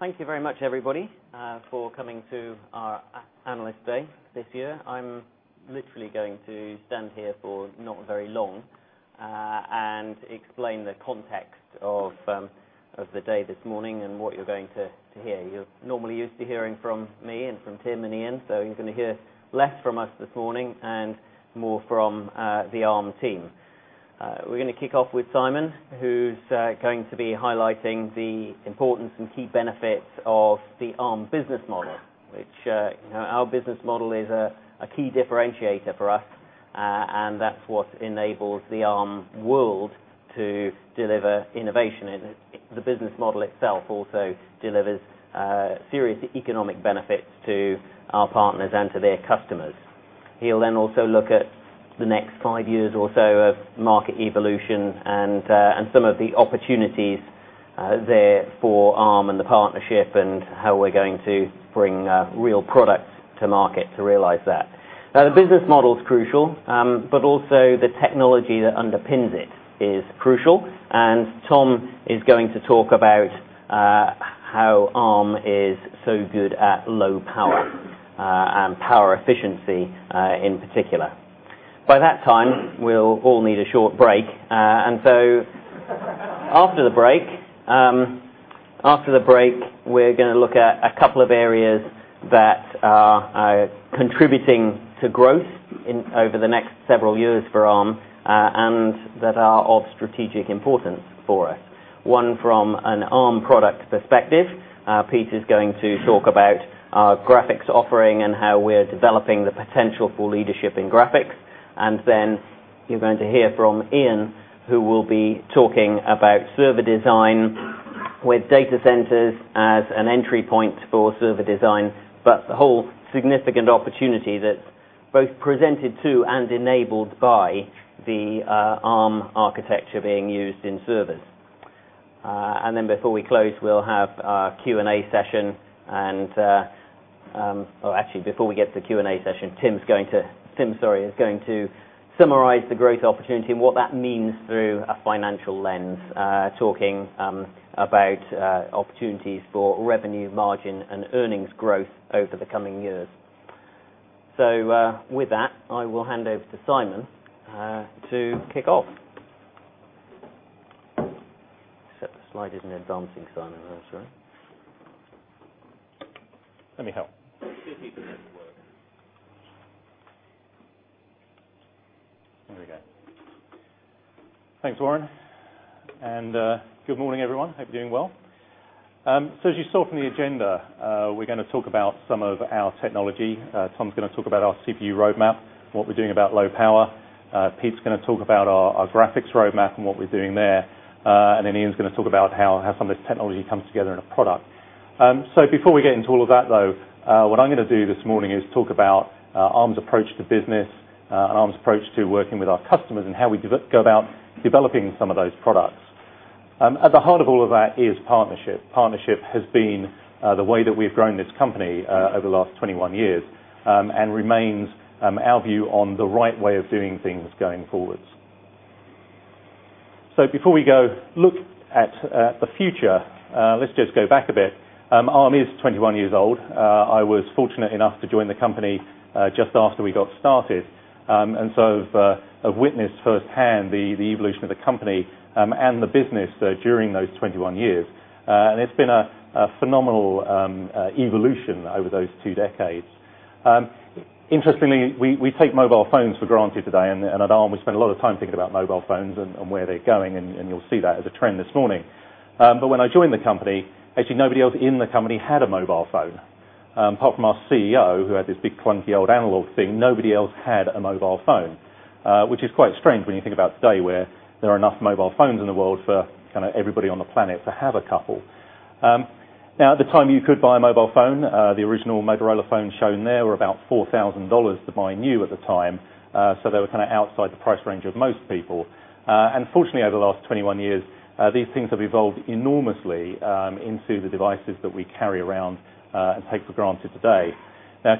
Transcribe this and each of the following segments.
Thank you very much everybody for coming to our Analyst Day this year. I'm literally going to stand here for not very long, explain the context of the day this morning and what you're going to hear. You're normally used to hearing from me and from Tim and Ian, you're going to hear less from us this morning and more from the Arm team. We're going to kick off with Simon, who's going to be highlighting the importance and key benefits of the Arm business model, which our business model is a key differentiator for us, and that's what enables the Arm world to deliver innovation. The business model itself also delivers serious economic benefits to our partners and to their customers. He'll also look at the next five years or so of market evolution and some of the opportunities there for Arm and the partnership, and how we're going to bring real products to market to realize that. The business model is crucial, also the technology that underpins it is crucial, Tom is going to talk about how Arm is so good at low power, and power efficiency in particular. By that time, we'll all need a short break. After the break, we're going to look at a couple of areas that are contributing to growth over the next several years for Arm, and that are of strategic importance for us. One from an Arm product perspective. Pete is going to talk about our graphics offering and how we're developing the potential for leadership in graphics. You're going to hear from Ian, who will be talking about server design with data centers as an entry point for server design. The whole significant opportunity that's both presented to and enabled by the Arm architecture being used in servers. Before we close, we'll have our Q&A session. Actually, before we get to the Q&A session, Tim is going to summarize the growth opportunity and what that means through a financial lens. Talking about opportunities for revenue margin and earnings growth over the coming years. With that, I will hand over to Simon to kick off. Except the slide isn't advancing, Simon. I'm sorry. Let me help. See if you can make it work. There we go. Thanks, Warren. Good morning everyone. Hope you're doing well. As you saw from the agenda, we're going to talk about some of our technology. Tom's going to talk about our CPU roadmap, what we're doing about low power. Pete's going to talk about our graphics roadmap and what we're doing there. Ian's going to talk about how some of this technology comes together in a product. Before we get into all of that though, what I'm going to do this morning is talk about Arm's approach to business, and Arm's approach to working with our customers, and how we go about developing some of those products. At the heart of all of that is partnership. Partnership has been the way that we've grown this company over the last 21 years, and remains our view on the right way of doing things going forwards. Before we go look at the future, let's just go back a bit. Arm is 21 years old. I was fortunate enough to join the company just after we got started. I've witnessed firsthand the evolution of the company and the business during those 21 years. It's been a phenomenal evolution over those two decades. Interestingly, we take mobile phones for granted today, and at Arm, we spend a lot of time thinking about mobile phones and where they're going, and you'll see that as a trend this morning. When I joined the company, actually nobody else in the company had a mobile phone. Apart from our CEO, who had this big clunky old analog thing, nobody else had a mobile phone. Which is quite strange when you think about today, where there are enough mobile phones in the world for everybody on the planet to have a couple. At the time you could buy a mobile phone. The original Motorola phone shown there were about $4,000 to buy new at the time. They were outside the price range of most people. Fortunately, over the last 21 years, these things have evolved enormously into the devices that we carry around and take for granted today.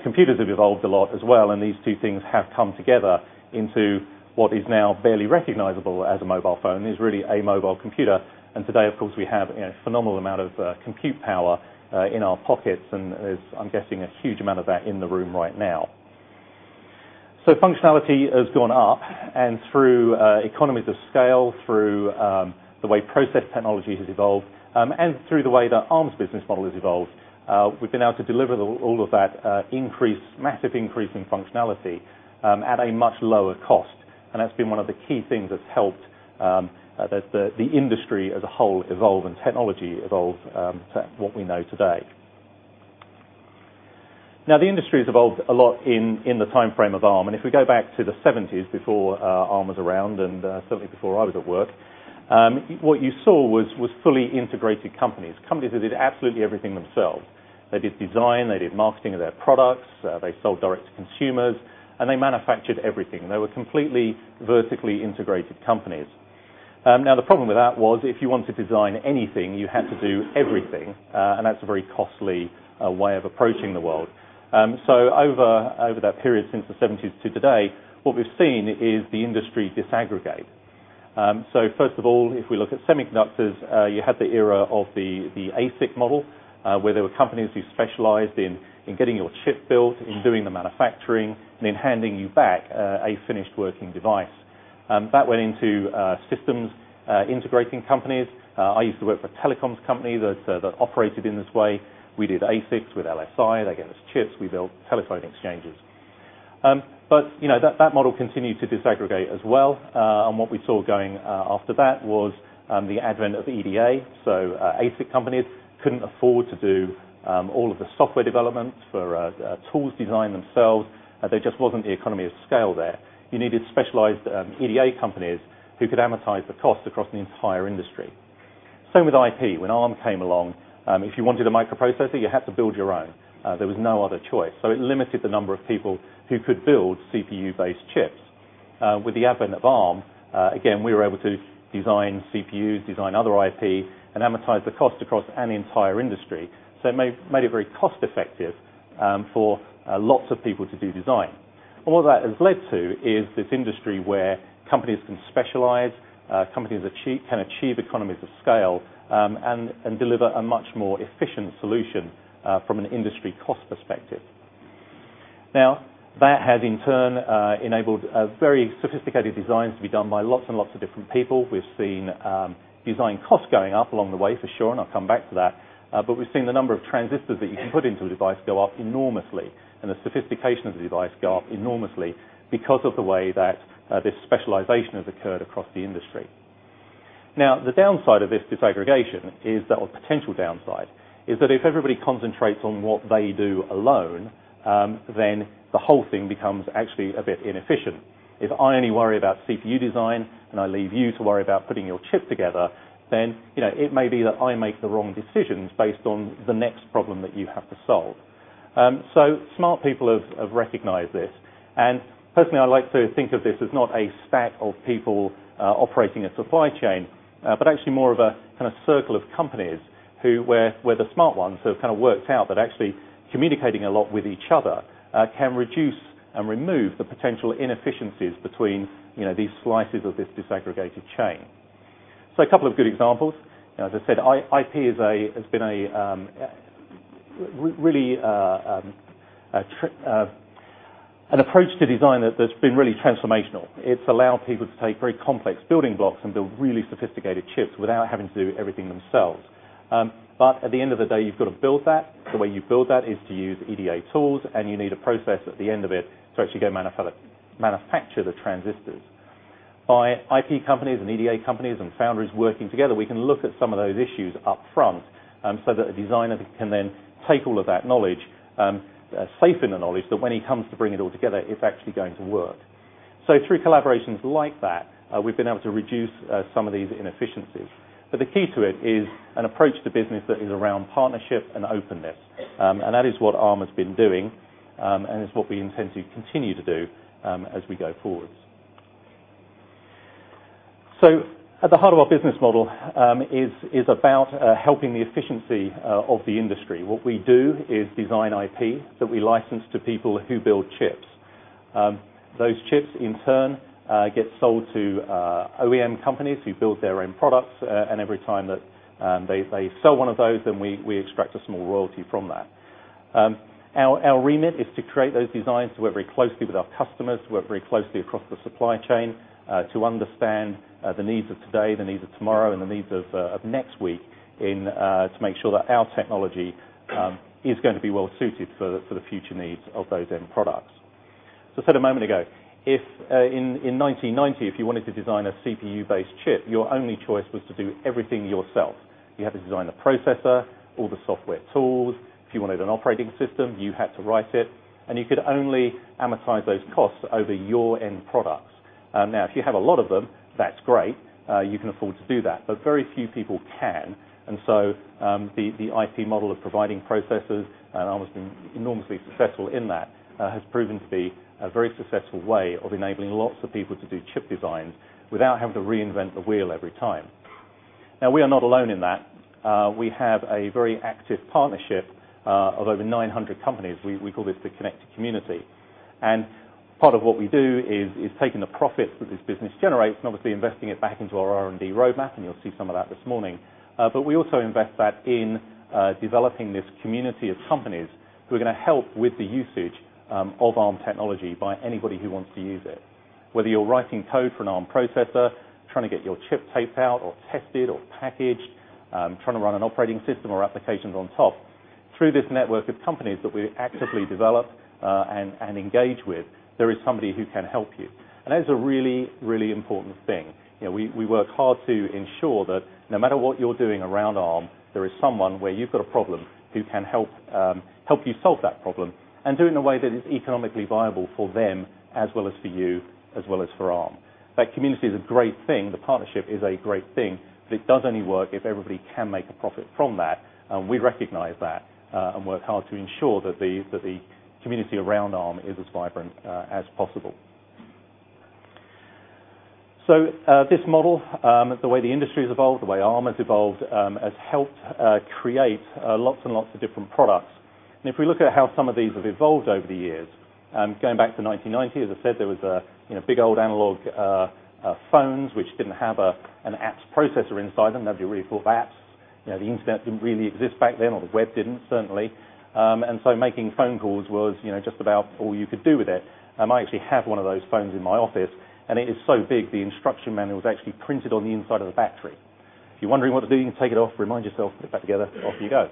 Computers have evolved a lot as well, and these two things have come together into what is now barely recognizable as a mobile phone, is really a mobile computer. Today, of course, we have a phenomenal amount of compute power in our pockets, and there's, I'm guessing, a huge amount of that in the room right now. Functionality has gone up, and through economies of scale, through the way process technology has evolved, and through the way that Arm's business model has evolved, we've been able to deliver all of that massive increase in functionality at a much lower cost. That's been one of the key things that's helped the industry as a whole evolve, and technology evolve to what we know today. The industry has evolved a lot in the timeframe of Arm, and if we go back to the '70s, before Arm was around and certainly before I was at work, what you saw was fully integrated companies. Companies that did absolutely everything themselves. They did design, they did marketing of their products, they sold direct to consumers, and they manufactured everything. They were completely vertically integrated companies. The problem with that was if you want to design anything, you had to do everything. That's a very costly way of approaching the world. Over that period, since the '70s to today, what we've seen is the industry disaggregate. First of all, if we look at semiconductors, you had the era of the ASIC model, where there were companies who specialized in getting your chip built, in doing the manufacturing, and in handing you back a finished working device. That went into systems integrating companies. I used to work for telecoms company that operated in this way. We did ASICs with LSI. They gave us chips, we built telephone exchanges. That model continued to disaggregate as well. What we saw going after that was the advent of EDA. ASIC companies couldn't afford to do all of the software development for tools design themselves. There just wasn't the economy of scale there. You needed specialized EDA companies who could amortize the cost across the entire industry. Same with IP. When Arm came along, if you wanted a microprocessor, you had to build your own. There was no other choice. It limited the number of people who could build CPU-based chips. With the advent of Arm, again, we were able to design CPUs, design other IP, and amortize the cost across an entire industry. It made it very cost-effective for lots of people to do design. What that has led to is this industry where companies can specialize, companies can achieve economies of scale, and deliver a much more efficient solution from an industry cost perspective. That has in turn enabled very sophisticated designs to be done by lots and lots of different people. We've seen design costs going up along the way for sure, and I'll come back to that. We've seen the number of transistors that you can put into a device go up enormously, and the sophistication of the device go up enormously because of the way that this specialization has occurred across the industry. The downside of this disaggregation is, or potential downside, is that if everybody concentrates on what they do alone, then the whole thing becomes actually a bit inefficient. If I only worry about CPU design, and I leave you to worry about putting your chip together, then it may be that I make the wrong decisions based on the next problem that you have to solve. Smart people have recognized this, personally, I like to think of this as not a stack of people operating a supply chain, actually more of a kind of circle of companies where the smart ones have kind of worked out that actually communicating a lot with each other can reduce and remove the potential inefficiencies between these slices of this disaggregated chain. A couple of good examples. As I said, IP has been really an approach to design that's been really transformational. It's allowed people to take very complex building blocks and build really sophisticated chips without having to do everything themselves. At the end of the day, you've got to build that. The way you build that is to use EDA tools, and you need a process at the end of it to actually go manufacture the transistors. By IP companies and EDA companies and foundries working together, we can look at some of those issues up front so that a designer can then take all of that knowledge, safe in the knowledge that when he comes to bring it all together, it's actually going to work. Through collaborations like that, we've been able to reduce some of these inefficiencies. The key to it is an approach to business that is around partnership and openness. That is what Arm has been doing, and it's what we intend to continue to do as we go forward. At the heart of our business model is about helping the efficiency of the industry. What we do is design IP that we license to people who build chips. Those chips in turn get sold to OEM companies who build their own products, and every time that they sell one of those, then we extract a small royalty from that. Our remit is to create those designs to work very closely with our customers, to work very closely across the supply chain, to understand the needs of today, the needs of tomorrow, and the needs of next week to make sure that our technology is going to be well suited for the future needs of those end products. As I said a moment ago, in 1990, if you wanted to design a CPU-based chip, your only choice was to do everything yourself. You had to design the processor, all the software tools. If you wanted an operating system, you had to write it, and you could only amortize those costs over your end products. If you have a lot of them, that's great. You can afford to do that, very few people can. The IP model of providing processors, and Arm has been enormously successful in that, has proven to be a very successful way of enabling lots of people to do chip designs without having to reinvent the wheel every time. We are not alone in that. We have a very active partnership of over 900 companies. We call this the Arm Connected Community. Part of what we do is taking the profit that this business generates and obviously investing it back into our R&D roadmap, and you'll see some of that this morning. We also invest that in developing this community of companies who are going to help with the usage of Arm technology by anybody who wants to use it. Whether you're writing code for an Arm processor, trying to get your chip taped out or tested or packaged, trying to run an operating system or applications on top, through this network of companies that we actively develop and engage with, there is somebody who can help you. That is a really, really important thing. We work hard to ensure that no matter what you're doing around Arm, there is someone where you've got a problem who can help you solve that problem and do it in a way that is economically viable for them as well as for you, as well as for Arm. That community is a great thing. The partnership is a great thing, but it does only work if everybody can make a profit from that. We recognize that and work hard to ensure that the community around Arm is as vibrant as possible. This model, the way the industry has evolved, the way Arm has evolved, has helped create lots and lots of different products. If we look at how some of these have evolved over the years, going back to 1990, as I said, there was big old analog phones which didn't have an apps processor inside them. Nobody really thought of apps. The internet didn't really exist back then, or the web didn't, certainly. Making phone calls was just about all you could do with it. I actually have one of those phones in my office, it is so big, the instruction manual is actually printed on the inside of the battery. If you're wondering what to do, you can take it off, remind yourself, put it back together, off you go.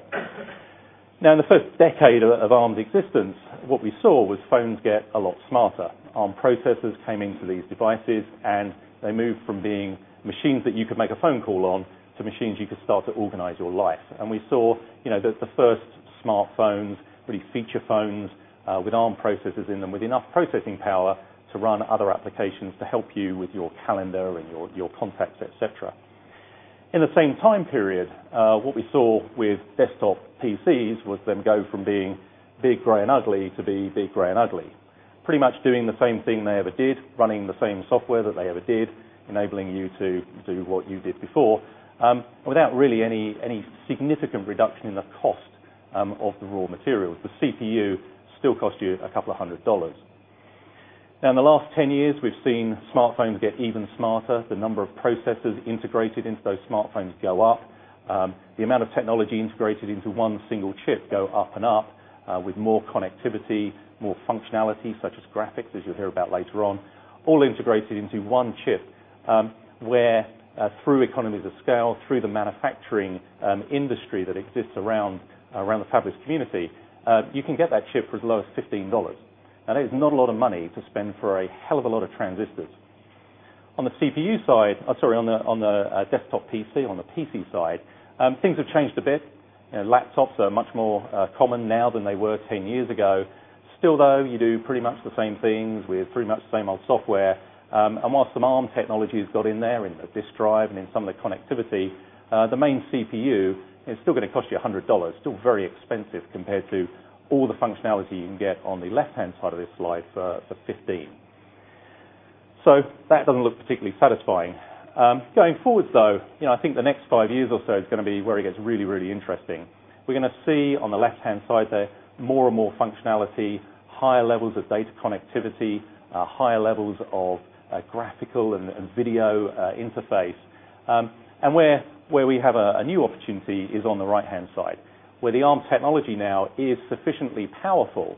In the first decade of Arm's existence, what we saw was phones get a lot smarter. Arm processors came into these devices, they moved from being machines that you could make a phone call on, to machines you could start to organize your life. We saw the first smartphones, really feature phones with Arm processors in them, with enough processing power to run other applications to help you with your calendar and your contacts, et cetera. In the same time period, what we saw with desktop PCs was them go from being big, gray, and ugly to be big, gray, and ugly. Pretty much doing the same thing they ever did, running the same software that they ever did, enabling you to do what you did before, without really any significant reduction in the cost of the raw materials. The CPU still cost you a couple of hundred GBP. In the last 10 years, we've seen smartphones get even smarter. The number of processors integrated into those smartphones go up. The amount of technology integrated into one single chip go up and up, with more connectivity, more functionality, such as graphics, as you'll hear about later on, all integrated into one chip. Where, through economies of scale, through the manufacturing industry that exists around the fabless community, you can get that chip for as low as GBP 15. That is not a lot of money to spend for a hell of a lot of transistors. On the CPU side, on the desktop PC, on the PC side, things have changed a bit. Laptops are much more common now than they were 10 years ago. Still, though, you do pretty much the same things with pretty much the same old software. Whilst some Arm technology has got in there, in the disk drive and in some of the connectivity, the main CPU is still going to cost you GBP 100. Still very expensive compared to all the functionality you can get on the left-hand side of this slide for 15. That doesn't look particularly satisfying. Going forwards, though, I think the next five years or so is going to be where it gets really, really interesting. We're going to see, on the left-hand side there, more and more functionality, higher levels of data connectivity, higher levels of graphical and video interface. Where we have a new opportunity is on the right-hand side, where the Arm technology now is sufficiently powerful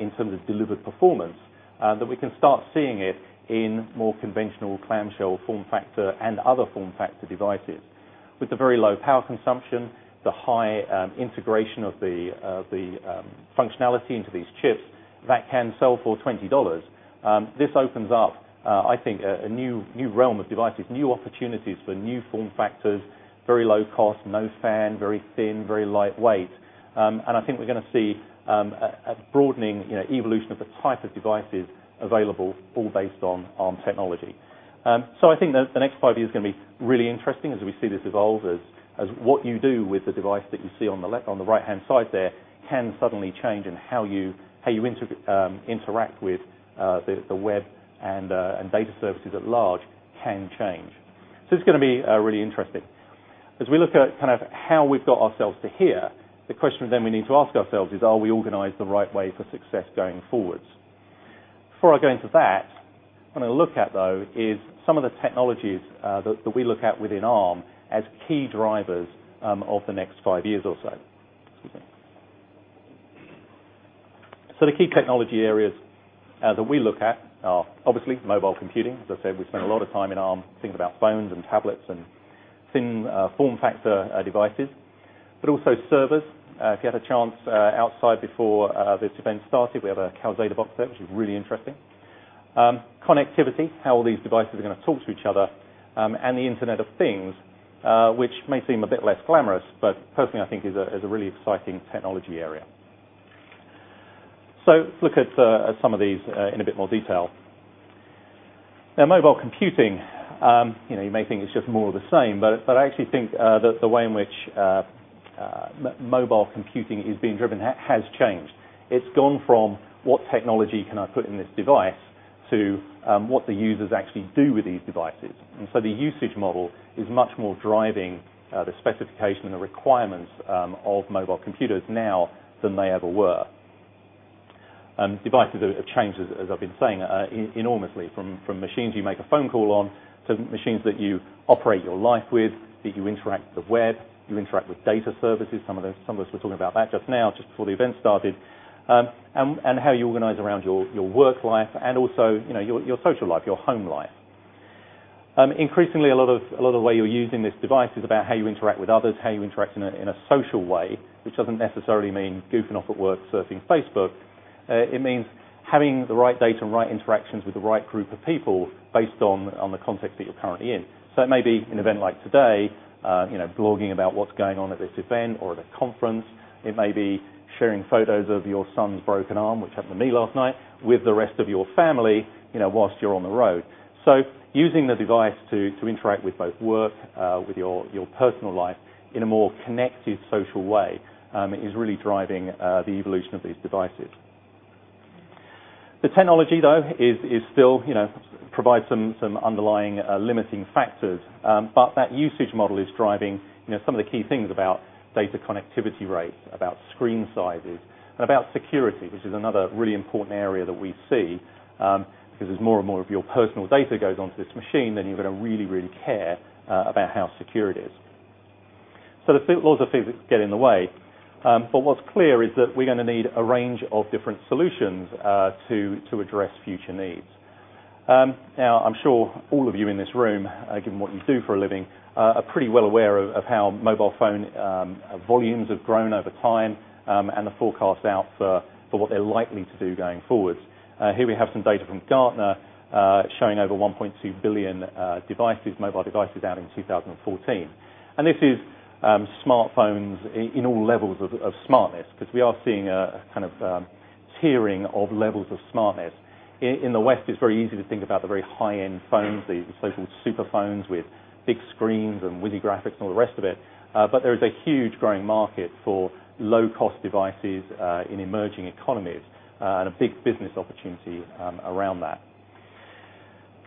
in terms of delivered performance, that we can start seeing it in more conventional clamshell form factor and other form factor devices. With the very low power consumption, the high integration of the functionality into these chips, that can sell for GBP 20. This opens up, I think, a new realm of devices, new opportunities for new form factors, very low cost, no fan, very thin, very lightweight. I think we're going to see a broadening evolution of the type of devices available, all based on Arm technology. I think the next five years is going to be really interesting as we see this evolve, as what you do with the device that you see on the right-hand side there can suddenly change and how you interact with the web and data services at large can change. It's going to be really interesting. As we look at how we've got ourselves to here, the question then we need to ask ourselves is: Are we organized the right way for success going forwards? Before I go into that, what I'm going to look at, though, is some of the technologies that we look at within Arm as key drivers of the next five years or so. Excuse me. The key technology areas that we look at are, obviously, mobile computing. As I said, we spend a lot of time in Arm thinking about phones and tablets and thin form factor devices. Also servers. If you had a chance outside before this event started, we have a Calxeda box there, which is really interesting. Connectivity, how all these devices are going to talk to each other. The Internet of Things, which may seem a bit less glamorous, but personally, I think is a really exciting technology area. Let's look at some of these in a bit more detail. Now, mobile computing. You may think it's just more of the same, but I actually think that the way in which mobile computing is being driven has changed. It's gone from "What technology can I put in this device?" to what the users actually do with these devices. The usage model is much more driving the specification and the requirements of mobile computers now than they ever were. Devices have changed, as I've been saying, enormously from machines you make a phone call on, to machines that you operate your life with, that you interact with the web, you interact with data services. Some of us were talking about that just now, just before the event started. How you organize around your work life and also your social life, your home life. Increasingly, a lot of the way you're using this device is about how you interact with others, how you interact in a social way, which doesn't necessarily mean goofing off at work surfing Facebook. It means having the right data and right interactions with the right group of people based on the context that you're currently in. It may be an event like today, blogging about what's going on at this event or the conference. It may be sharing photos of your son's broken arm, which happened to me last night, with the rest of your family while you're on the road. Using the device to interact with both work, with your personal life in a more connected, social way is really driving the evolution of these devices. The technology, though, still provides some underlying limiting factors. That usage model is driving some of the key things about data connectivity rates, about screen sizes, and about security, which is another really important area that we see. As more and more of your personal data goes onto this machine, then you're going to really, really care about how secure it is. Those are things that get in the way. What's clear is that we're going to need a range of different solutions to address future needs. Now, I'm sure all of you in this room, given what you do for a living, are pretty well aware of how mobile phone volumes have grown over time, and the forecast out for what they're likely to do going forward. Here we have some data from Gartner showing over 1.2 billion mobile devices out in 2014. This is smartphones in all levels of smartness, because we are seeing a kind of tiering of levels of smartness. In the West, it's very easy to think about the very high-end phones, the so-called super phones with big screens and wizard graphics, and all the rest of it. There is a huge growing market for low-cost devices in emerging economies, and a big business opportunity around that.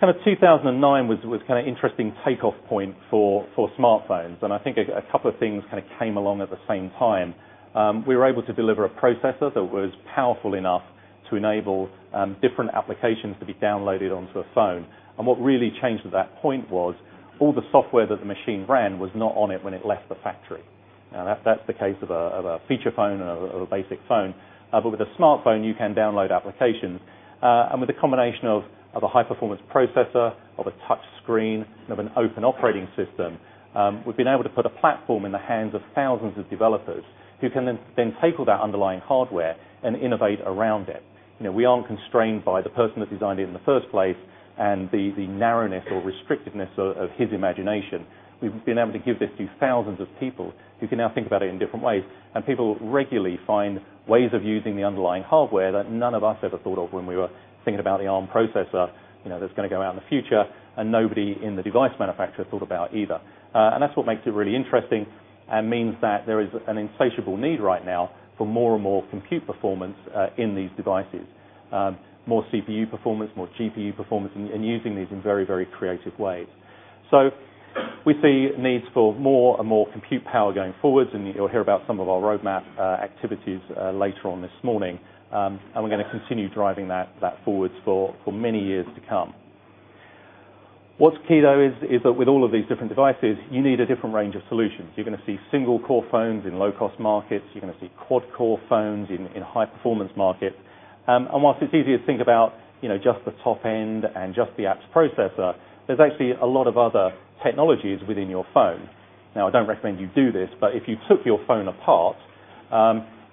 Kind of 2009 was an interesting takeoff point for smartphones, and I think a couple of things kind of came along at the same time. We were able to deliver a processor that was powerful enough to enable different applications to be downloaded onto a phone. What really changed at that point was all the software that the machine ran was not on it when it left the factory. Now, that's the case of a feature phone and of a basic phone. With a smartphone, you can download applications. With a combination of a high-performance processor, of a touch screen, and of an open operating system, we've been able to put a platform in the hands of thousands of developers who can then take all that underlying hardware and innovate around it. We aren't constrained by the person that designed it in the first place and the narrowness or restrictiveness of his imagination. We've been able to give this to thousands of people who can now think about it in different ways, and people regularly find ways of using the underlying hardware that none of us ever thought of when we were thinking about the Arm processor that's going to go out in the future and nobody in the device manufacturer thought about either. That's what makes it really interesting and means that there is an insatiable need right now for more and more compute performance in these devices. More CPU performance, more GPU performance, and using these in very creative ways. We see needs for more and more compute power going forward, and you'll hear about some of our roadmap activities later on this morning. We're going to continue driving that forwards for many years to come. What's key, though, is that with all of these different devices, you need a different range of solutions. You're going to see single-core phones in low-cost markets. You're going to see quad-core phones in high-performance markets. Whilst it's easy to think about just the top end and just the apps processor, there's actually a lot of other technologies within your phone. I don't recommend you do this, but if you took your phone apart,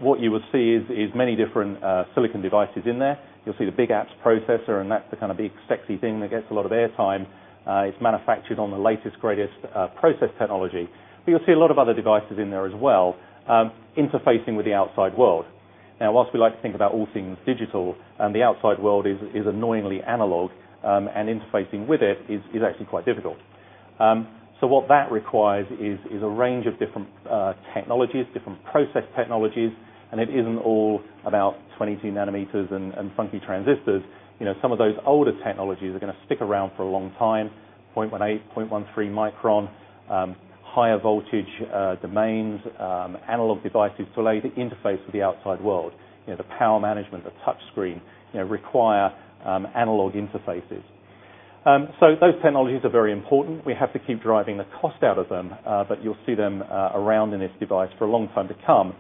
what you would see is many different silicon devices in there. You'll see the big apps processor, and that's the kind of big, sexy thing that gets a lot of air time. It's manufactured on the latest, greatest process technology. You'll see a lot of other devices in there as well, interfacing with the outside world. Whilst we like to think about all things digital, the outside world is annoyingly analog, and interfacing with it is actually quite difficult. What that requires is a range of different technologies, different process technologies, and it isn't all about 22 nanometers and funky transistors. Some of those older technologies are going to stick around for a long time. 0.18, 0.13 micron, higher voltage domains, analog devices to interface with the outside world. The power management, the touch screen require analog interfaces. Those technologies are very important. We have to keep driving the cost out of them, but you'll see them around in this device for a long time to come.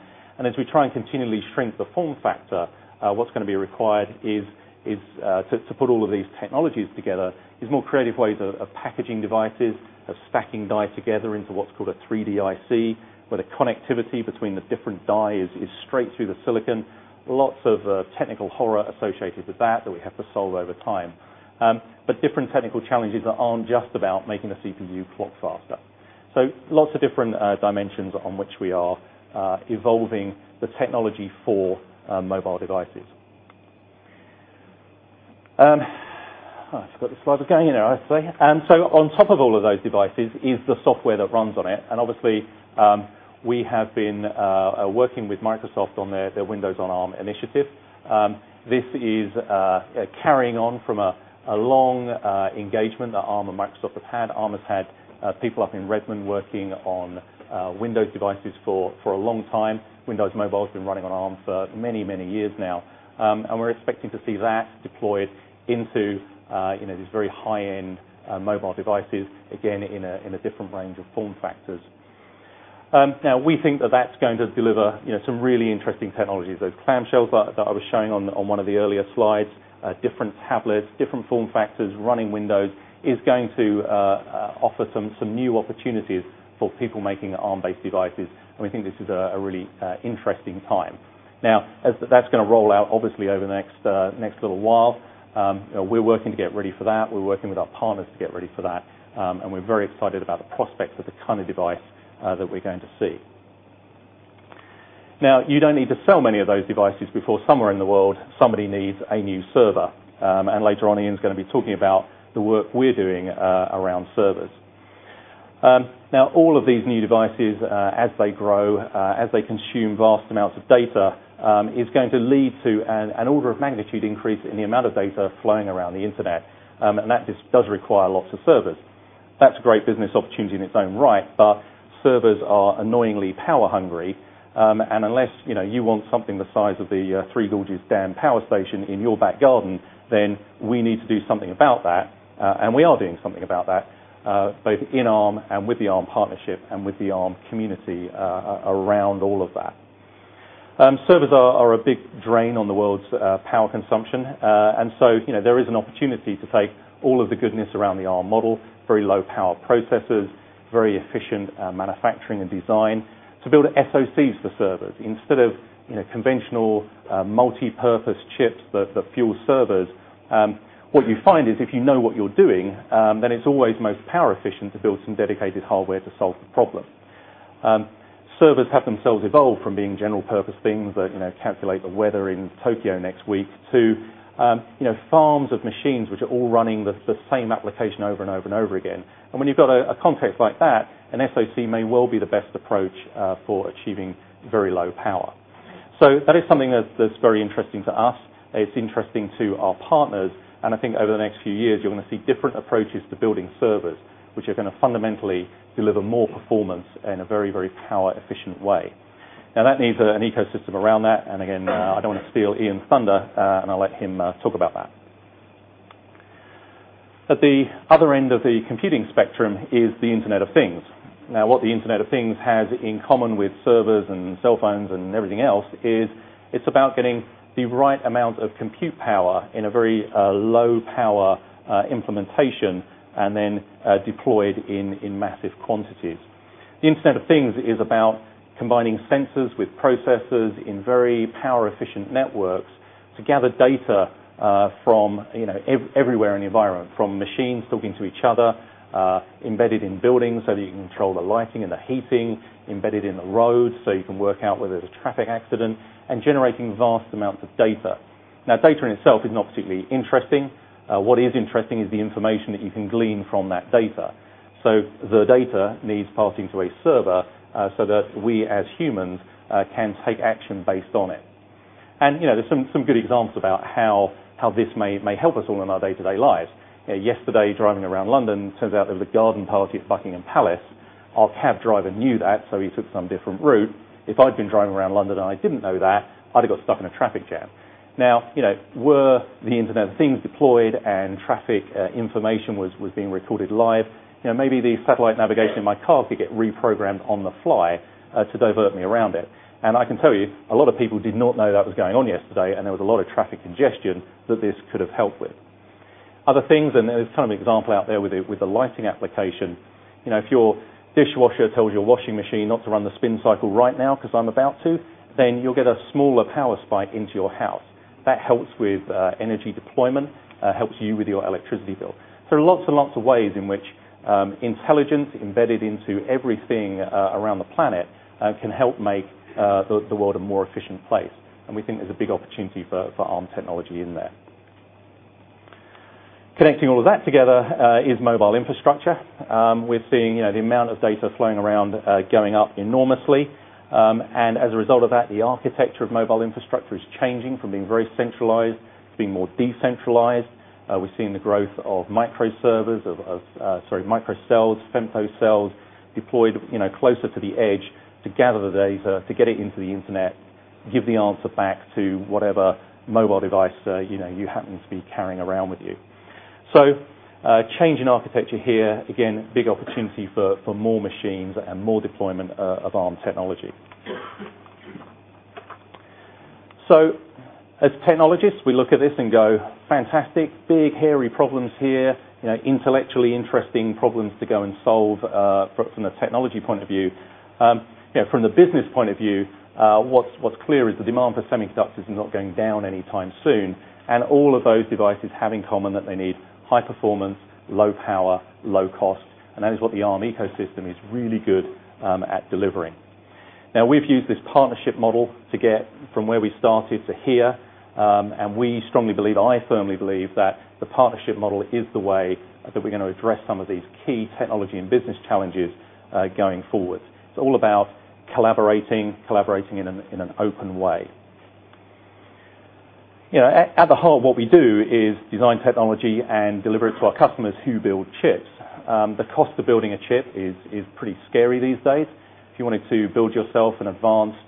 As we try and continually shrink the form factor, what's going to be required to put all of these technologies together is more creative ways of packaging devices, of stacking die together into what's called a 3DIC, where the connectivity between the different die is straight through the silicon. Lots of technical horror associated with that that we have to solve over time. Different technical challenges that aren't just about making the CPU clock faster. Lots of different dimensions on which we are evolving the technology for mobile devices. I forgot the slide was going there, I say. On top of all of those devices is the software that runs on it. Obviously, we have been working with Microsoft on their Windows on Arm initiative. This is carrying on from a long engagement that Arm and Microsoft have had. Arm has had people up in Redmond working on Windows devices for a long time. Windows Mobile's been running on Arm for many years now. We're expecting to see that deployed into these very high-end mobile devices, again, in a different range of form factors. We think that's going to deliver some really interesting technologies. Those clamshells that I was showing on one of the earlier slides, different tablets, different form factors running Windows, is going to offer some new opportunities for people making Arm-based devices. We think this is a really interesting time. That's going to roll out obviously over the next little while. We're working to get ready for that. We're working with our partners to get ready for that. We're very excited about the prospects of the kind of device that we're going to see. You don't need to sell many of those devices before somewhere in the world somebody needs a new server. Later on, Ian's going to be talking about the work we're doing around servers. All of these new devices, as they grow, as they consume vast amounts of data, is going to lead to an order of magnitude increase in the amount of data flowing around the internet. That just does require lots of servers. That's a great business opportunity in its own right, servers are annoyingly power hungry. Unless you want something the size of the Three Gorges Dam power station in your back garden, we need to do something about that. We are doing something about that, both in Arm and with the Arm partnership and with the Arm community around all of that. Servers are a big drain on the world's power consumption. There is an opportunity to take all of the goodness around the Arm model, very low power processors, very efficient manufacturing and design, to build SoCs for servers. Instead of conventional multipurpose chips that fuel servers, what you find is if you know what you're doing, then it's always most power efficient to build some dedicated hardware to solve the problem. Servers have themselves evolved from being general purpose things that calculate the weather in Tokyo next week to farms of machines which are all running the same application over and over and over again. When you've got a context like that, an SoC may well be the best approach for achieving very low power. That is something that's very interesting to us. It's interesting to our partners. I think over the next few years, you're going to see different approaches to building servers, which are going to fundamentally deliver more performance in a very, very power efficient way. That needs an ecosystem around that. Again, I don't want to steal Ian's thunder, I'll let him talk about that. At the other end of the computing spectrum is the Internet of Things. What the Internet of Things has in common with servers and cell phones and everything else is it's about getting the right amount of compute power in a very low power implementation and then deployed in massive quantities. The Internet of Things is about combining sensors with processors in very power efficient networks to gather data from everywhere in the environment, from machines talking to each other, embedded in buildings so that you can control the lighting and the heating, embedded in the road so you can work out whether there's a traffic accident, and generating vast amounts of data. Data in itself is not particularly interesting. What is interesting is the information that you can glean from that data. The data needs passing to a server so that we, as humans, can take action based on it. There's some good examples about how this may help us all in our day-to-day lives. Yesterday, driving around London, turns out there was a garden party at Buckingham Palace. Our cab driver knew that, so he took some different route. If I'd been driving around London and I didn't know that, I'd have got stuck in a traffic jam. Were the Internet of Things deployed and traffic information was being recorded live, maybe the satellite navigation in my car could get reprogrammed on the fly to divert me around it. I can tell you, a lot of people did not know that was going on yesterday, and there was a lot of traffic congestion that this could have helped with. Other things, there's some example out there with a lighting application. If your dishwasher tells your washing machine not to run the spin cycle right now because I'm about to, then you'll get a smaller power spike into your house. That helps with energy deployment, helps you with your electricity bill. There are lots and lots of ways in which intelligence embedded into everything around the planet can help make the world a more efficient place. We think there's a big opportunity for Arm technology in there. Connecting all of that together is mobile infrastructure. We're seeing the amount of data flowing around going up enormously. As a result of that, the architecture of mobile infrastructure is changing from being very centralized to being more decentralized. We're seeing the growth of micro servers, micro cells, femtocells deployed closer to the edge to gather the data, to get it into the internet, give the answer back to whatever mobile device you happen to be carrying around with you. Change in architecture here. Again, big opportunity for more machines and more deployment of Arm technology. As technologists, we look at this and go, "Fantastic. Big, hairy problems here. Intellectually interesting problems to go and solve from the technology point of view. From the business point of view, what's clear is the demand for semiconductors is not going down anytime soon. All of those devices have in common that they need high performance, low power, low cost. That is what the Arm ecosystem is really good at delivering. We've used this partnership model to get from where we started to here. We strongly believe, I firmly believe, that the partnership model is the way that we're going to address some of these key technology and business challenges going forward. It's all about collaborating in an open way. At the whole, what we do is design technology and deliver it to our customers who build chips. The cost of building a chip is pretty scary these days. If you wanted to build yourself an advanced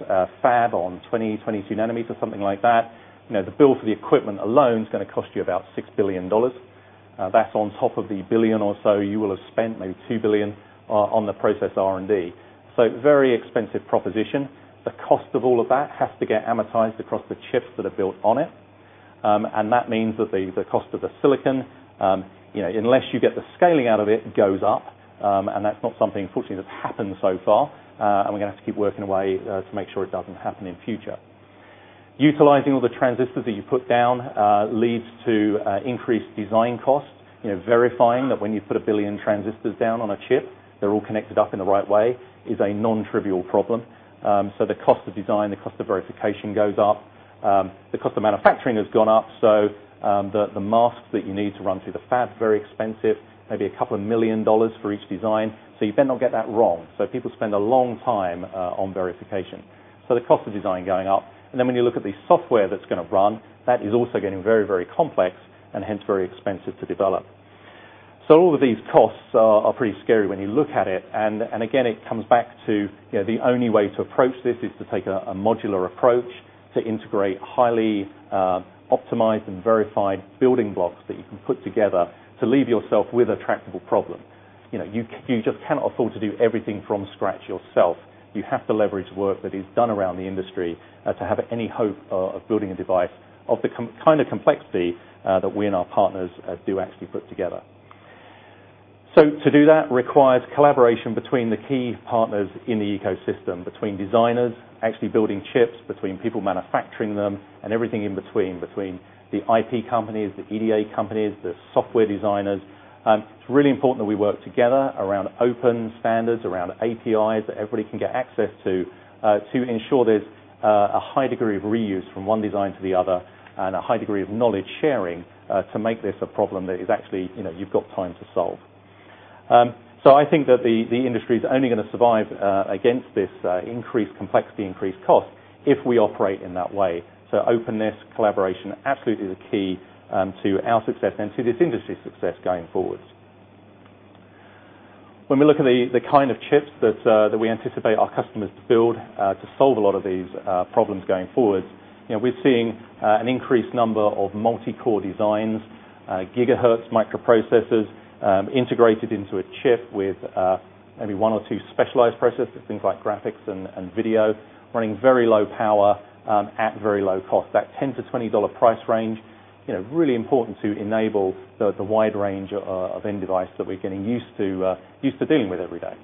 fab on 20, 22 nanometers, something like that, the bill for the equipment alone is going to cost you about GBP 6 billion. That's on top of the 1 billion or so you will have spent, maybe 2 billion, on the process R&D. Very expensive proposition. The cost of all of that has to get amortized across the chips that are built on it. That means that the cost of the silicon, unless you get the scaling out of it, goes up. That's not something, fortunately, that's happened so far. We're going to have to keep working away to make sure it doesn't happen in future. Utilizing all the transistors that you put down leads to increased design costs. Verifying that when you put 1 billion transistors down on a chip, they're all connected up in the right way is a non-trivial problem. The cost of design, the cost of verification goes up. The cost of manufacturing has gone up. The masks that you need to run through the fab, very expensive, maybe a couple of million GBP for each design. You better not get that wrong. People spend a long time on verification. The cost of design going up. Then when you look at the software that's going to run, that is also getting very complex and hence very expensive to develop. All of these costs are pretty scary when you look at it. Again, it comes back to the only way to approach this is to take a modular approach to integrate highly optimized and verified building blocks that you can put together to leave yourself with a tractable problem. You just cannot afford to do everything from scratch yourself. You have to leverage work that is done around the industry to have any hope of building a device of the kind of complexity that we and our partners do actually put together. To do that requires collaboration between the key partners in the ecosystem, between designers actually building chips, between people manufacturing them, and everything in between. Between the IP companies, the EDA companies, the software designers. It's really important that we work together around open standards, around APIs that everybody can get access to ensure there's a high degree of reuse from one design to the other and a high degree of knowledge sharing to make this a problem that is actually you've got time to solve. I think that the industry's only going to survive against this increased complexity, increased cost, if we operate in that way. Openness, collaboration, absolutely the key to our success and to this industry's success going forward. When we look at the kind of chips that we anticipate our customers to build to solve a lot of these problems going forward, we're seeing an increased number of multi-core designs, gigahertz microprocessors integrated into a chip with maybe one or two specialized processors, things like graphics and video, running very low power at very low cost. That GBP 10-GBP 20 price range, really important to enable the wide range of end device that we're getting used to dealing with every day.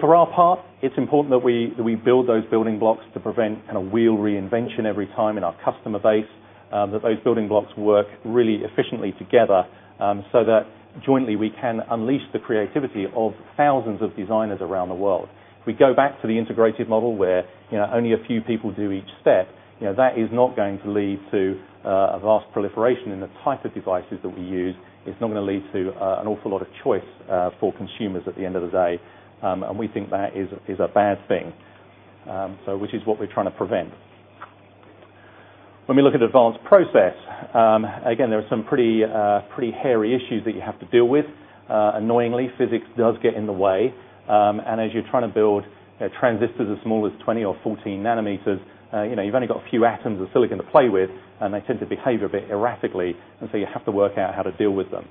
For our part, it's important that we build those building blocks to prevent wheel reinvention every time in our customer base, that those building blocks work really efficiently together so that jointly we can unleash the creativity of thousands of designers around the world. If we go back to the integrated model where only a few people do each step, that is not going to lead to a vast proliferation in the type of devices that we use. It's not going to lead to an awful lot of choice for consumers at the end of the day, and we think that is a bad thing. Which is what we're trying to prevent. When we look at advanced process, again, there are some pretty hairy issues that you have to deal with. Annoyingly, physics does get in the way. As you're trying to build transistors as small as 20 or 14 nanometers, you've only got a few atoms of silicon to play with, and they tend to behave a bit erratically, and so you have to work out how to deal with them.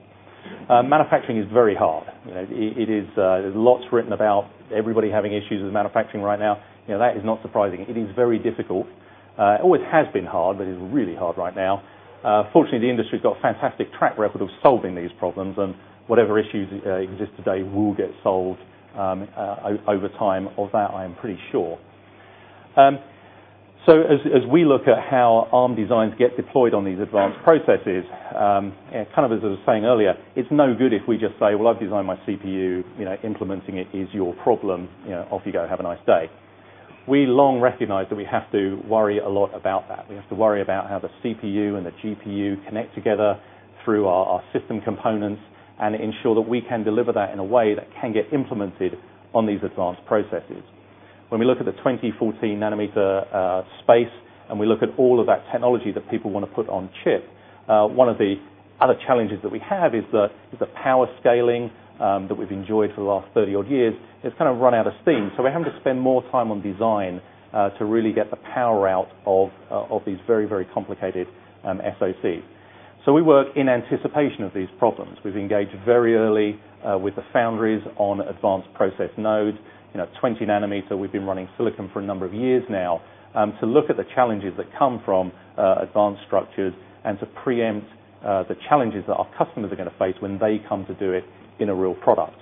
Manufacturing is very hard. There's lots written about everybody having issues with manufacturing right now. That is not surprising. It is very difficult. It always has been hard, but it is really hard right now. Fortunately, the industry's got a fantastic track record of solving these problems, and whatever issues exist today will get solved over time. Of that, I am pretty sure. As we look at how Arm designs get deployed on these advanced processes, as I was saying earlier, it's no good if we just say, "Well, I've designed my CPU. Implementing it is your problem. Off you go. Have a nice day." We long recognized that we have to worry a lot about that. We have to worry about how the CPU and the GPU connect together through our system components and ensure that we can deliver that in a way that can get implemented on these advanced processes. When we look at the 20/14 nanometer space, and we look at all of that technology that people want to put on chip, one of the other challenges that we have is the power scaling that we've enjoyed for the last 30 odd years has kind of run out of steam. We're having to spend more time on design to really get the power out of these very complicated SoCs. We work in anticipation of these problems. We've engaged very early with the foundries on advanced process node. 20 nanometer, we've been running silicon for a number of years now to look at the challenges that come from advanced structures and to preempt the challenges that our customers are going to face when they come to do it in a real product.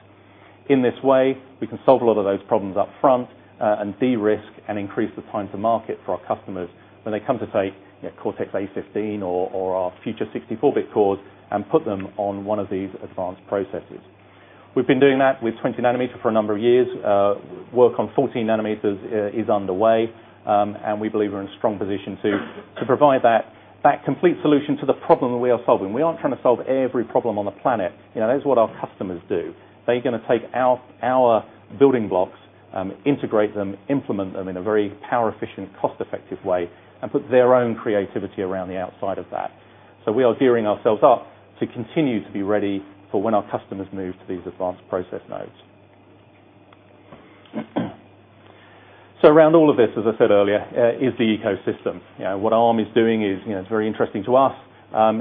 In this way, we can solve a lot of those problems up front and de-risk and increase the time to market for our customers when they come to, say, Cortex-A15 or our future 64-bit cores and put them on one of these advanced processes. We've been doing that with 20 nanometer for a number of years. Work on 14 nanometers is underway. We believe we're in a strong position to provide that complete solution to the problem that we are solving. We aren't trying to solve every problem on the planet. That is what our customers do. They're going to take our building blocks, integrate them, implement them in a very power efficient, cost-effective way, and put their own creativity around the outside of that. We are gearing ourselves up to continue to be ready for when our customers move to these advanced process nodes. Around all of this, as I said earlier, is the ecosystem. What Arm is doing is very interesting to us.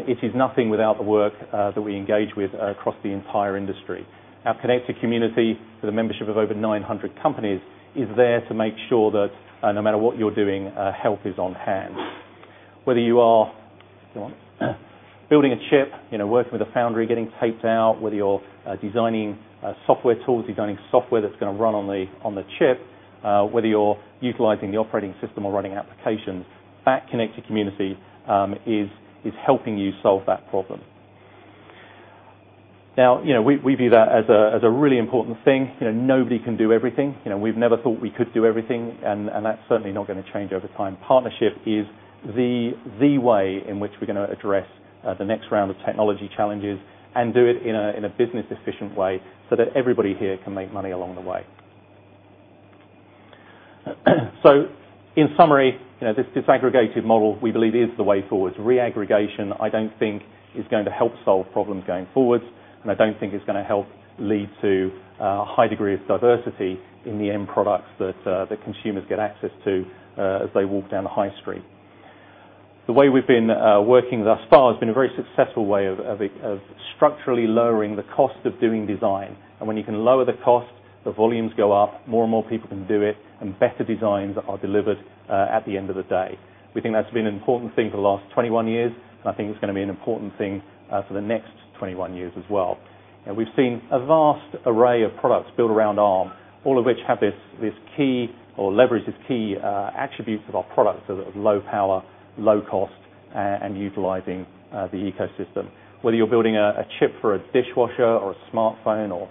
It is nothing without the work that we engage with across the entire industry. Our Arm Connected Community, with a membership of over 900 companies, is there to make sure that no matter what you're doing, help is on hand. Whether you are building a chip, working with a foundry, getting taped out, whether you're designing software tools, you're designing software that's going to run on the chip, whether you're utilizing the operating system or running applications, that Arm Connected Community is helping you solve that problem. We view that as a really important thing. Nobody can do everything. We've never thought we could do everything, and that's certainly not going to change over time. Partnership is the way in which we're going to address the next round of technology challenges and do it in a business-efficient way so that everybody here can make money along the way. In summary, this disaggregated model, we believe, is the way forward. Reaggregation, I don't think is going to help solve problems going forward, and I don't think is going to help lead to a high degree of diversity in the end products that consumers get access to as they walk down the high street. The way we've been working thus far has been a very successful way of structurally lowering the cost of doing design. When you can lower the cost, the volumes go up, more and more people can do it, and better designs are delivered at the end of the day. We think that's been an important thing for the last 21 years, and I think it's going to be an important thing for the next 21 years as well. We've seen a vast array of products built around Arm, all of which have this key or leverage this key attributes of our products, low power, low cost, and utilizing the ecosystem. Whether you're building a chip for a dishwasher or a smartphone or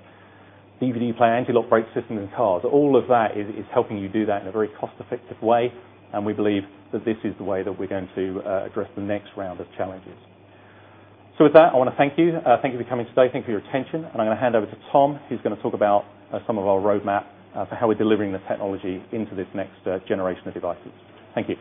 DVD player, anti-lock brake system in cars, all of that is helping you do that in a very cost-effective way, and we believe that this is the way that we're going to address the next round of challenges. With that, I want to thank you. Thank you for coming today. Thank you for your attention. I'm going to hand over to Tom, who's going to talk about some of our roadmap for how we're delivering the technology into this next generation of devices. Thank you.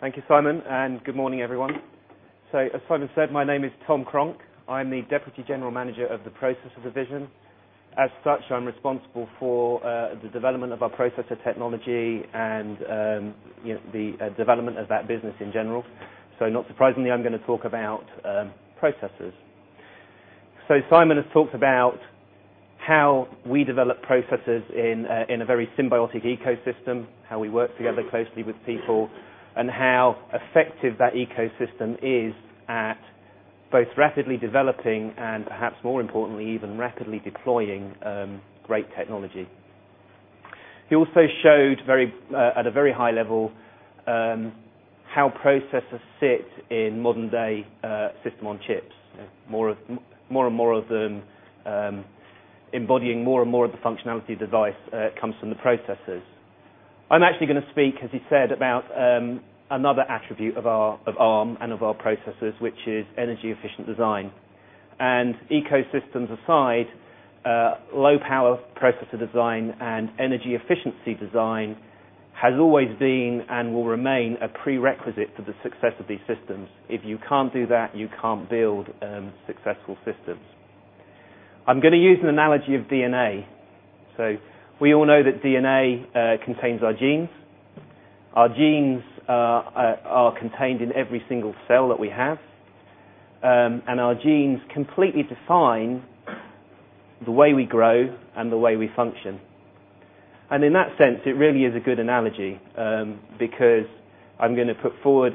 Thank you, Simon, and good morning, everyone. As Simon said, my name is Tom Cronk. I'm the Deputy General Manager of the Processor Division. As such, I'm responsible for the development of our processor technology and the development of that business in general. Not surprisingly, I'm going to talk about processors. Simon has talked about how we develop processors in a very symbiotic ecosystem, how we work together closely with people, and how effective that ecosystem is at both rapidly developing and perhaps more importantly, even rapidly deploying great technology. He also showed at a very high level how processors sit in modern-day system on chips. More and more of them embodying more and more of the functionality of the device comes from the processors. I'm actually going to speak, as he said, about another attribute of Arm and of our processors, which is energy-efficient design. Ecosystems aside, low-power processor design and energy efficiency design has always been and will remain a prerequisite for the success of these systems. If you can't do that, you can't build successful systems. I'm going to use an analogy of DNA. We all know that DNA contains our genes. Our genes are contained in every single cell that we have. Our genes completely define the way we grow and the way we function. In that sense, it really is a good analogy, because I'm going to put forward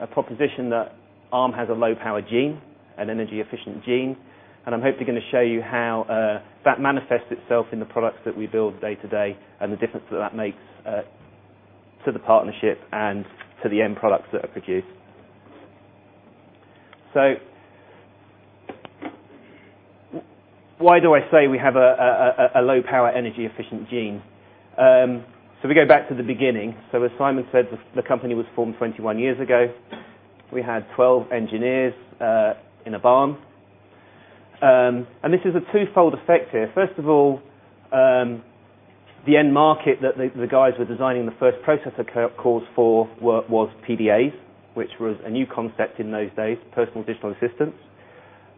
a proposition that Arm has a low-power gene, an energy-efficient gene, and I'm hopefully going to show you how that manifests itself in the products that we build day to day and the difference that makes to the partnership and to the end products that are produced. Why do I say we have a low-power, energy-efficient gene? We go back to the beginning. As Simon said, the company was formed 21 years ago. We had 12 engineers in a barn. This is a twofold effect here. First of all, the end market that the guys were designing the first processor cores for was PDAs, which was a new concept in those days, personal digital assistants.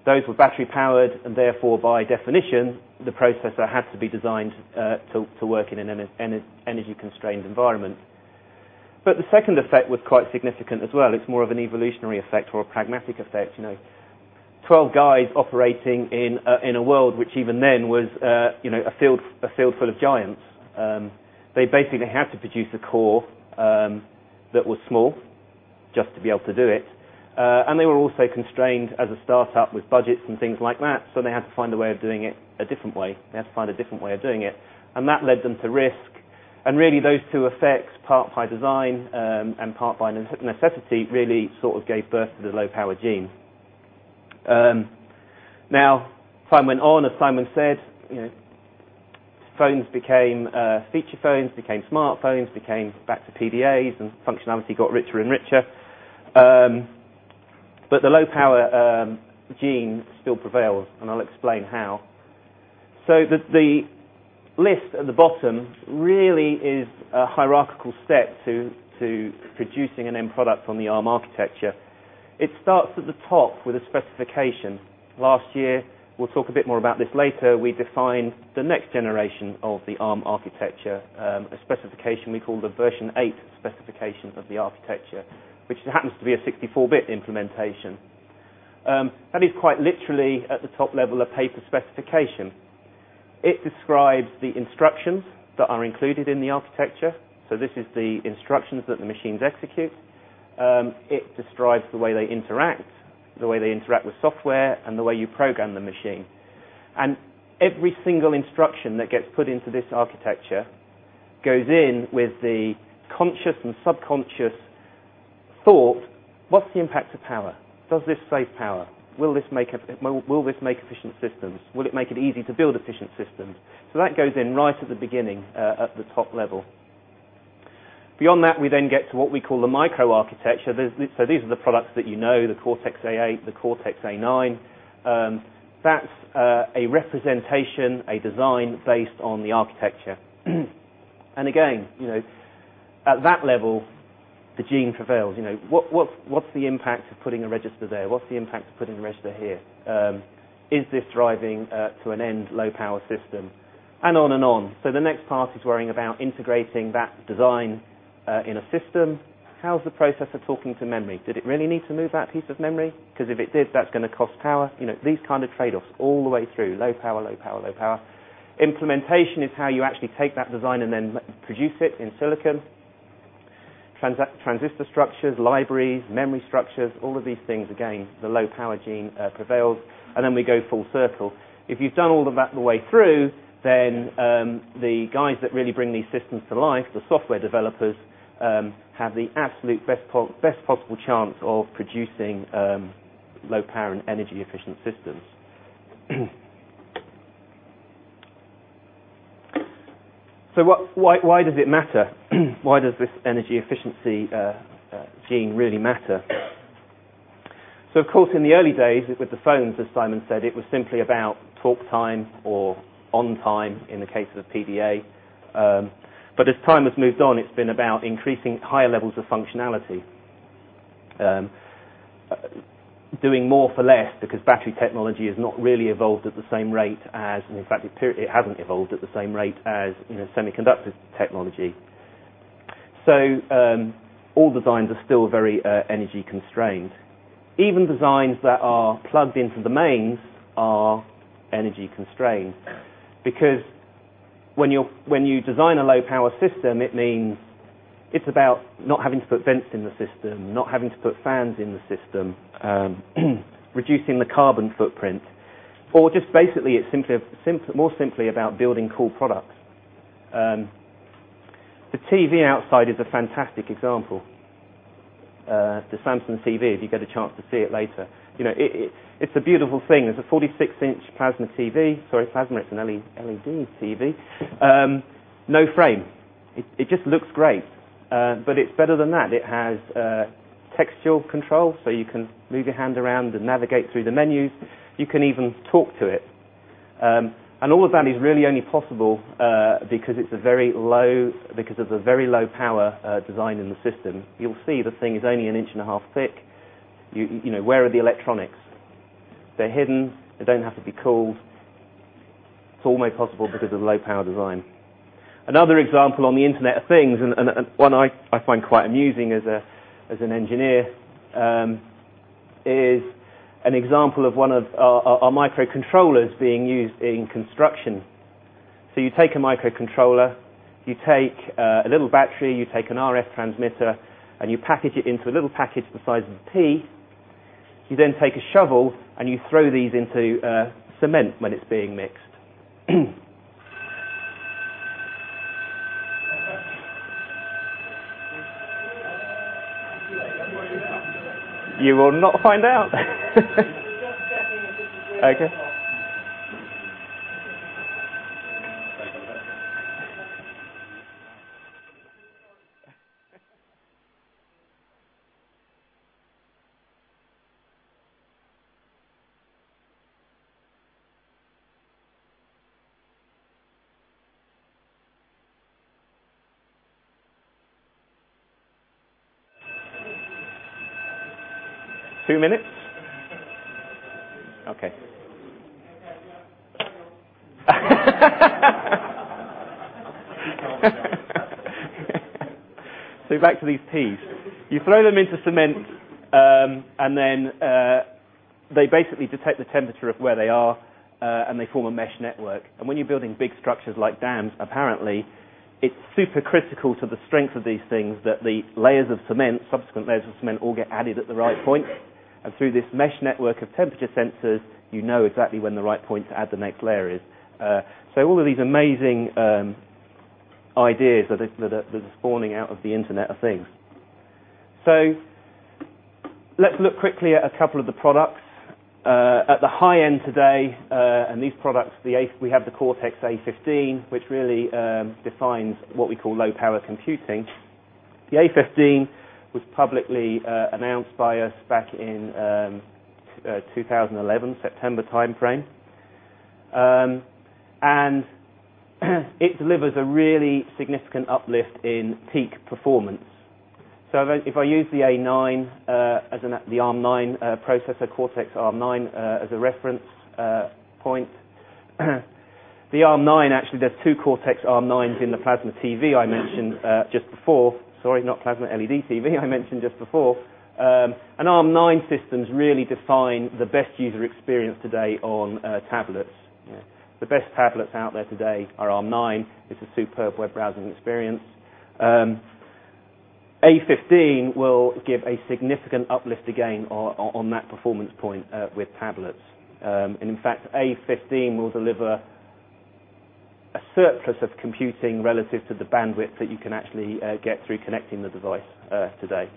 Those were battery-powered, and therefore, by definition, the processor had to be designed to work in an energy-constrained environment. The second effect was quite significant as well. It's more of an evolutionary effect or a pragmatic effect. 12 guys operating in a world which even then was a field full of giants. They basically had to produce a core that was small just to be able to do it. They were also constrained as a startup with budgets and things like that. They had to find a way of doing it a different way. They had to find a different way of doing it. That led them to risk. Really, those two effects, part by design and part by necessity, really gave birth to the low-power gene. Time went on, as Simon said, phones became feature phones, became smartphones, became back to PDAs, and functionality got richer and richer. The low-power gene still prevails, and I'll explain how. The list at the bottom really is a hierarchical step to producing an end product on the Arm architecture. It starts at the top with a specification. Last year, we'll talk a bit more about this later, we defined the next generation of the Arm architecture, a specification we call the version 8 specification of the architecture, which happens to be a 64-bit implementation. That is quite literally at the top level a paper specification. It describes the instructions that are included in the architecture. This is the instructions that the machines execute. It describes the way they interact, the way they interact with software, and the way you program the machine. Every single instruction that gets put into this architecture goes in with the conscious and subconscious thought, "What's the impact to power? Does this save power? Will this make efficient systems? Will it make it easy to build efficient systems?" That goes in right at the beginning, at the top level. Beyond that, we get to what we call the microarchitecture. These are the products that you know, the Cortex-A8, the Cortex-A9. That's a representation, a design based on the architecture. Again, at that level, the gene prevails. What's the impact of putting a register there? What's the impact of putting a register here? Is this driving to an end low power system? On and on. The next part is worrying about integrating that design in a system. How's the processor talking to memory? Did it really need to move that piece of memory? Because if it did, that's going to cost power. These kind of trade-offs all the way through, low power. Implementation is how you actually take that design and produce it in silicon. Transistor structures, libraries, memory structures, all of these things, again, the low power gene prevails, and we go full circle. If you've done all of that on the way through, the guys that really bring these systems to life, the software developers, have the absolute best possible chance of producing low power and energy efficient systems. Why does it matter? Why does this energy efficiency gene really matter? Of course, in the early days with the phones, as Simon said, it was simply about talk time or on time in the case of PDA. As time has moved on, it's been about increasing higher levels of functionality. Doing more for less because battery technology is not really evolved at the same rate as. In fact, it hasn't evolved at the same rate as semiconductor technology. All designs are still very energy constrained. Even designs that are plugged into the mains are energy constrained because when you design a low power system, it means it's about not having to put vents in the system, not having to put fans in the system, reducing the carbon footprint, or just basically, it's more simply about building cool products. The TV outside is a fantastic example. The Samsung TV, if you get a chance to see it later. It's a beautiful thing. It's a 46-inch plasma TV. Sorry, plasma. It's an LED TV. No frame. It just looks great. It's better than that. It has textual control, so you can move your hand around and navigate through the menus. You can even talk to it. All of that is really only possible because of the very low power design in the system. You'll see the thing is only an inch and a half thick. Where are the electronics? They're hidden. They don't have to be cooled. It's all made possible because of the low power design. Another example on the Internet of Things, and one I find quite amusing as an engineer, is an example of one of our microcontrollers being used in construction. You take a microcontroller, you take a little battery, you take an RF transmitter, and you package it into a little package the size of pea. You take a shovel, and you throw these into cement when it's being mixed. You will not find out. We're just checking if this is real or not. Okay. Two minutes? Okay. Okay, yeah. Carry on. Back to these peas. You throw them into cement, and then they basically detect the temperature of where they are, and they form a mesh network. When you're building big structures like dams, apparently, it's super critical to the strength of these things that the layers of cement, subsequent layers of cement, all get added at the right point. Through this mesh network of temperature sensors, you know exactly when the right point to add the next layer is. All of these amazing ideas that are spawning out of the Internet of Things. Let's look quickly at a couple of the products. At the high-end today, and these products, we have the Cortex-A15, which really defines what we call low power computing. The A15 was publicly announced by us back in 2011, September timeframe. It delivers a really significant uplift in peak performance. If I use the A9 as the ARM9 processor, Cortex-A9, as a reference point. The ARM9, actually, there's two Cortex-A9s in the plasma TV I mentioned just before. Sorry, not plasma, LED TV I mentioned just before. ARM9 systems really define the best user experience today on tablets. The best tablets out there today are ARM9. It's a superb web browsing experience. A15 will give a significant uplift again on that performance point with tablets. In fact, A15 will deliver a surplus of computing relative to the bandwidth that you can actually get through connecting the device today.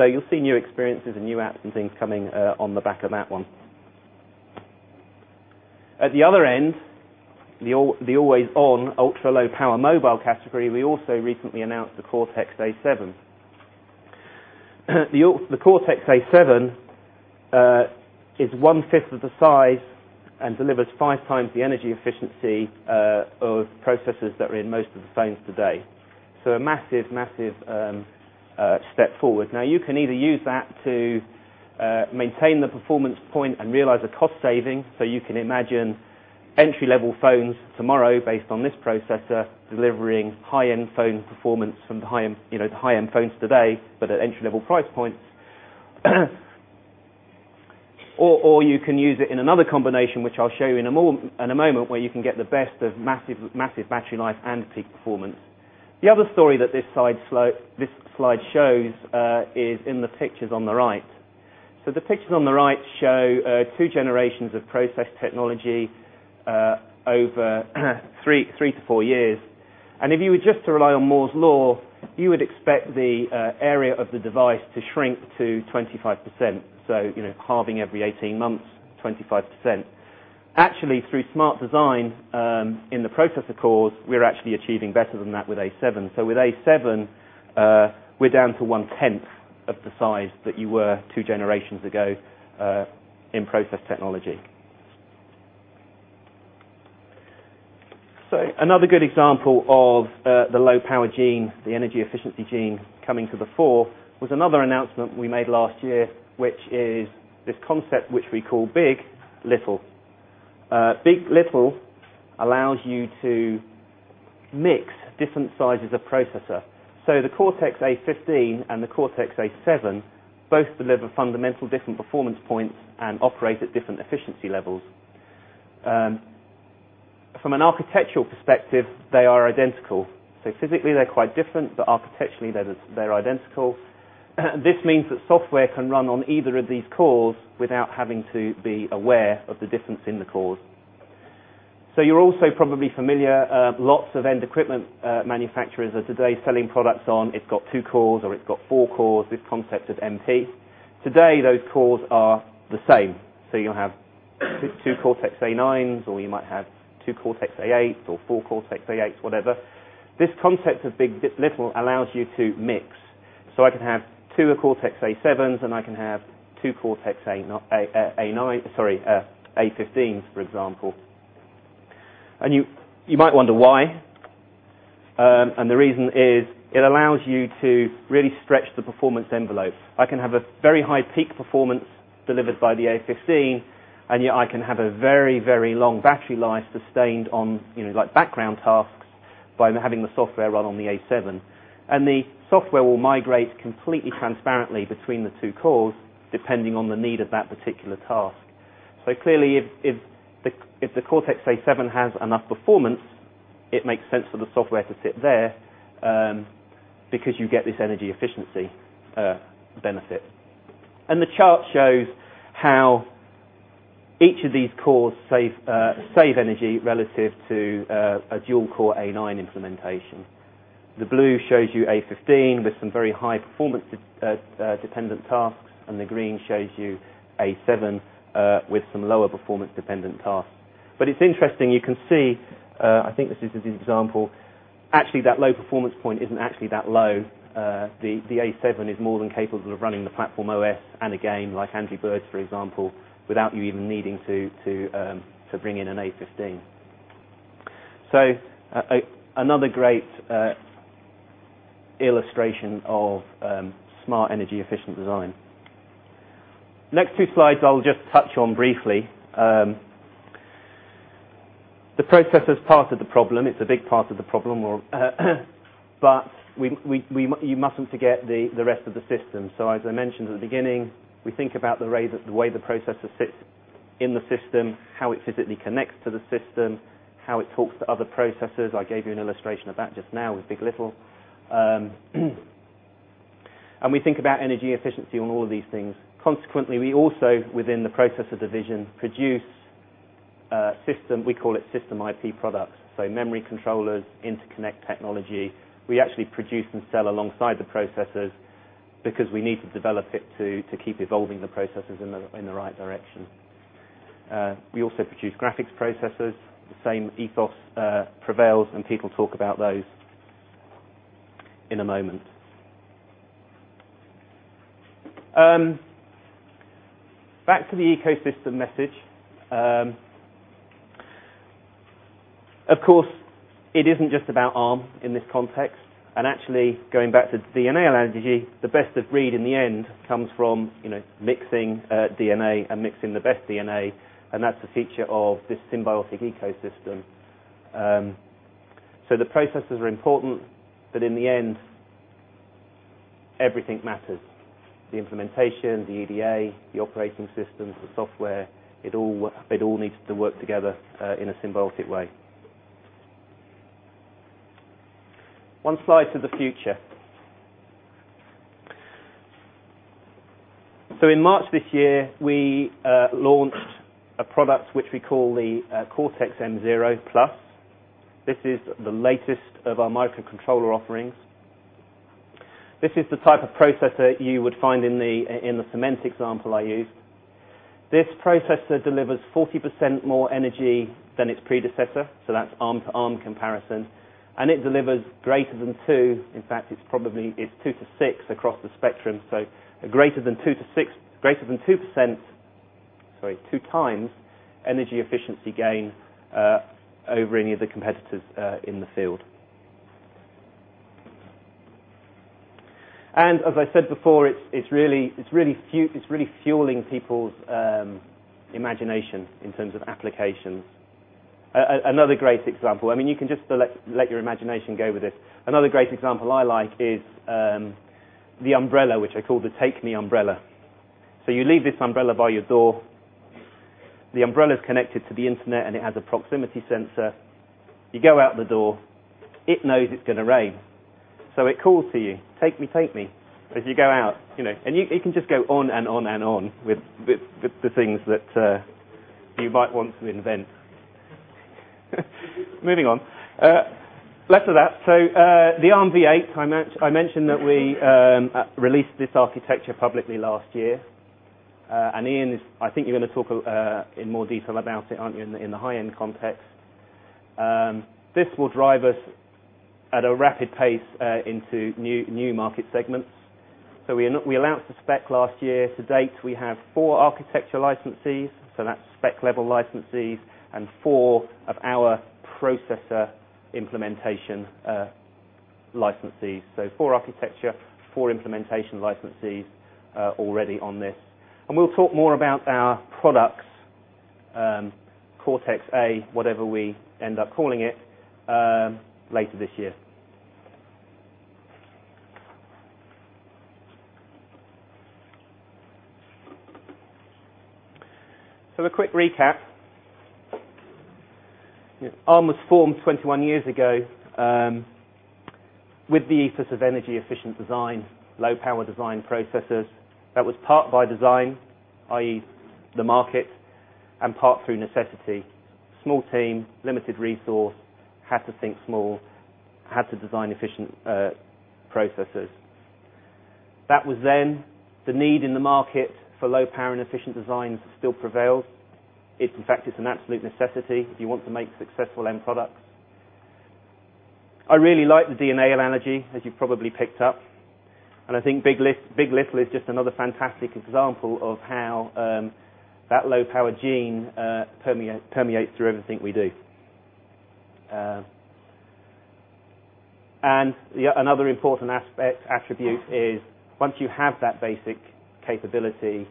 You'll see new experiences and new apps and things coming on the back of that one. At the other end, the always-on, ultra-low power mobile category, we also recently announced the Cortex-A7. The Cortex-A7 is one-fifth of the size and delivers five times the energy efficiency of processors that are in most of the phones today. A massive step forward. Now, you can either use that to maintain the performance point and realize a cost saving. You can imagine entry-level phones tomorrow, based on this processor, delivering high-end phone performance from the high-end phones today, but at entry-level price points. You can use it in another combination, which I'll show you in a moment, where you can get the best of massive battery life and peak performance. The other story that this slide shows is in the pictures on the right. The pictures on the right show two generations of process technology over three to four years. If you were just to rely on Moore's Law, you would expect the area of the device to shrink to 25%. Halving every 18 months, 25%. Actually, through smart design in the processor cores, we're actually achieving better than that with A7. With A7, we're down to one-tenth of the size that you were two generations ago in process technology. Another good example of the low-power gene, the energy efficiency gene, coming to the fore was another announcement we made last year, which is this concept which we call big. LITTLE. big. LITTLE allows you to mix different sizes of processor. The Cortex-A15 and the Cortex-A7 both deliver fundamental different performance points and operate at different efficiency levels. From an architectural perspective, they are identical. Physically, they're quite different, but architecturally, they're identical. This means that software can run on either of these cores without having to be aware of the difference in the cores. You're also probably familiar, lots of end equipment manufacturers are today selling products on it's got two cores, or it's got four cores, this concept of MP. Today, those cores are the same. You'll have two Cortex-A9s, or you might have two Cortex-A8s or four Cortex-A8s, whatever. This concept of big. LITTLE allows you to mix. I can have two Cortex-A7s, and I can have two Cortex-A15s, for example. You might wonder why. The reason is it allows you to really stretch the performance envelope. I can have a very high peak performance delivered by the A15, and yet I can have a very, very long battery life sustained on background tasks by having the software run on the A7. The software will migrate completely transparently between the two cores, depending on the need of that particular task. Clearly, if the Cortex-A7 has enough performance, it makes sense for the software to sit there, because you get this energy efficiency benefit. The chart shows how each of these cores save energy relative to a dual-core A9 implementation. The blue shows you A15 with some very high-performance dependent tasks, and the green shows you A7 with some lower performance dependent tasks. It's interesting, you can see, I think this is a good example, actually that low performance point isn't actually that low. The A7 is more than capable of running the platform OS and a game like Angry Birds, for example, without you even needing to bring in an A15. Another great illustration of smart energy efficient design. Next two slides I'll just touch on briefly. The processor is part of the problem. It's a big part of the problem, but you mustn't forget the rest of the system. As I mentioned at the beginning, we think about the way the processor sits in the system, how it physically connects to the system, how it talks to other processors. I gave you an illustration of that just now with big. LITTLE. We think about energy efficiency on all of these things. Consequently, we also, within the Processor Division, produce system, we call it system IP products. Memory controllers, interconnect technology. We actually produce and sell alongside the processors because we need to develop it to keep evolving the processors in the right direction. We also produce graphics processors. The same ethos prevails, and people talk about those in a moment. Back to the ecosystem message. Of course, it isn't just about Arm in this context. Actually, going back to the DNA analogy, the best of breed in the end comes from mixing DNA and mixing the best DNA, and that's the feature of this symbiotic ecosystem. The processors are important, but in the end, everything matters. The implementation, the EDA, the operating systems, the software, it all needs to work together in a symbiotic way. One slide to the future. In March this year, we launched a product which we call the Cortex-M0+. This is the latest of our microcontroller offerings. This is the type of processor you would find in the cement example I used. This processor delivers 40% more energy than its predecessor, so that's Arm to Arm comparison, and it delivers greater than 2. In fact, it's 2 to 6 across the spectrum, so a greater than 2 times energy efficiency gain over any of the competitors in the field. As I said before, it's really fueling people's imagination in terms of applications. Another great example, you can just let your imagination go with this. Another great example I like is the umbrella, which I call the Take Me umbrella. You leave this umbrella by your door. The umbrella's connected to the internet, and it has a proximity sensor. You go out the door. It knows it's going to rain, so it calls to you, "Take me, take me," as you go out. It can just go on and on with the things that you might want to invent. Moving on. Less of that. The Armv8, I mentioned that we released this architecture publicly last year. Ian, I think you're going to talk in more detail about it, aren't you, in the high-end context? This will drive us at a rapid pace into new market segments. We announced the spec last year. To date, we have four architecture licensees, so that's spec-level licensees, and four of our processor implementation licensees. Four architecture, four implementation licensees already on this. We'll talk more about our products, Cortex-A, whatever we end up calling it, later this year. A quick recap. Arm was formed 21 years ago, with the ethos of energy-efficient design, low-power design processors. That was part by design, i.e., the market, and part through necessity. Small team, limited resource, had to think small, had to design efficient processors. That was then. The need in the market for low-power and efficient designs still prevails. In fact, it's an absolute necessity if you want to make successful end products. I really like the DNA of energy, as you've probably picked up, and I think big. LITTLE is just another fantastic example of how that low-power gene permeates through everything we do. Another important attribute is once you have that basic capability,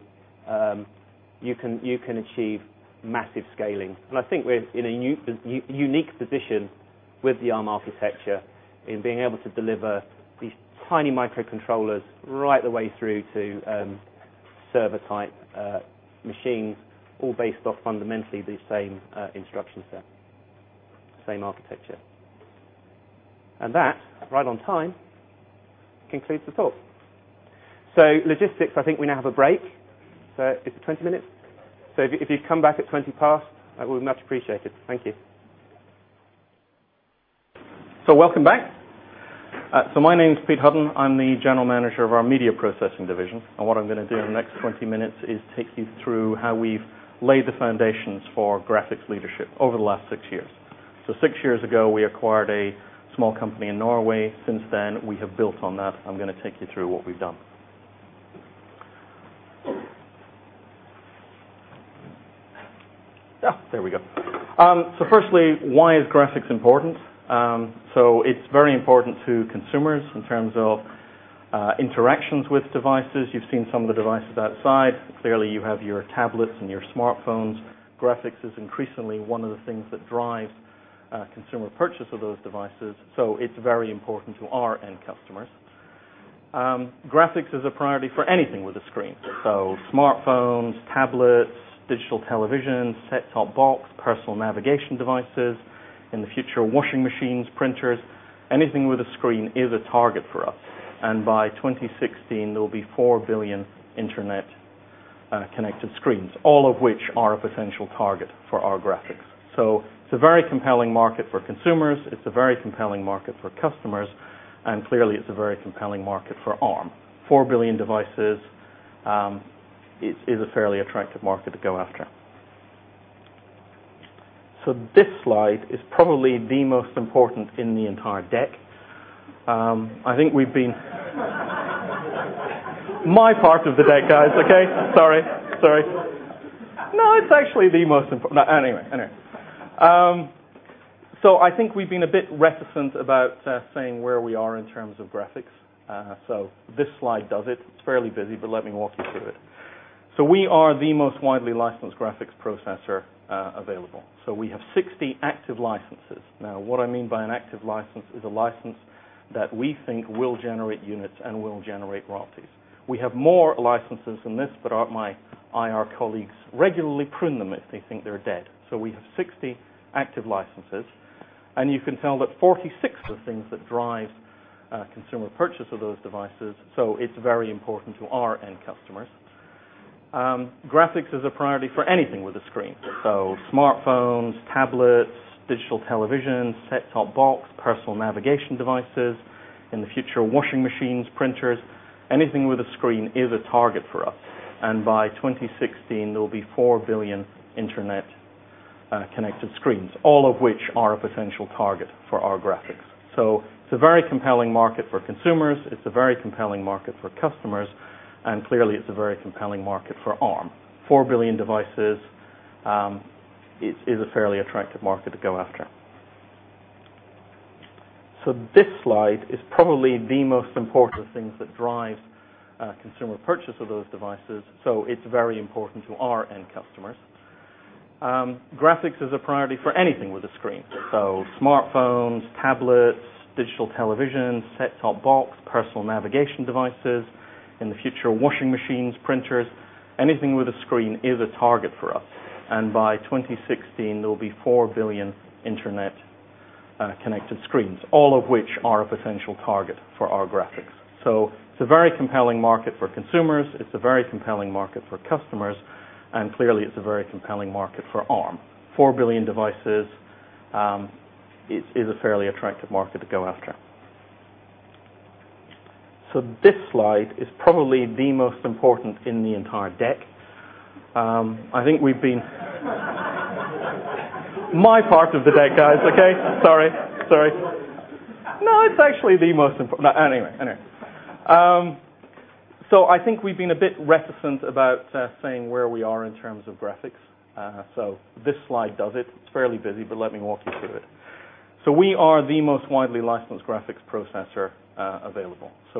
you can achieve massive scaling. I think we're in a unique position with the Arm architecture in being able to deliver these tiny microcontrollers right the way through to server-type machines, all based off fundamentally the same instruction set, same architecture. That, right on time, concludes the talk. Logistics, I think we now have a break. Is it 20 minutes? If you'd come back at 20 past, that would be much appreciated. Thank you. Welcome back. My name's Pete Hutton. I'm the General Manager of our Media Processing division. What I'm going to do in the next 20 minutes is take you through how we've laid the foundations for graphics leadership over the last six years. Six years ago, we acquired a small company in Norway. Since then, we have built on that. I'm going to take you through what we've done. There we go. Firstly, why is graphics important? It's very important to consumers in terms of interactions with devices. You've seen some of the devices outside. Clearly, you have your tablets and your smartphones. Graphics is increasingly one of the things that drives consumer purchase of those devices. It's very important to our end customers. Graphics is a priority for anything with a screen. Smartphones, tablets, digital television, set-top box, personal navigation devices. In the future, washing machines, printers, anything with a screen is a target for us. By 2016, there will be four billion internet-connected screens, all of which are a potential target for our graphics. It's a very compelling market for consumers. It's a very compelling market for customers. Clearly, it's a very compelling market for Arm. Four billion devices is a fairly attractive market to go after. This slide is probably the most important in the entire deck. I think My part of the deck, guys. Okay? Sorry. No, it's actually the most important. No. Anyway. I think we've been a bit reticent about saying where we are in terms of graphics. This slide does it. It's fairly busy, but let me walk you through it. We are the most widely licensed graphics processor available. We have 60 active licenses. What I mean by an active license is a license that we think will generate units and will generate royalties. We have more licenses than this, but my IR colleagues regularly prune them if they think they're dead.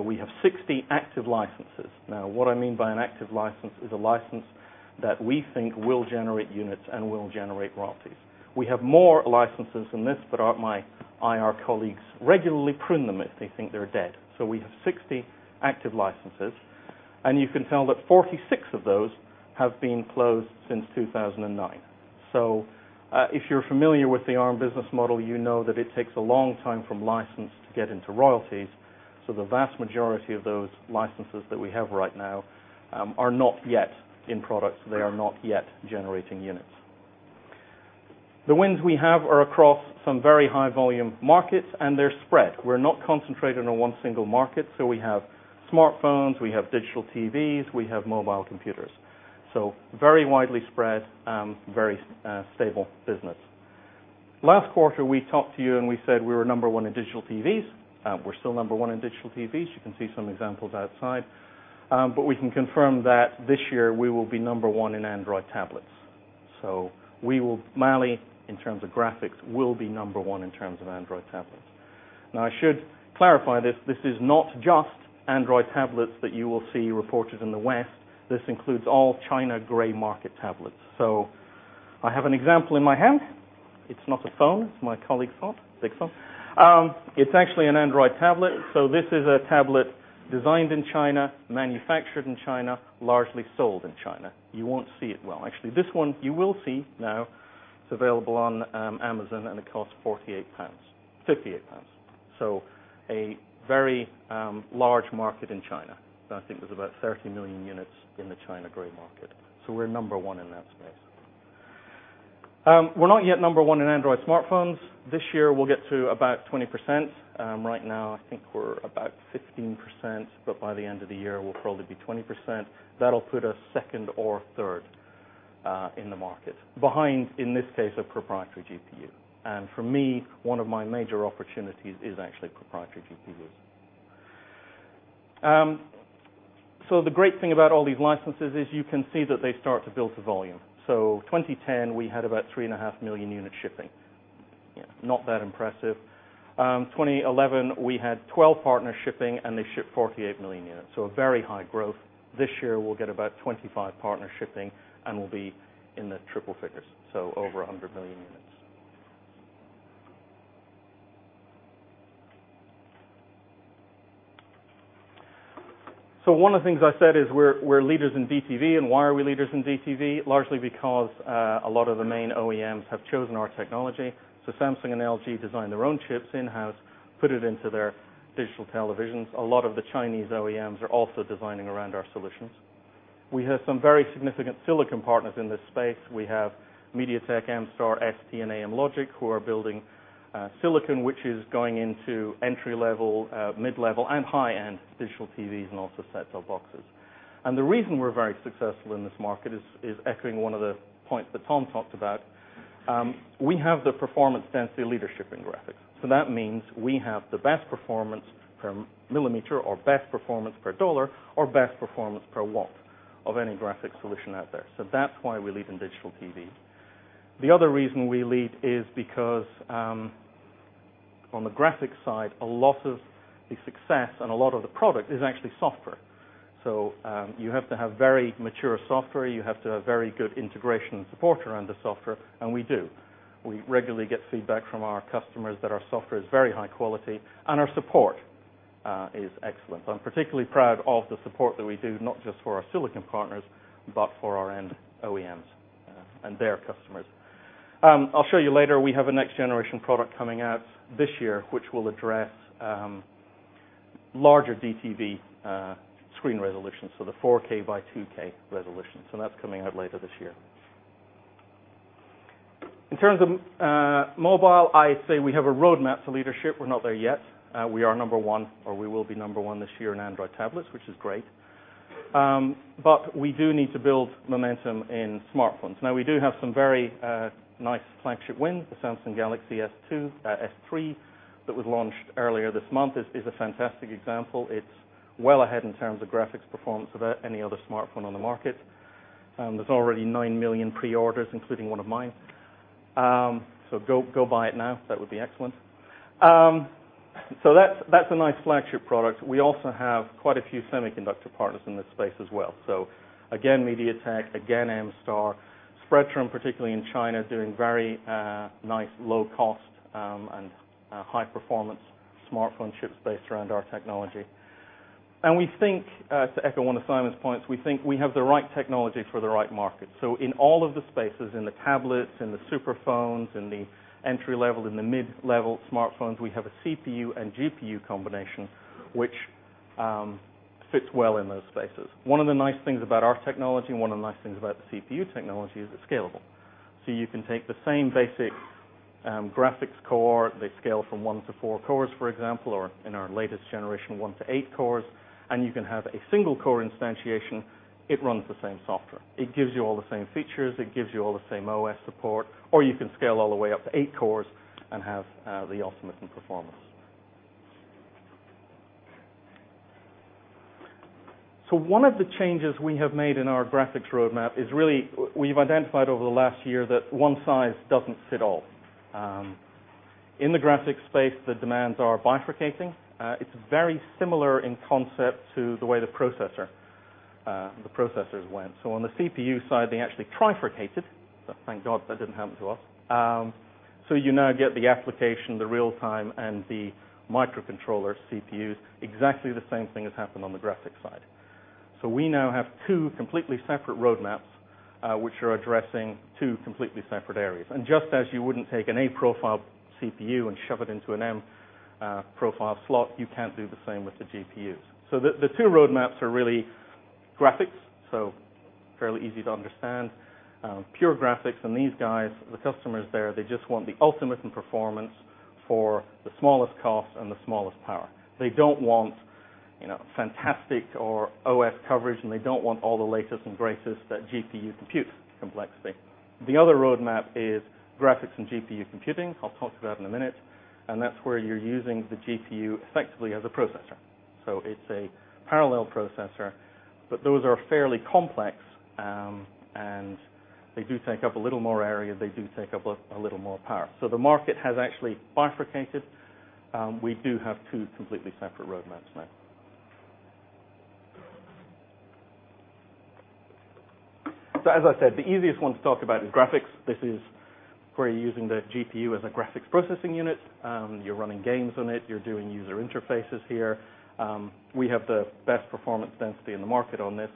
We have 60 active licenses, and you can tell that 46 of those have been closed since 2009. If you're familiar with the Arm business model, you know that it takes a long time from license to get into royalties. The vast majority of those licenses that we have right now are not yet in products. They are not yet generating units. The wins we have are across some very high volume markets, and they're spread. We're not concentrated on one single market. We have smartphones, we have digital TVs, we have mobile computers. Very widely spread, very stable business. Last quarter, we talked to you. We said we were number one in digital TVs. We're still number one in digital TVs. You can see some examples outside. We can confirm that this year we will be number one in Android tablets. Mali, in terms of graphics, will be number one in terms of Android tablets. I should clarify this. This is not just Android tablets that you will see reported in the West. This includes all China gray market tablets. I have an example in my hand. It's not a phone. It's my colleague's phone. Big phone. It's actually an Android tablet. This is a tablet designed in China, manufactured in China, largely sold in China. You won't see it. Well, actually, this one you will see now. It's available on Amazon, and it costs 58 pounds. A very large market in China. I think there's about 30 million units in the China gray market. We're number one in that space. We're not yet number one in Android smartphones. This year, we'll get to about 20%. Right now, I think we're about 15%, but by the end of the year, we'll probably be 20%. That'll put us second or third in the market behind, in this case, a proprietary GPU. For me, one of my major opportunities is actually proprietary GPUs. The great thing about all these licenses is you can see that they start to build to volume. 2010, we had about 3.5 million units shipping. Not that impressive. 2011, we had 12 partners shipping, and they shipped 48 million units. A very high growth. This year, we'll get about 25 partners shipping, and we'll be in the triple figures, so over 100 million units. One of the things I said is we're leaders in DTV, and why are we leaders in DTV? Largely because a lot of the main OEMs have chosen our technology. Samsung and LG design their own chips in-house, put it into their digital televisions. A lot of the Chinese OEMs are also designing around our solutions. We have some very significant silicon partners in this space. We have MediaTek, MStar, ST, and Amlogic, who are building silicon, which is going into entry-level, mid-level, and high-end digital TVs and also set-top boxes. The reason we're very successful in this market is echoing one of the points that Tom talked about. We have the performance density leadership in graphics. That means we have the best performance per millimeter or best performance per dollar or best performance per watt of any graphics solution out there. That's why we lead in digital TV. The other reason we lead is because on the graphics side, a lot of the success and a lot of the product is actually software. You have to have very mature software, you have to have very good integration and support around the software, and we do. We regularly get feedback from our customers that our software is very high quality and our support is excellent. I'm particularly proud of the support that we do, not just for our silicon partners, but for our end OEMs and their customers. I'll show you later, we have a next generation product coming out this year, which will address larger DTV screen resolutions, so the 4K by 2K resolution. That's coming out later this year. In terms of mobile, I say we have a roadmap to leadership. We're not there yet. We are number one, or we will be number one this year in Android tablets, which is great. We do need to build momentum in smartphones. We do have some very nice flagship wins. The Samsung Galaxy S III that was launched earlier this month is a fantastic example. It's well ahead in terms of graphics performance of any other smartphone on the market. There's already 9 million pre-orders, including one of mine. Go buy it now. That would be excellent. That's a nice flagship product. We also have quite a few semiconductor partners in this space as well. MediaTek, MStar, Spreadtrum, particularly in China, doing very nice low cost and high performance smartphone chips based around our technology. To echo one of Simon's points, we think we have the right technology for the right market. In all of the spaces, in the tablets, in the super phones, in the entry level, in the mid-level smartphones, we have a CPU and GPU combination which fits well in those spaces. One of the nice things about our technology and one of the nice things about the CPU technology is it's scalable. You can take the same basic graphics core, they scale from 1 to 4 cores, for example, or in our latest generation, 1 to 8 cores, and you can have a single core instantiation. It runs the same software. It gives you all the same features, it gives you all the same OS support, or you can scale all the way up to eight cores and have the ultimate in performance. One of the changes we have made in our graphics roadmap is really we've identified over the last year that one size doesn't fit all. In the graphics space, the demands are bifurcating. It's very similar in concept to the way the processors went. On the CPU side, they actually trifurcated. Thank God that didn't happen to us. You now get the application, the real time, and the microcontroller CPUs. Exactly the same thing has happened on the graphics side. We now have two completely separate roadmaps, which are addressing two completely separate areas. Just as you wouldn't take an A profile CPU and shove it into an M profile slot, you can't do the same with the GPUs. The two roadmaps are really graphics, so fairly easy to understand. Pure graphics and these guys, the customers there, they just want the ultimate in performance for the smallest cost and the smallest power. They don't want fantastic or OS coverage, and they don't want all the latest embraces that GPU compute complexity. The other roadmap is graphics and GPU computing. I'll talk to that in a minute. That's where you're using the GPU effectively as a processor. It's a parallel processor, but those are fairly complex, and they do take up a little more area. They do take up a little more power. The market has actually bifurcated. We do have two completely separate roadmaps now. As I said, the easiest one to talk about is graphics. This is where you're using the GPU as a graphics processing unit. You're running games on it, you're doing user interfaces here. We have the best performance density in the market on this.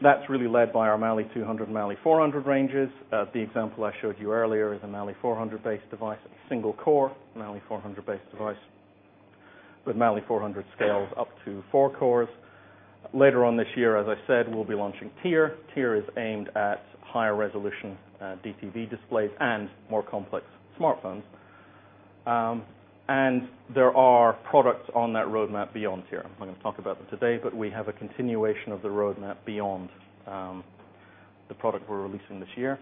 That's really led by our Mali-200, Mali-400 ranges. The example I showed you earlier is a Mali-400 base device at single core, Mali-400 base device with Mali-400 scales up to 4 cores. Later on this year, as I said, we'll be launching Tyr. Tyr is aimed at higher resolution DTV displays and more complex smartphones. There are products on that roadmap beyond Tyr. I'm not going to talk about them today, but we have a continuation of the roadmap beyond the product we're releasing this year.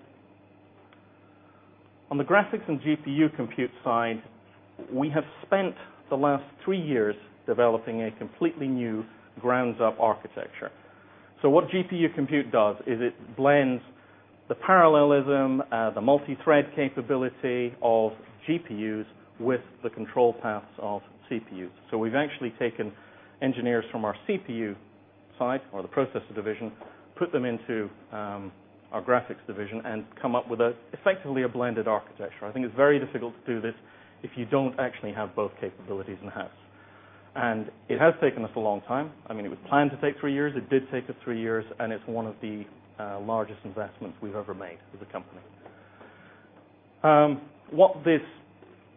On the graphics and GPU compute side, we have spent the last 3 years developing a completely new ground-up architecture. What GPU compute does is it blends the parallelism, the multi-thread capability of GPUs with the control paths of CPUs. We've actually taken engineers from our CPU side or the Processor Division, put them into our graphics division, and come up with effectively a blended architecture. I think it's very difficult to do this if you don't actually have both capabilities in-house. It has taken us a long time. It was planned to take 3 years. It did take us 3 years, and it's one of the largest investments we've ever made as a company. What this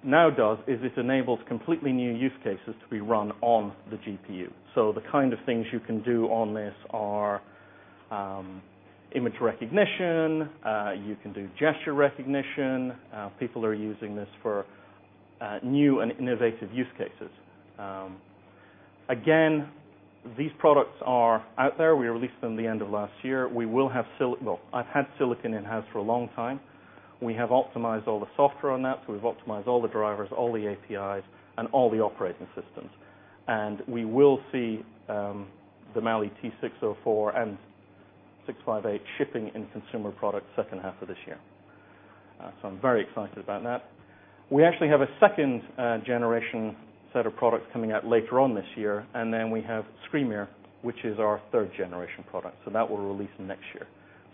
now does is it enables completely new use cases to be run on the GPU. The kind of things you can do on this are image recognition, you can do gesture recognition. People are using this for new and innovative use cases. Again, these products are out there. We released them the end of last year. I've had silicon in-house for a long time. We have optimized all the software on that, so we've optimized all the drivers, all the APIs, and all the operating systems. We will see the Mali-T604 and Mali-T658 shipping in consumer products second half of this year. I'm very excited about that. We actually have a second-generation set of products coming out later on this year, and then we have Skrymir, which is our third-generation product. That we'll release next year.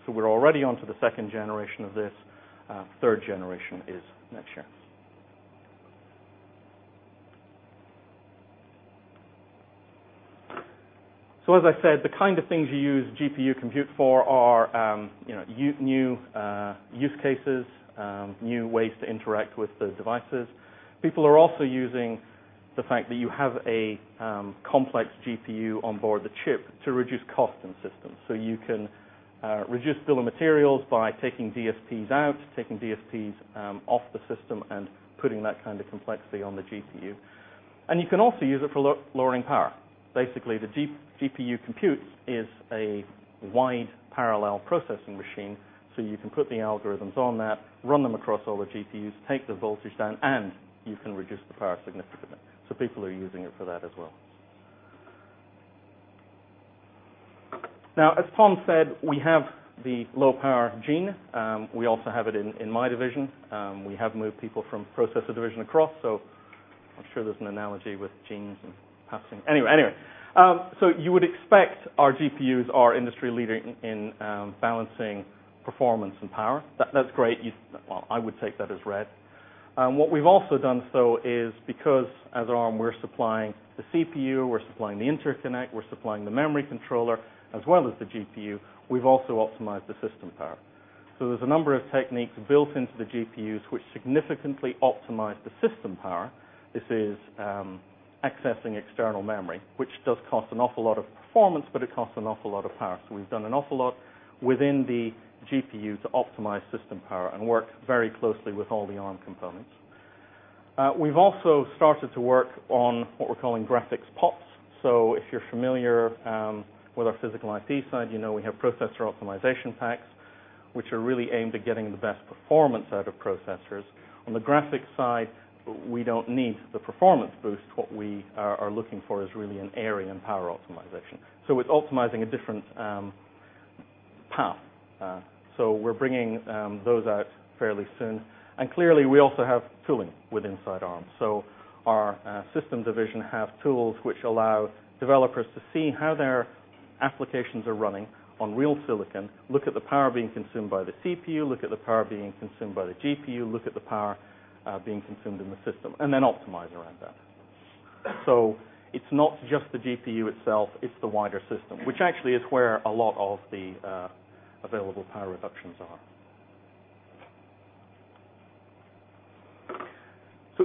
We're already onto the second generation of this. Third generation is next year. As I said, the kind of things you use GPU compute for are new use cases, new ways to interact with those devices. People are also using the fact that you have a complex GPU on board the chip to reduce cost in systems. You can reduce bill of materials by taking DSPs out, taking DSPs off the system, and putting that kind of complexity on the GPU. You can also use it for lowering power. Basically, the GPU compute is a wide parallel processing machine, so you can put the algorithms on that, run them across all the GPUs, take the voltage down, and you can reduce the power significantly. People are using it for that as well. Now, as Tom said, we have the low-power gene. We also have it in my division. We have moved people from Processor Division across, so I'm sure there's an analogy with genes and passing. Anyway, you would expect our GPUs are industry-leading in balancing performance and power. That's great. Well, I would take that as read. What we've also done, though, is because as Arm, we're supplying the CPU, we're supplying the interconnect, we're supplying the memory controller, as well as the GPU, we've also optimized the system power. There's a number of techniques built into the GPUs which significantly optimize the system power. This is accessing external memory, which does cost an awful lot of performance, but it costs an awful lot of power. We've done an awful lot within the GPU to optimize system power and work very closely with all the Arm components. We've also started to work on what we're calling Graphics POPs. If you're familiar with our physical IP side, you know we have Processor Optimization Packs, which are really aimed at getting the best performance out of processors. On the graphics side, we don't need the performance boost. What we are looking for is really an area in power optimization. It's optimizing a different path. We're bringing those out fairly soon. Clearly, we also have tooling with inside Arm. Our system division have tools which allow developers to see how their applications are running on real silicon, look at the power being consumed by the CPU, look at the power being consumed by the GPU, look at the power being consumed in the system, and then optimize around that. It's not just the GPU itself, it's the wider system, which actually is where a lot of the available power reductions are.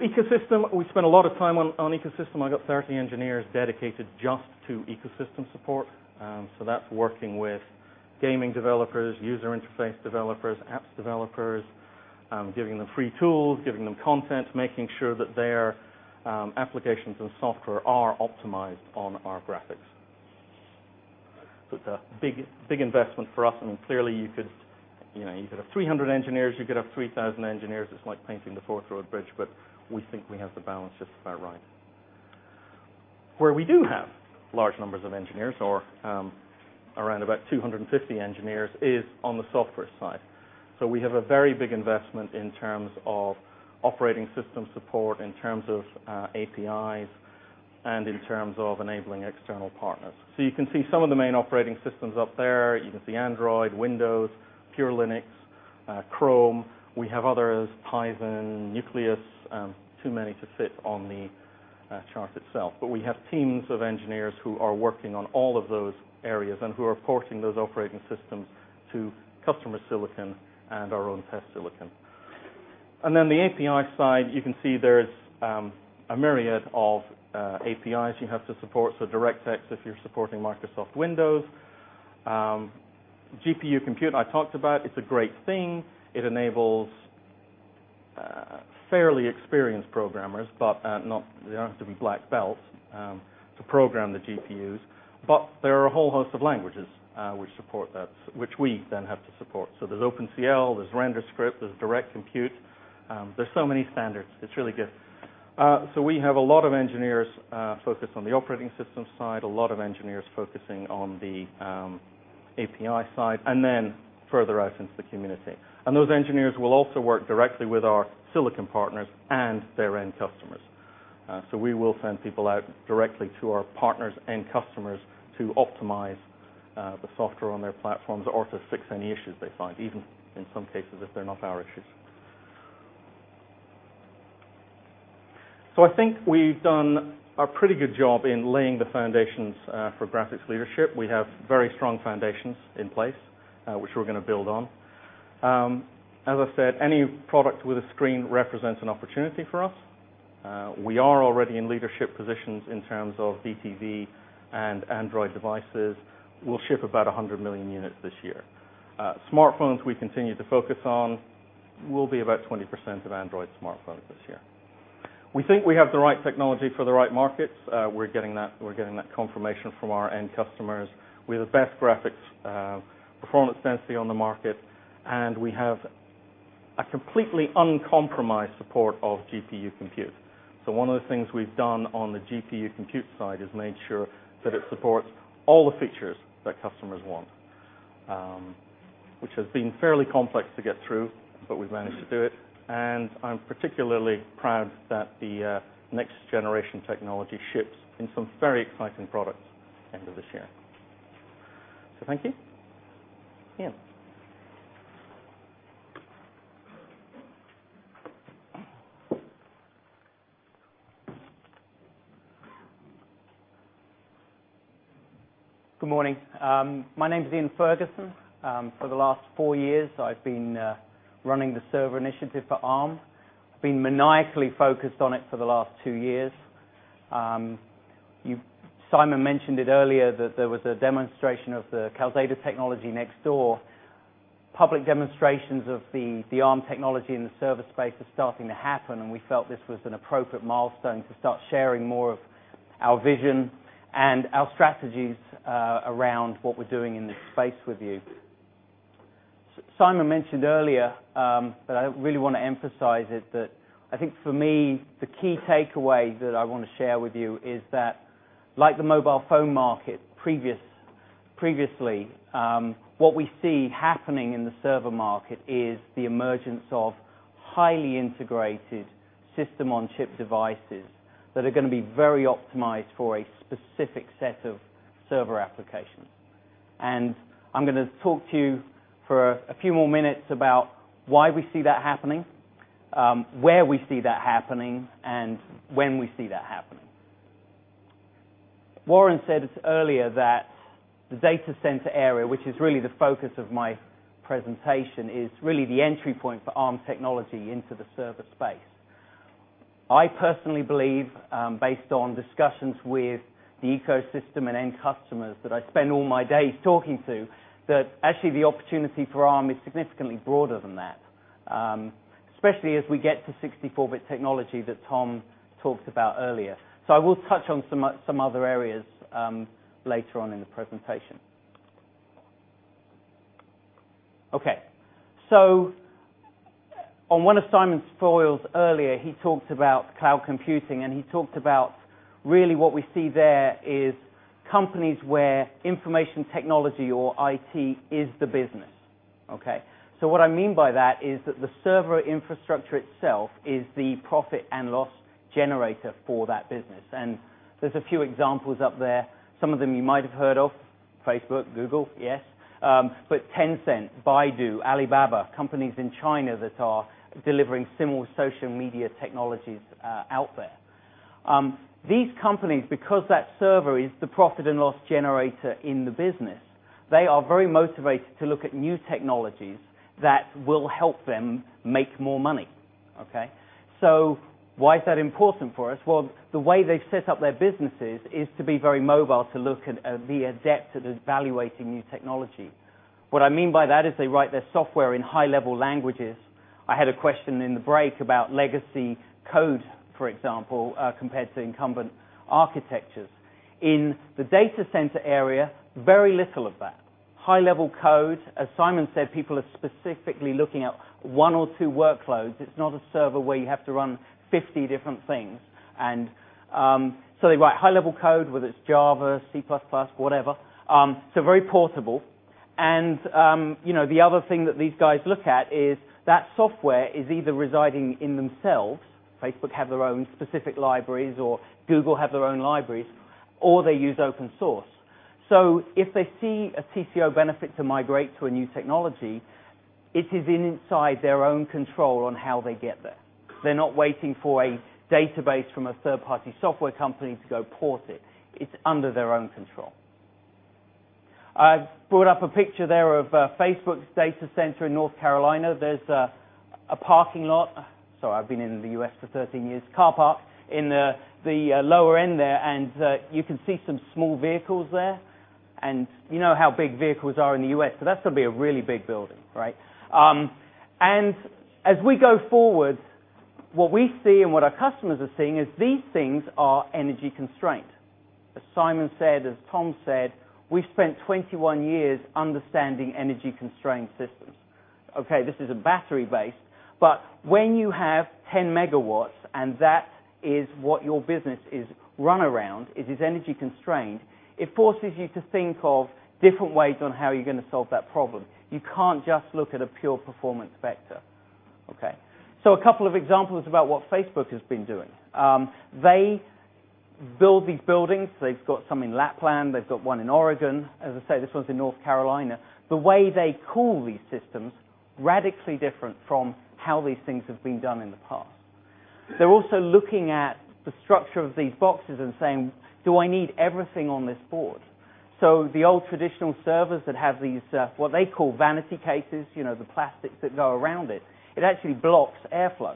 Ecosystem, we spent a lot of time on ecosystem. I got 30 engineers dedicated just to ecosystem support. That's working with gaming developers, user interface developers, apps developers, giving them free tools, giving them content, making sure that their applications and software are optimized on our graphics. It's a big investment for us. Clearly, you could have 300 engineers. You could have 3,000 engineers. It's like painting the Forth Road Bridge, but we think we have the balance just about right. Where we do have large numbers of engineers, or around about 250 engineers, is on the software side. We have a very big investment in terms of operating system support, in terms of APIs, and in terms of enabling external partners. You can see some of the main operating systems up there. You can see Android, Windows, pure Linux, Chrome. We have others, Python, Nucleus, too many to fit on the chart itself. We have teams of engineers who are working on all of those areas and who are porting those operating systems to customer silicon and our own test silicon. Then the API side, you can see there's a myriad of APIs you have to support. DirectX, if you're supporting Microsoft Windows. GPU compute I talked about. It's a great thing. It enables fairly experienced programmers, but they don't have to be black belts to program the GPUs. There are a whole host of languages which support that, which we then have to support. There's OpenCL, there's RenderScript, there's DirectCompute. There's so many standards, it's really good. We have a lot of engineers focused on the operating system side, a lot of engineers focusing on the API side, and then further out into the community. Those engineers will also work directly with our silicon partners and their end customers. We will send people out directly to our partners and customers to optimize the software on their platforms or to fix any issues they find, even in some cases if they're not our issues. I think we've done a pretty good job in laying the foundations for graphics leadership. We have very strong foundations in place, which we're going to build on. As I said, any product with a screen represents an opportunity for us. We are already in leadership positions in terms of DTV and Android devices. We'll ship about 100 million units this year. Smartphones we continue to focus on will be about 20% of Android smartphones this year. We think we have the right technology for the right markets. We're getting that confirmation from our end customers. We have the best graphics performance density on the market, and we have a completely uncompromised support of GPU compute. One of the things we've done on the GPU compute side is made sure that it supports all the features that customers want, which has been fairly complex to get through, but we've managed to do it. I'm particularly proud that the next-generation technology ships in some very exciting products end of this year. Thank you. Ian. Good morning. My name's Ian Ferguson. For the last four years, I've been running the server initiative for Arm. I've been maniacally focused on it for the last two years. Simon mentioned it earlier that there was a demonstration of the Calxeda technology next door. Public demonstrations of the Arm technology in the server space are starting to happen, and we felt this was an appropriate milestone to start sharing more of our vision and our strategies around what we're doing in this space with you. Simon mentioned earlier, but I really want to emphasize it, that I think for me, the key takeaway that I want to share with you is that like the mobile phone market previously, what we see happening in the server market is the emergence of highly integrated system-on-chip devices that are going to be very optimized for a specific set of server applications. I'm going to talk to you for a few more minutes about why we see that happening, where we see that happening, and when we see that happening. Warren said this earlier that the data center area, which is really the focus of my presentation, is really the entry point for Arm technology into the server space. I personally believe, based on discussions with the ecosystem and end customers that I spend all my days talking to, that actually the opportunity for Arm is significantly broader than that, especially as we get to 64-bit technology that Tom talked about earlier. I will touch on some other areas later on in the presentation. Okay. On one of Simon's foils earlier, he talked about cloud computing, and he talked about really what we see there is companies where information technology or IT is the business. Okay? What I mean by that is that the server infrastructure itself is the profit and loss generator for that business. There's a few examples up there. Some of them you might have heard of, Facebook, Google, yes. Tencent, Baidu, Alibaba, companies in China that are delivering similar social media technologies out there. These companies, because that server is the profit and loss generator in the business, they are very motivated to look at new technologies that will help them make more money. Okay? Why is that important for us? Well, the way they've set up their businesses is to be very mobile to look at and be adept at evaluating new technology. What I mean by that is they write their software in high-level languages. I had a question in the break about legacy code, for example, compared to incumbent architectures. In the data center area, very little of that. High-level code, as Simon said, people are specifically looking at one or two workloads. It is not a server where you have to run 50 different things. They write high-level code, whether it is Java, C++, whatever. Very portable. The other thing that these guys look at is that software is either residing in themselves, Facebook have their own specific libraries, or Google have their own libraries, or they use open source. If they see a TCO benefit to migrate to a new technology, it is inside their own control on how they get there. They are not waiting for a database from a third-party software company to go port it. It is under their own control. I have brought up a picture there of Facebook's data center in North Carolina. There is a parking lot. Sorry, I have been in the U.S. for 13 years. Car park in the lower end there. You can see some small vehicles there. You know how big vehicles are in the U.S., so that has got to be a really big building, right? As we go forward, what we see and what our customers are seeing is these things are energy constraint. As Simon said, as Tom said, we have spent 21 years understanding energy constraint systems. This is a battery base, but when you have 10 megawatts and that is what your business is run around, it is energy constrained, it forces you to think of different ways on how you are going to solve that problem. You cannot just look at a pure performance vector. A couple of examples about what Facebook has been doing. They build these buildings. They have got some in Luleå. They have got one in Oregon. As I say, this one is in North Carolina. The way they cool these systems, radically different from how these things have been done in the past. They are also looking at the structure of these boxes and saying, "Do I need everything on this board?" The old traditional servers that have these, what they call vanity cases, the plastics that go around it actually blocks airflow.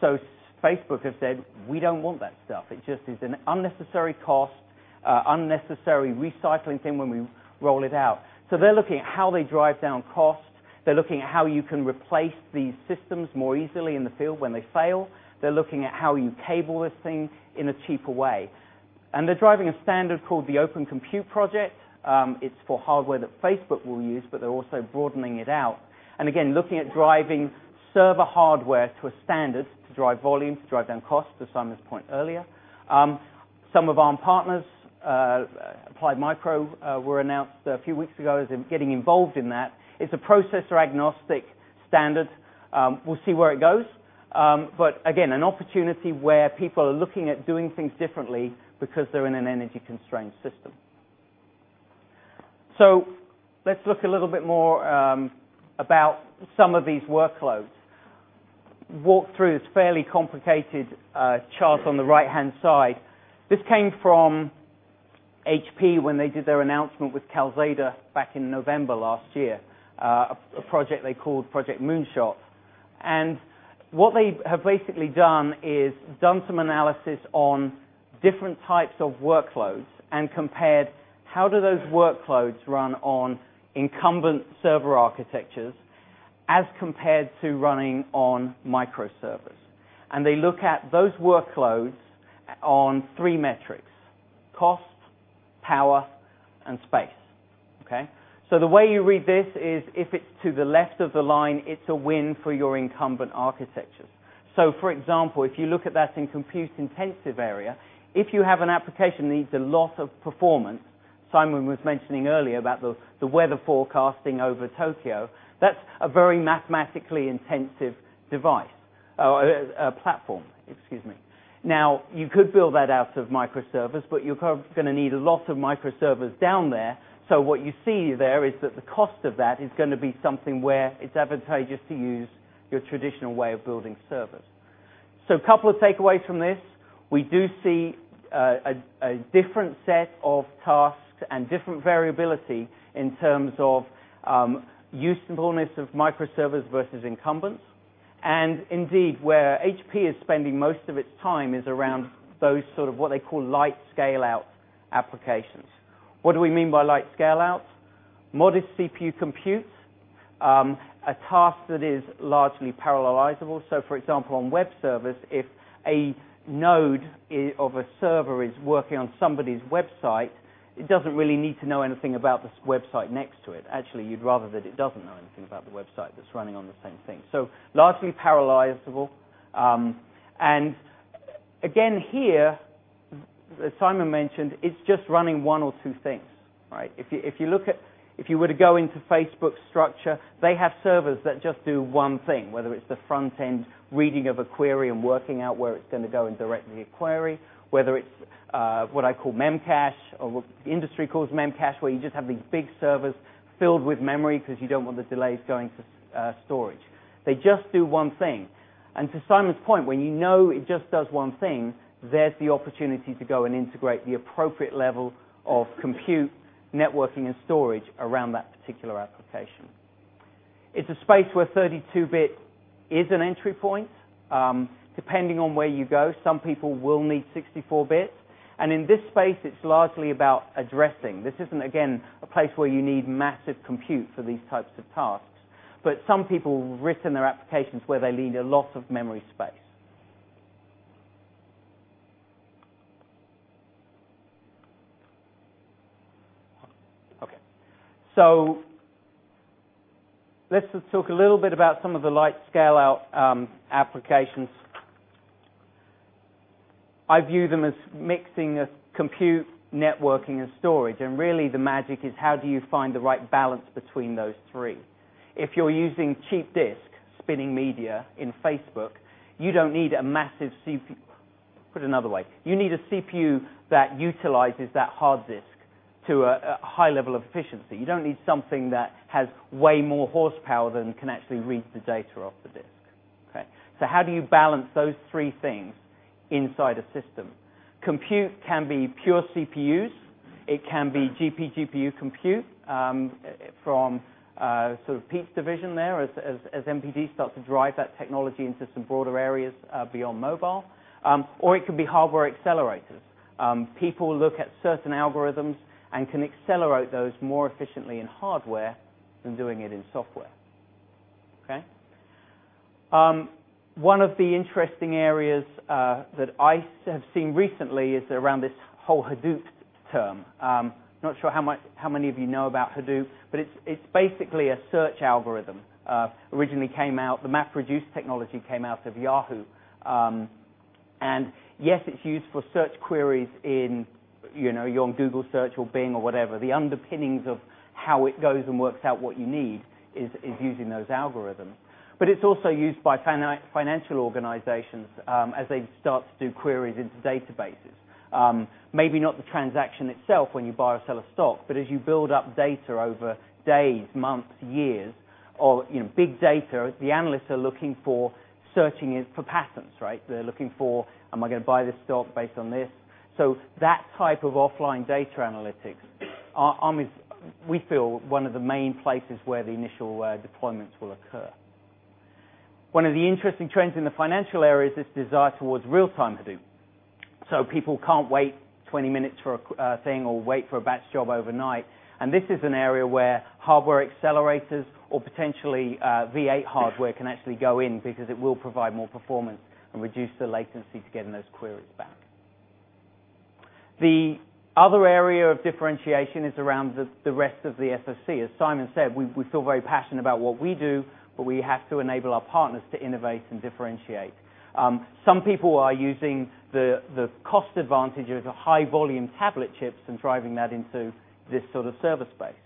Facebook have said, "We do not want that stuff." It just is an unnecessary cost, unnecessary recycling thing when we roll it out. They are looking at how they drive down cost. They are looking at how you can replace these systems more easily in the field when they fail. They are looking at how you cable this thing in a cheaper way. They are driving a standard called the Open Compute Project. It is for hardware that Facebook will use, but they are also broadening it out. Again, looking at driving server hardware to a standard to drive volume, to drive down cost, to Simon's point earlier. Some of Arm partners, Applied Micro, were announced a few weeks ago as getting involved in that. It is a processor-agnostic standard. We will see where it goes. Again, an opportunity where people are looking at doing things differently because they are in an energy-constrained system. Let us look a little bit more about some of these workloads. Walk through this fairly complicated chart on the right-hand side. This came from HP when they did their announcement with Calxeda back in November last year, a project they called Project Moonshot. What they have basically done is done some analysis on different types of workloads and compared how do those workloads run on incumbent server architectures as compared to running on microservers. They look at those workloads on three metrics, cost, power, and space. Okay. The way you read this is if it's to the left of the line, it's a win for your incumbent architectures. For example, if you look at that in compute-intensive area, if you have an application that needs a lot of performance, Simon was mentioning earlier about the weather forecasting over Tokyo, that's a very mathematically intensive platform, excuse me. Now, you could build that out of microservers, but you're going to need a lot of microservers down there. What you see there is that the cost of that is going to be something where it's advantageous to use your traditional way of building servers. A couple of takeaways from this. We do see a different set of tasks and different variability in terms of usefulness of microservers versus incumbents. Indeed, where HP is spending most of its time is around those sort of what they call light scale-out applications. What do we mean by light scale-out? Modest CPU compute, a task that is largely parallelizable. For example, on web servers, if a node of a server is working on somebody's website, it doesn't really need to know anything about the website next to it. Actually, you'd rather that it doesn't know anything about the website that's running on the same thing. Largely parallelizable. Again, here, as Simon mentioned, it's just running one or two things. If you were to go into Facebook's structure, they have servers that just do one thing, whether it's the front end reading of a query and working out where it's going to go and directing a query, whether it's what I call Memcache, or the industry calls Memcache, where you just have these big servers filled with memory because you don't want the delays going to storage. They just do one thing. To Simon's point, when you know it just does one thing, there's the opportunity to go and integrate the appropriate level of compute, networking, and storage around that particular application. It's a space where 32-bit is an entry point. Depending on where you go, some people will need 64-bit. In this space, it's largely about addressing. This isn't, again, a place where you need massive compute for these types of tasks. Some people have written their applications where they need a lot of memory space. Okay. Let's just talk a little bit about some of the light scale-out applications. I view them as mixing of compute, networking, and storage. Really the magic is how do you find the right balance between those three? If you're using cheap disk, spinning media in Facebook, you don't need a massive CPU. Put it another way. You need a CPU that utilizes that hard disk to a high level of efficiency. You don't need something that has way more horsepower than can actually read the data off the disk. Okay. How do you balance those three things inside a system? Compute can be pure CPUs. It can be GPGPU compute from sort of Pete's Media Processing division there as MPD start to drive that technology into some broader areas beyond mobile. Or it could be hardware accelerators. People look at certain algorithms and can accelerate those more efficiently in hardware than doing it in software. Okay. One of the interesting areas that I have seen recently is around this whole Hadoop term. Not sure how many of you know about Hadoop, but it's basically a search algorithm. Originally came out, the MapReduce technology came out of Yahoo. Yes, it's used for search queries in your Google search or Bing or whatever. The underpinnings of how it goes and works out what you need is using those algorithms. It's also used by financial organizations as they start to do queries into databases. Maybe not the transaction itself when you buy or sell a stock, but as you build up data over days, months, years, or big data, the analysts are looking for searching for patterns, right? They're looking for, am I going to buy this stock based on this? That type of offline data analytics, we feel one of the main places where the initial deployments will occur. One of the interesting trends in the financial area is this desire towards real-time Hadoop. People can't wait 20 minutes for a thing or wait for a batch job overnight. This is an area where hardware accelerators or potentially V8 hardware can actually go in because it will provide more performance and reduce the latency to getting those queries back. The other area of differentiation is around the rest of the SoC. As Simon said, we feel very passionate about what we do, but we have to enable our partners to innovate and differentiate. Some people are using the cost advantage of the high volume tablet chips and driving that into this sort of server space.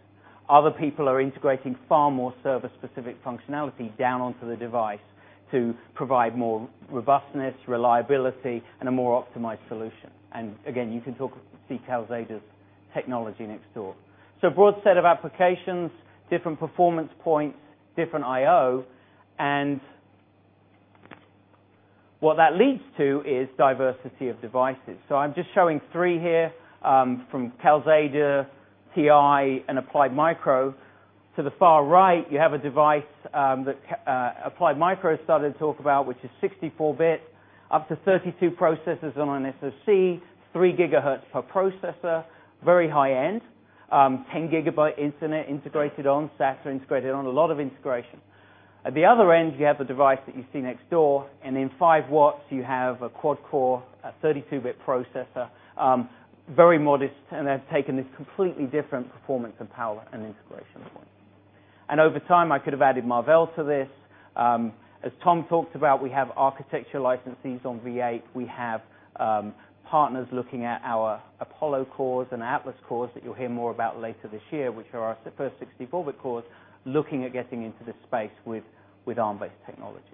Other people are integrating far more server-specific functionality down onto the device to provide more robustness, reliability, and a more optimized solution. Again, you can talk with details at Calxeda's technology next door. Broad set of applications, different performance points, different IO, and what that leads to is diversity of devices. I'm just showing three here, from Calxeda, TI, and Applied Micro. To the far right, you have a device that Applied Micro started to talk about, which is 64-bit, up to 32 processors on an SoC, 3 gigahertz per processor, very high-end, 10 Gigabyte internet integrated on, SATA integrated on. A lot of integration. At the other end, you have the device that you see next door, and in 5 watts, you have a quad-core 32-bit processor. Very modest, and they've taken this completely different performance and power and integration point. Over time, I could have added Marvell to this. As Tom talked about, we have architecture licensees on V8. We have partners looking at our Apollo cores and Atlas cores that you'll hear more about later this year, which are our first 64-bit cores, looking at getting into this space with Arm-based technology.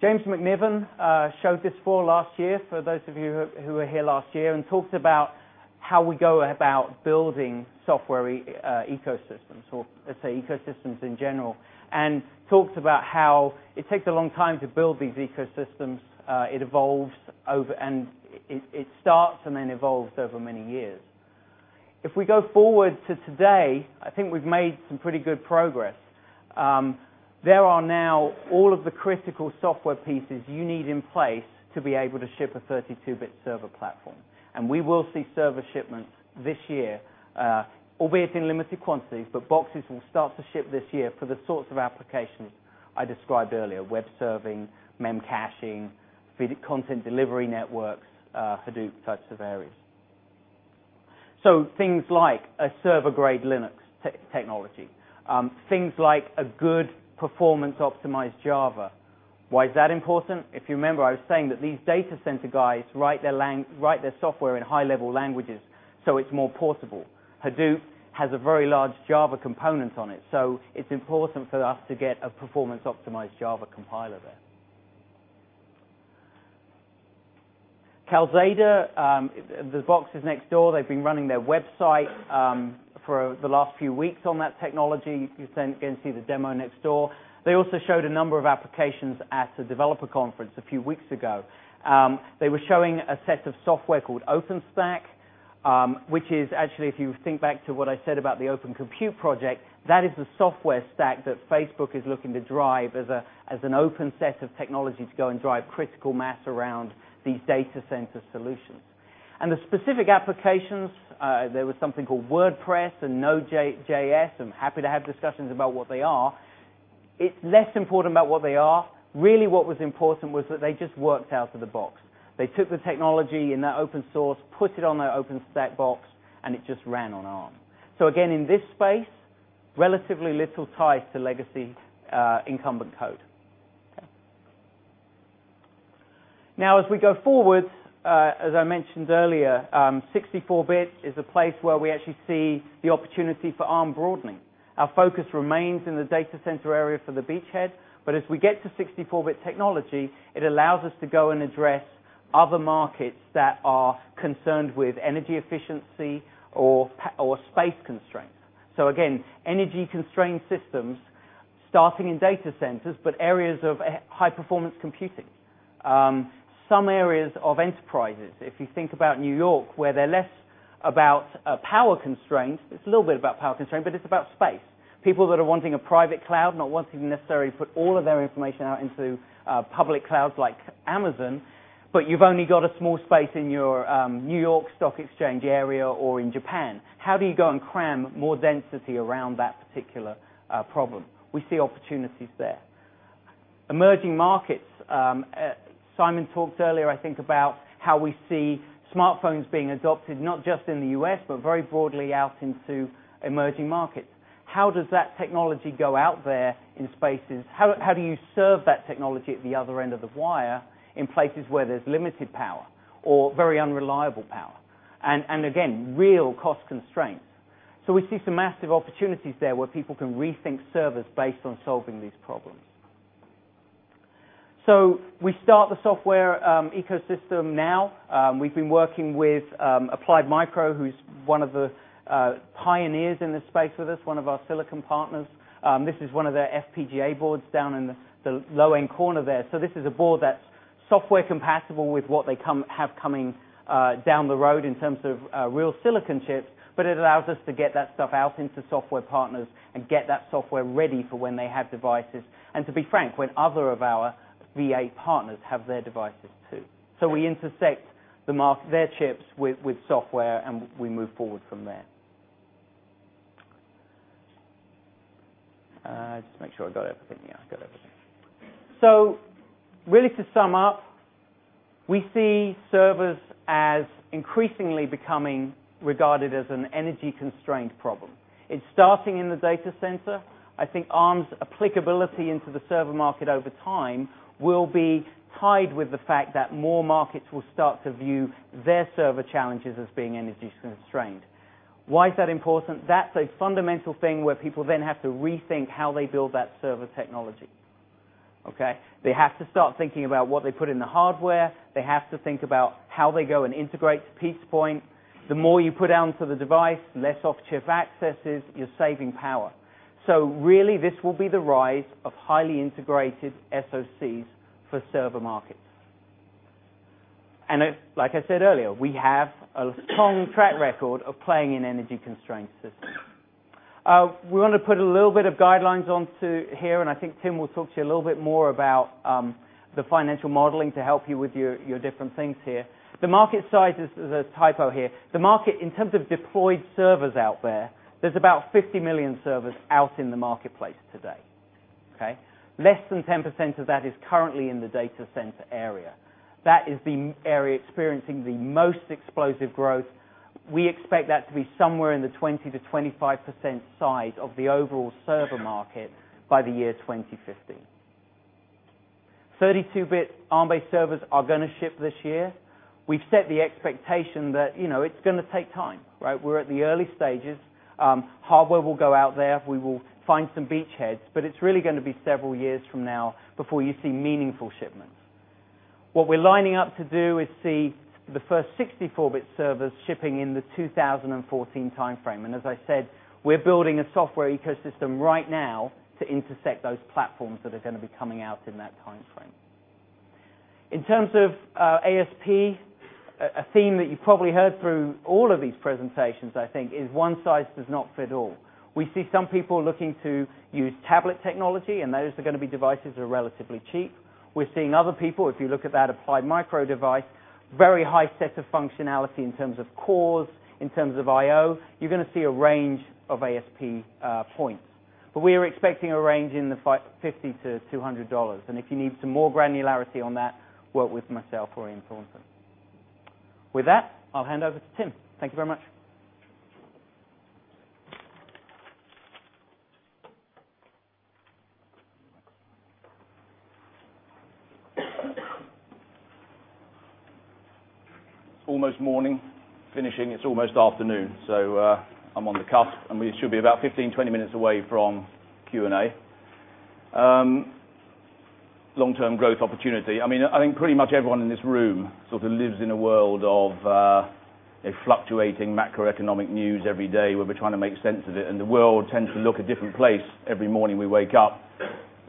James McNiven showed this fall last year, for those of you who were here last year, and talked about how we go about building software ecosystems, or let's say ecosystems in general. Talked about how it takes a long time to build these ecosystems. It starts and then evolves over many years. If we go forward to today, I think we've made some pretty good progress. There are now all of the critical software pieces you need in place to be able to ship a 32-bit server platform. We will see server shipments this year, albeit in limited quantities, but boxes will start to ship this year for the sorts of applications I described earlier. Web serving, Memcached, content delivery networks, Hadoop types of areas. Things like a server-grade Linux technology. Things like a good performance optimized Java. Why is that important? If you remember, I was saying that these data center guys write their software in high-level languages, so it's more portable. Hadoop has a very large Java component on it, so it's important for us to get a performance optimized Java compiler there. Calxeda, the boxes next door, they've been running their website for the last few weeks on that technology. You're going to see the demo next door. They also showed a number of applications at the developer conference a few weeks ago. They were showing a set of software called OpenStack. That is actually, if you think back to what I said about the Open Compute Project, that is the software stack that Facebook is looking to drive as an open set of technology to go and drive critical mass around these data center solutions. The specific applications, there was something called WordPress and Node.js. I'm happy to have discussions about what they are. It's less important about what they are. Really what was important was that they just worked out of the box. They took the technology in that open source, put it on their OpenStack box, and it just ran on Arm. Again, in this space, relatively little ties to legacy incumbent code. Now, as we go forward, as I mentioned earlier, 64-bit is a place where we actually see the opportunity for Arm broadening. Our focus remains in the data center area for the beachhead, but as we get to 64-bit technology, it allows us to go and address other markets that are concerned with energy efficiency or space constraints. Again, energy constraint systems starting in data centers, but areas of high performance computing. Some areas of enterprises. If you think about New York, where they're less about power constraints. It's a little bit about power constraint, but it's about space. People that are wanting a private cloud, not wanting to necessarily put all of their information out into public clouds like Amazon, but you've only got a small space in your New York Stock Exchange area or in Japan. How do you go and cram more density around that particular problem? We see opportunities there. Emerging markets. Simon talked earlier, I think, about how we see smartphones being adopted, not just in the U.S., but very broadly out into emerging markets. How does that technology go out there in spaces? How do you serve that technology at the other end of the wire in places where there's limited power or very unreliable power? Again, real cost constraints. We see some massive opportunities there where people can rethink servers based on solving these problems. We start the software ecosystem now. We've been working with Applied Micro, who's one of the pioneers in this space with us, one of our silicon partners. This is one of their FPGA boards down in the low-end corner there. This is a board that's software compatible with what they have coming down the road in terms of real silicon chips, but it allows us to get that stuff out into software partners and get that software ready for when they have devices. To be frank, when other of our V8 partners have their devices too. We intersect their chips with software, and we move forward from there. Just make sure I've got everything. Yeah, I've got everything. Really to sum up, we see servers as increasingly becoming regarded as an energy constraint problem. It's starting in the data center. I think Arm's applicability into the server market over time will be tied with the fact that more markets will start to view their server challenges as being energy constrained. Why is that important? That's a fundamental thing where people then have to rethink how they build that server technology. Okay? They have to start thinking about what they put in the hardware. They have to think about how they go and integrate to piece point. The more you put onto the device, the less off-chip accesses, you're saving power. Really this will be the rise of highly integrated SoCs for server markets. Like I said earlier, we have a strong track record of playing in energy constraint systems. We want to put a little bit of guidelines onto here, and I think Tim will talk to you a little bit more about the financial modeling to help you with your different things here. The market size, there's a typo here. The market in terms of deployed servers out there's about 50 million servers out in the marketplace today. Okay? Less than 10% of that is currently in the data center area. That is the area experiencing the most explosive growth. We expect that to be somewhere in the 20%-25% size of the overall server market by the year 2050. 32-bit Arm-based servers are gonna ship this year. We've set the expectation that it's gonna take time, right? We're at the early stages. Hardware will go out there. We will find some beachheads, it's really gonna be several years from now before you see meaningful shipments. What we're lining up to do is see the first 64-bit servers shipping in the 2014 timeframe. As I said, we're building a software ecosystem right now to intersect those platforms that are gonna be coming out in that timeframe. In terms of ASP, a theme that you probably heard through all of these presentations, I think, is one size does not fit all. We see some people looking to use tablet technology, and those are gonna be devices that are relatively cheap. We're seeing other people, if you look at that Applied Micro device, very high set of functionality in terms of cores, in terms of IO. You're gonna see a range of ASP points. We are expecting a range in the $50-$200. If you need some more granularity on that, work with myself or Ian Thornton. With that, I'll hand over to Tim. Thank you very much. It's almost morning. Finishing, it's almost afternoon. I'm on the cusp, and we should be about 15, 20 minutes away from Q&A. Long-term growth opportunity. I think pretty much everyone in this room sort of lives in a world of fluctuating macroeconomic news every day where we're trying to make sense of it, and the world tends to look a different place every morning we wake up.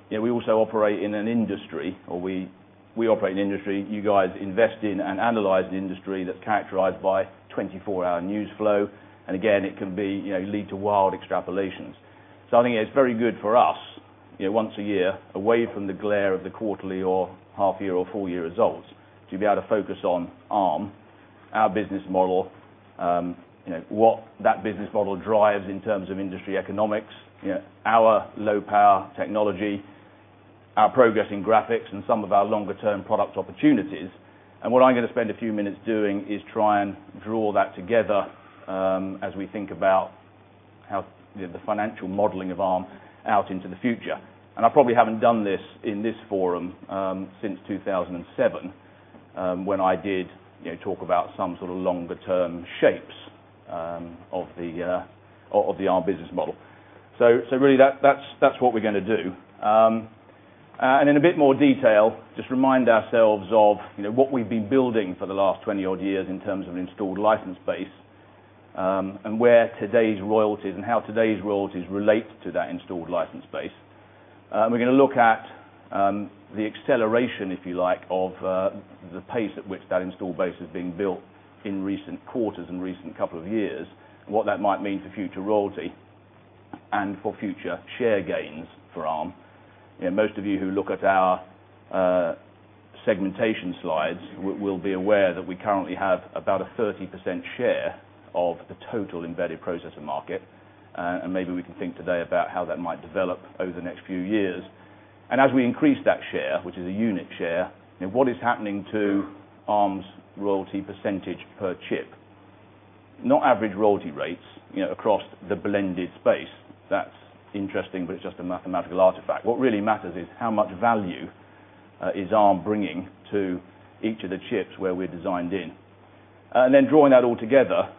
We also operate in an industry, you guys invest in and analyze an industry that's characterized by 24-hour news flow. Again, it can lead to wild extrapolations. I think it's very good for us, once a year, away from the glare of the quarterly or half-year or full-year results, to be able to focus on Arm, our business model, what that business model drives in terms of industry economics, our low power technology, our progress in graphics, and some of our longer term product opportunities. What I'm gonna spend a few minutes doing is try and draw that together as we think about the financial modeling of Arm out into the future. I probably haven't done this in this forum since 2007, when I did talk about some sort of longer term shapes of the Arm business model. Really, that's what we're gonna do. In a bit more detail, just remind ourselves of what we've been building for the last 20 odd years in terms of installed license base, and where today's royalties and how today's royalties relate to that installed license base. We're gonna look at the acceleration, if you like, of the pace at which that installed base has been built in recent quarters and recent couple of years, and what that might mean for future royalty and for future share gains for Arm. Most of you who look at our segmentation slides will be aware that we currently have about a 30% share of the total embedded processor market. Maybe we can think today about how that might develop over the next few years. As we increase that share, which is a unit share, what is happening to Arm's royalty % per chip? Not average royalty rates across the blended space. That's interesting, but it's just a mathematical artifact. What really matters is how much value is Arm bringing to each of the chips where we're designed in. Drawing that all together,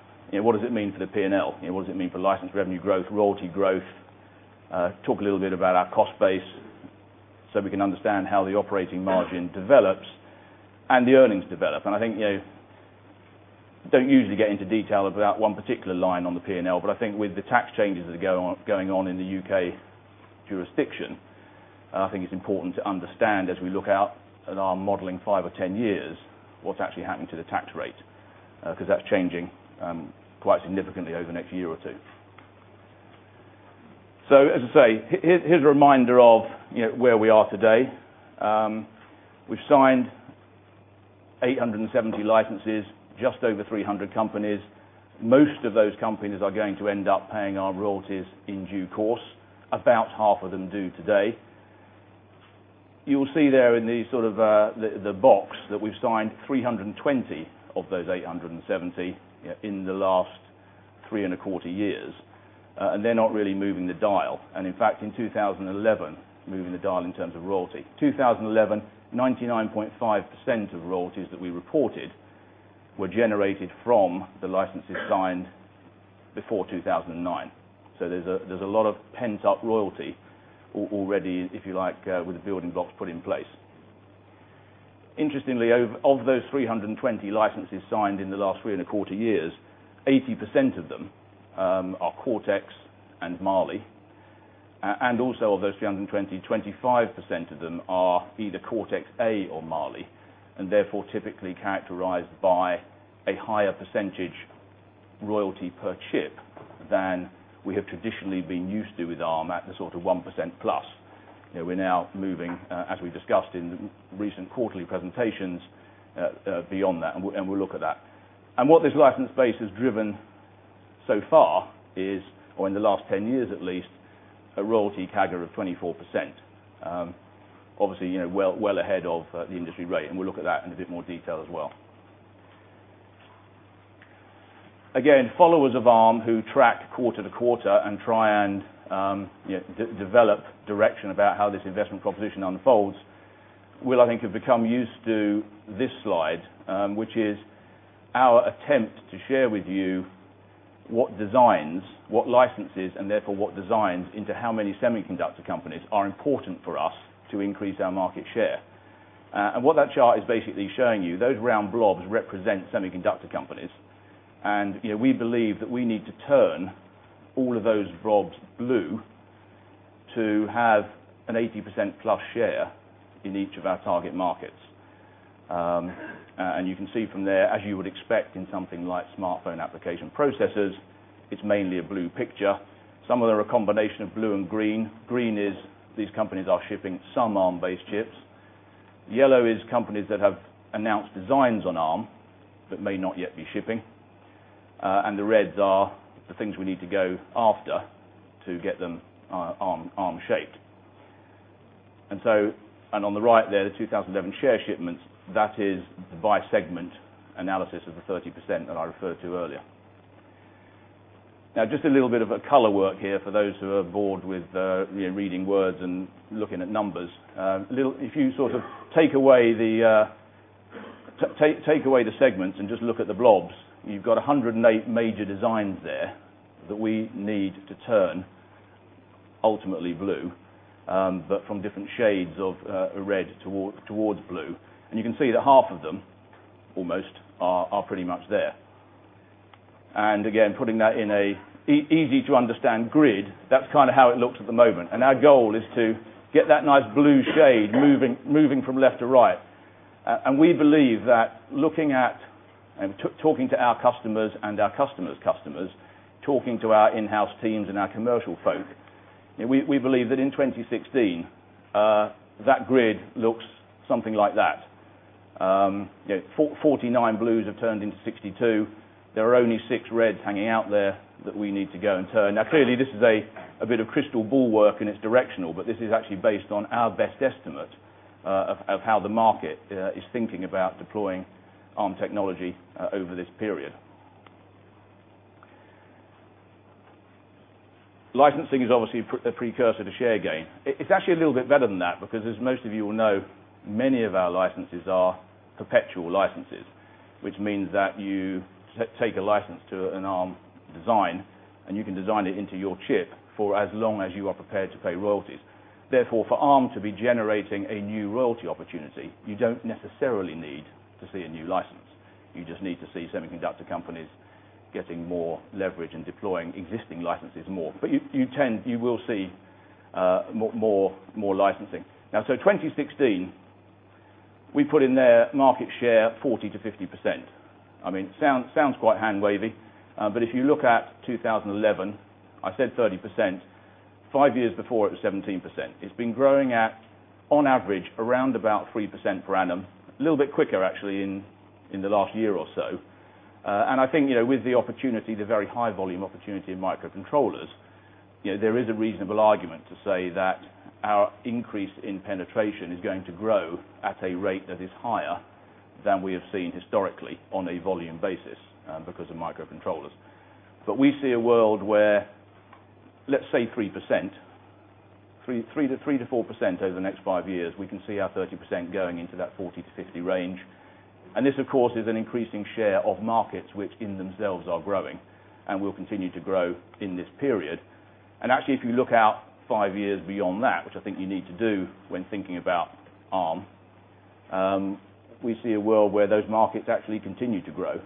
what does it mean for the P&L? What does it mean for license revenue growth, royalty growth? Talk a little bit about our cost base so we can understand how the operating margin develops and the earnings develop. I don't usually get into detail about one particular line on the P&L, but I think with the tax changes that are going on in the U.K. jurisdiction, I think it's important to understand as we look out at our modeling five or 10 years, what's actually happening to the tax rate. That's changing quite significantly over the next year or two. As I say, here's a reminder of where we are today. We've signed 870 licenses, just over 300 companies. Most of those companies are going to end up paying our royalties in due course. About half of them do today. You will see there in the box that we've signed 320 of those 870 in the last three and a quarter years, they're not really moving the dial. In fact, in 2011, moving the dial in terms of royalty. 2011, 99.5% of royalties that we reported were generated from the licenses signed before 2009. There's a lot of pent-up royalty already, if you like, with the building blocks put in place. Interestingly, of those 320 licenses signed in the last three and a quarter years, 80% of them are Cortex and Mali. Of those 320, 25% of them are either Cortex-A or Mali, and therefore typically characterized by a higher percentage royalty per chip than we have traditionally been used to with Arm at the sort of 1% plus. We're now moving, as we discussed in recent quarterly presentations, beyond that, and we'll look at that. What this license base has driven so far is, or in the last 10 years at least, a royalty CAGR of 24%. Obviously, well ahead of the industry rate, and we'll look at that in a bit more detail as well. Again, followers of Arm who track quarter to quarter and try and develop direction about how this investment proposition unfolds will, I think, have become used to this slide, which is our attempt to share with you what designs, what licenses, and therefore what designs into how many semiconductor companies are important for us to increase our market share. What that chart is basically showing you, those round blobs represent semiconductor companies. We believe that we need to turn all of those blobs blue to have an 80% plus share in each of our target markets. You can see from there, as you would expect in something like smartphone application processors, it's mainly a blue picture. Some of them are a combination of blue and green. Green is these companies are shipping some Arm-based chips. Yellow is companies that have announced designs on Arm that may not yet be shipping. The reds are the things we need to go after to get them Arm shaped. On the right there, the 2011 share shipments, that is by segment analysis of the 30% that I referred to earlier. Just a little bit of a color work here for those who are bored with reading words and looking at numbers. If you take away the segments and just look at the blobs, you've got 108 major designs there that we need to turn ultimately blue. From different shades of red towards blue. You can see that half of them, almost, are pretty much there. Again, putting that in a easy-to-understand grid, that's how it looks at the moment. Our goal is to get that nice blue shade moving from left to right. We believe that looking at and talking to our customers and our customer's customers, talking to our in-house teams and our commercial folk, we believe that in 2016, that grid looks something like that. 49 blues have turned into 62. There are only six reds hanging out there that we need to go and turn. Clearly, this is a bit of crystal ball work, and it's directional, but this is actually based on our best estimate of how the market is thinking about deploying Arm technology over this period. Licensing is obviously a precursor to share gain. It's actually a little bit better than that because, as most of you will know, many of our licenses are perpetual licenses, which means that you take a license to an Arm design, and you can design it into your chip for as long as you are prepared to pay royalties. Therefore, for Arm to be generating a new royalty opportunity, you don't necessarily need to see a new license. You just need to see semiconductor companies getting more leverage and deploying existing licenses more. You will see more licensing. 2016, we put in their market share 40%-50%. Sounds quite hand-wavy. If you look at 2011, I said 30%. Five years before, it was 17%. It's been growing at, on average, around about 3% per annum. A little bit quicker, actually, in the last year or so. I think with the opportunity, the very high volume opportunity in microcontrollers, there is a reasonable argument to say that our increase in penetration is going to grow at a rate that is higher than we have seen historically on a volume basis because of microcontrollers. We see a world where, let's say 3%. 3%-4% over the next five years, we can see our 30% going into that 40%-50% range. This, of course, is an increasing share of markets which in themselves are growing and will continue to grow in this period. Actually, if you look out five years beyond that, which I think you need to do when thinking about Arm, we see a world where those markets actually continue to grow.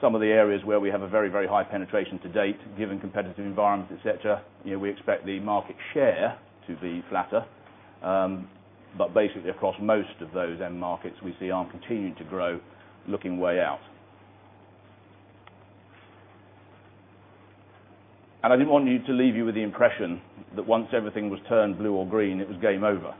Some of the areas where we have a very, very high penetration to date, given competitive environment, et cetera, we expect the market share to be flatter. Basically across most of those end markets, we see Arm continue to grow looking way out. I didn't want to leave you with the impression that once everything was turned blue or green, it was game over.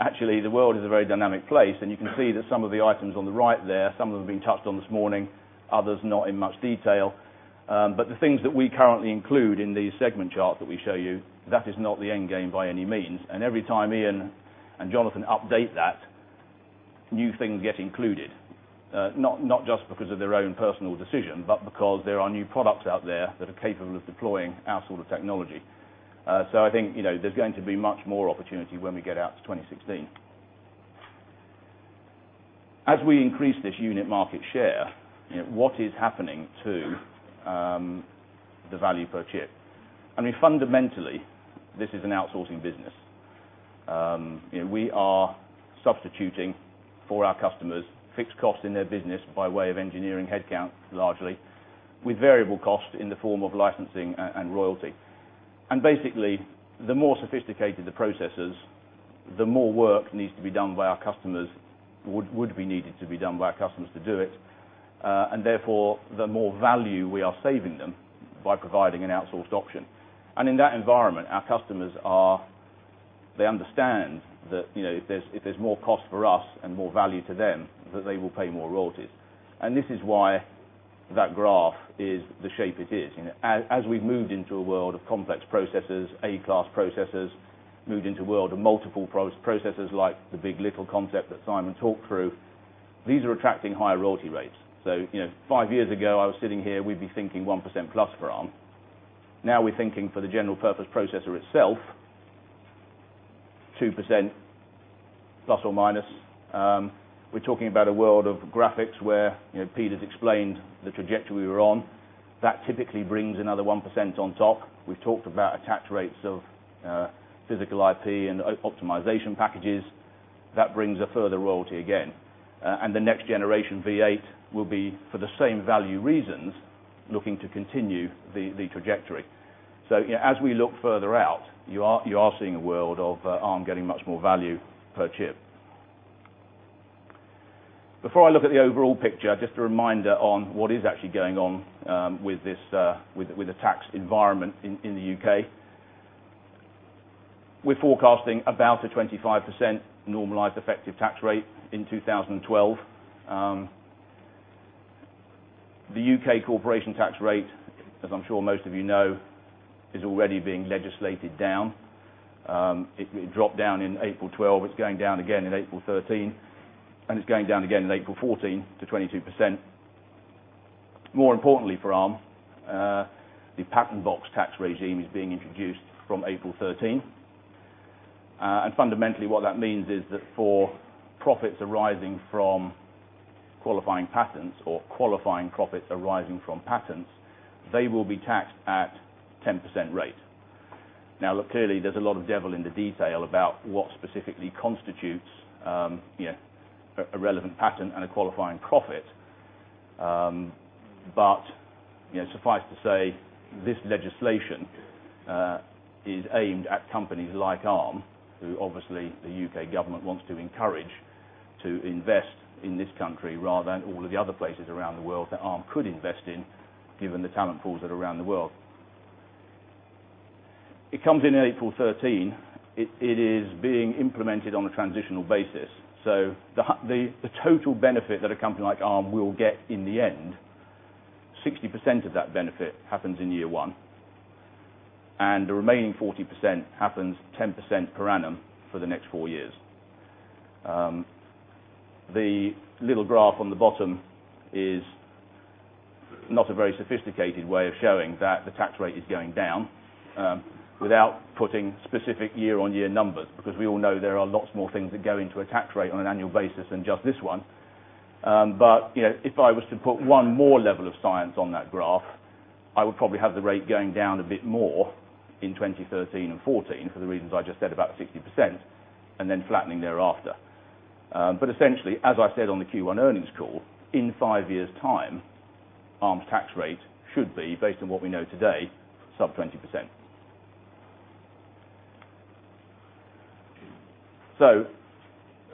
Actually, the world is a very dynamic place, and you can see that some of the items on the right there, some of them have been touched on this morning, others not in much detail. The things that we currently include in the segment chart that we show you, that is not the end game by any means. Every time Ian and Jonathan update that, new things get included. Not just because of their own personal decision, but because there are new products out there that are capable of deploying our sort of technology. I think there's going to be much more opportunity when we get out to 2016. As we increase this unit market share, what is happening to the value per chip? I mean, fundamentally, this is an outsourcing business. We are substituting for our customers fixed costs in their business by way of engineering headcount, largely, with variable cost in the form of licensing and royalty. Basically, the more sophisticated the processors, the more work needs to be done by our customers, would be needed to be done by our customers to do it. Therefore, the more value we are saving them by providing an outsourced option. In that environment, our customers understand that if there's more cost for us and more value to them, that they will pay more royalties. This is why that graph is the shape it is. As we've moved into a world of complex processors, A-class processors, moved into a world of multiple processors like the big. LITTLE concept that Simon talked through, these are attracting higher royalty rates. Five years ago I was sitting here, we'd be thinking 1% plus for Arm. Now we're thinking for the general purpose processor itself, 2% plus or minus. We're talking about a world of graphics where Pete's explained the trajectory we were on. That typically brings another 1% on top. We've talked about attach rates of physical IP and optimization packages. That brings a further royalty again. The next generation V8 will be for the same value reasons, looking to continue the trajectory. As we look further out, you are seeing a world of Arm getting much more value per chip. Before I look at the overall picture, just a reminder on what is actually going on with the tax environment in the U.K. We're forecasting about a 25% normalized effective tax rate in 2012. The U.K. corporation tax rate, as I'm sure most of you know, is already being legislated down. It dropped down in April 2012. It's going down again in April 2013. It's going down again in April 2014 to 22%. More importantly for Arm, the Patent Box tax regime is being introduced from April 2013. Fundamentally what that means is that for profits arising from qualifying patents or qualifying profits arising from patents, they will be taxed at 10% rate. Clearly, there's a lot of devil in the detail about what specifically constitutes a relevant patent and a qualifying profit. Suffice to say, this legislation is aimed at companies like Arm, who obviously the U.K. government wants to encourage to invest in this country rather than all of the other places around the world that Arm could invest in given the talent pools that are around the world. It comes in in April 2013. It is being implemented on a transitional basis. The total benefit that a company like Arm will get in the end, 60% of that benefit happens in year one, and the remaining 40% happens 10% per annum for the next four years. The little graph on the bottom is not a very sophisticated way of showing that the tax rate is going down without putting specific year-on-year numbers, because we all know there are lots more things that go into a tax rate on an annual basis than just this one. If I was to put one more level of science on that graph, I would probably have the rate going down a bit more in 2013 and 2014 for the reasons I just said about 60%, and then flattening thereafter. Essentially, as I said on the Q1 earnings call, in five years' time, Arm's tax rate should be, based on what we know today, sub 20%.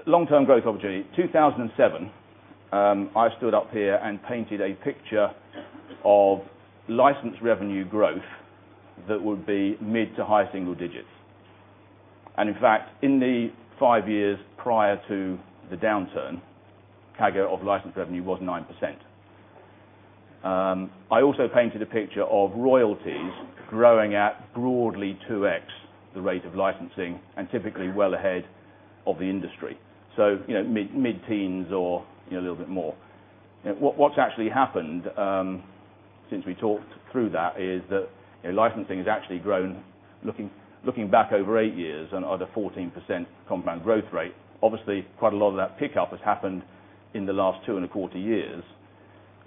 Long-term growth opportunity. 2007, I stood up here and painted a picture of license revenue growth that would be mid to high single digits. In fact, in the five years prior to the downturn, CAGR of license revenue was 9%. I also painted a picture of royalties growing at broadly 2x the rate of licensing and typically well ahead of the industry. Mid-teens or a little bit more. What's actually happened since we talked through that is that licensing has actually grown. Looking back over eight years and at a 14% compound growth rate, obviously quite a lot of that pickup has happened in the last two and a quarter years,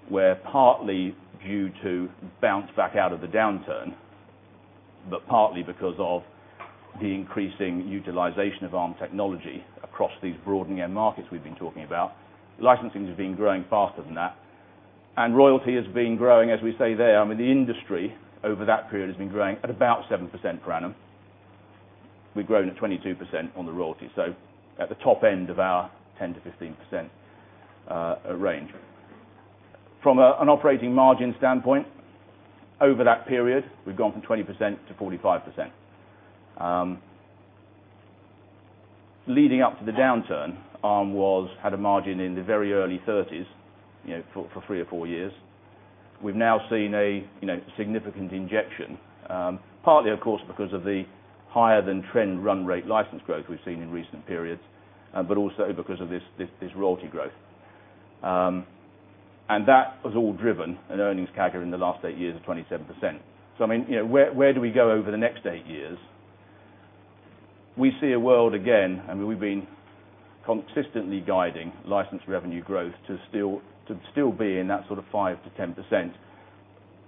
where partly due to bounce back out of the downturn, but partly because of the increasing utilization of Arm technology across these broadening end markets we've been talking about. Licensing has been growing faster than that. Royalty has been growing, as we say there. I mean, the industry over that period has been growing at about 7% per annum. We've grown at 22% on the royalty, at the top end of our 10%-15% range. From an operating margin standpoint, over that period, we've gone from 20%-45%. Leading up to the downturn, Arm had a margin in the very early 30s for three or four years. We've now seen a significant injection. Partly, of course, because of the higher than trend run rate license growth we've seen in recent periods, but also because of this royalty growth. That was all driven, an earnings CAGR in the last eight years of 27%. Where do we go over the next eight years? We see a world, again We've been consistently guiding license revenue growth to still be in that sort of 5%-10%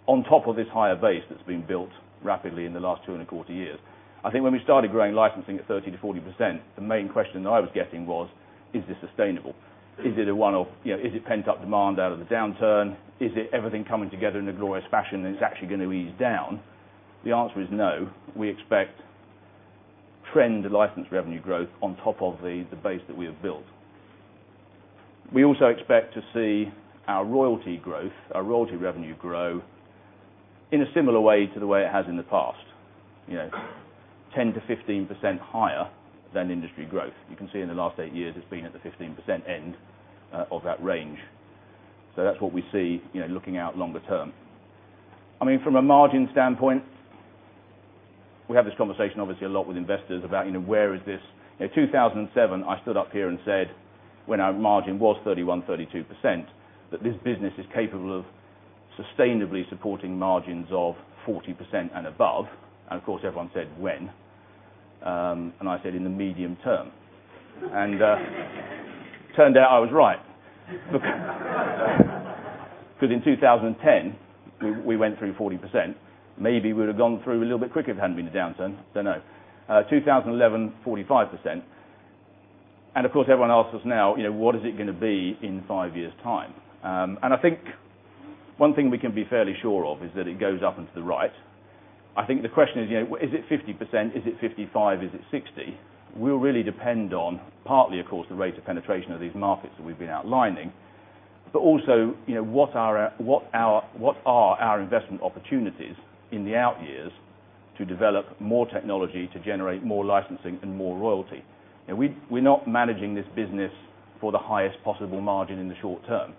on top of this higher base that's been built rapidly in the last two and a quarter years. I think when we started growing licensing at 30%-40%, the main question that I was getting was, is this sustainable? Is it pent-up demand out of the downturn? Is it everything coming together in a glorious fashion, and it's actually going to ease down? The answer is no. We expect trend license revenue growth on top of the base that we have built. We also expect to see our royalty growth, our royalty revenue grow in a similar way to the way it has in the past, 10%-15% higher than industry growth. You can see in the last eight years, it's been at the 15% end of that range. That's what we see looking out longer term. From a margin standpoint, we have this conversation obviously a lot with investors about where is this 2007, I stood up here and said, when our margin was 31%-32%, that this business is capable of sustainably supporting margins of 40% and above. Of course, everyone said, "When?" I said, "In the medium term." Turned out I was right. In 2010, we went through 40%. Maybe we would've gone through a little bit quicker if it hadn't been a downturn. Don't know. 2011, 45%. Of course, everyone asks us now, what is it going to be in five years' time? I think one thing we can be fairly sure of is that it goes up into the right. I think the question is it 50%? Is it 55%? Is it 60%? Will really depend on partly, of course, the rate of penetration of these markets that we've been outlining, but also what are our investment opportunities in the out years to develop more technology to generate more licensing and more royalty. We're not managing this business for the highest possible margin in the short term.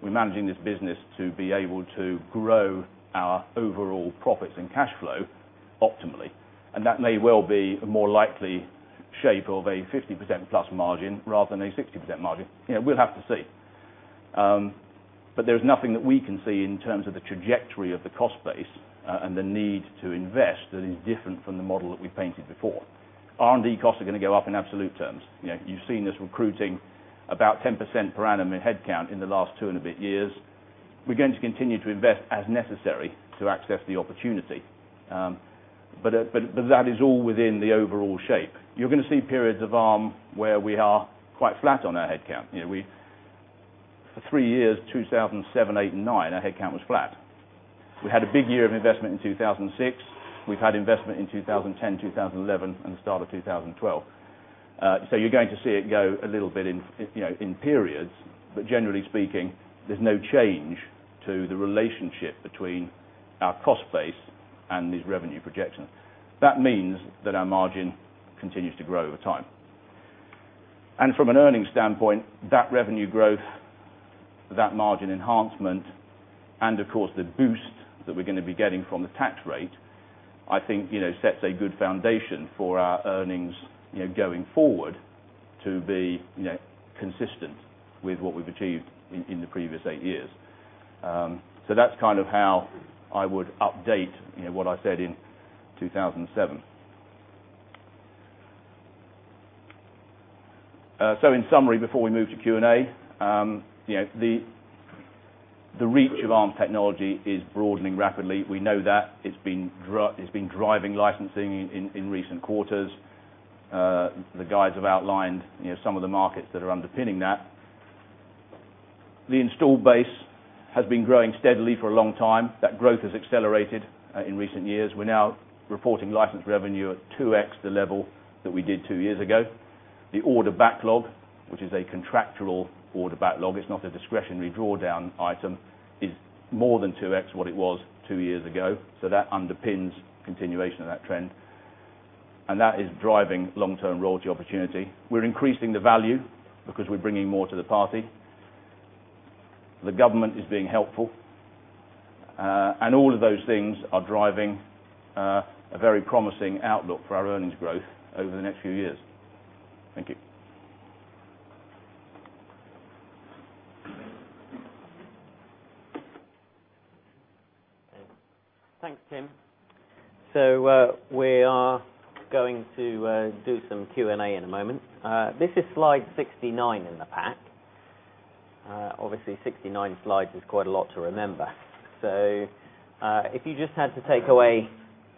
We're managing this business to be able to grow our overall profits and cash flow optimally, and that may well be a more likely shape of a 50%-plus margin rather than a 60% margin. We'll have to see. There's nothing that we can see in terms of the trajectory of the cost base, and the need to invest that is different from the model that we've painted before. R&D costs are going to go up in absolute terms. You've seen us recruiting about 10% per annum in headcount in the last two and a bit years. We're going to continue to invest as necessary to access the opportunity. That is all within the overall shape. You're going to see periods of Arm where we are quite flat on our headcount. For three years, 2007, 2008, and 2009, our headcount was flat. We had a big year of investment in 2006. We've had investment in 2010, 2011, and the start of 2012. You're going to see it go a little bit in periods. Generally speaking, there's no change to the relationship between our cost base and these revenue projections. That means that our margin continues to grow over time. From an earnings standpoint, that revenue growth, that margin enhancement, and of course, the boost that we're going to be getting from the tax rate, I think sets a good foundation for our earnings going forward to be consistent with what we've achieved in the previous eight years. That's kind of how I would update what I said in 2007. In summary, before we move to Q&A, the reach of Arm technology is broadening rapidly. We know that. It's been driving licensing in recent quarters. The guys have outlined some of the markets that are underpinning that. The installed base has been growing steadily for a long time. That growth has accelerated in recent years. We're now reporting license revenue at 2x the level that we did two years ago. The order backlog, which is a contractual order backlog, it's not a discretionary drawdown item, is more than 2x what it was two years ago. That underpins continuation of that trend. That is driving long-term royalty opportunity. We're increasing the value because we're bringing more to the party. The government is being helpful. All of those things are driving a very promising outlook for our earnings growth over the next few years. Thank you. Thanks, Tim. We are going to do some Q&A in a moment. This is slide 69 in the pack. Obviously, 69 slides is quite a lot to remember. If you just had to take away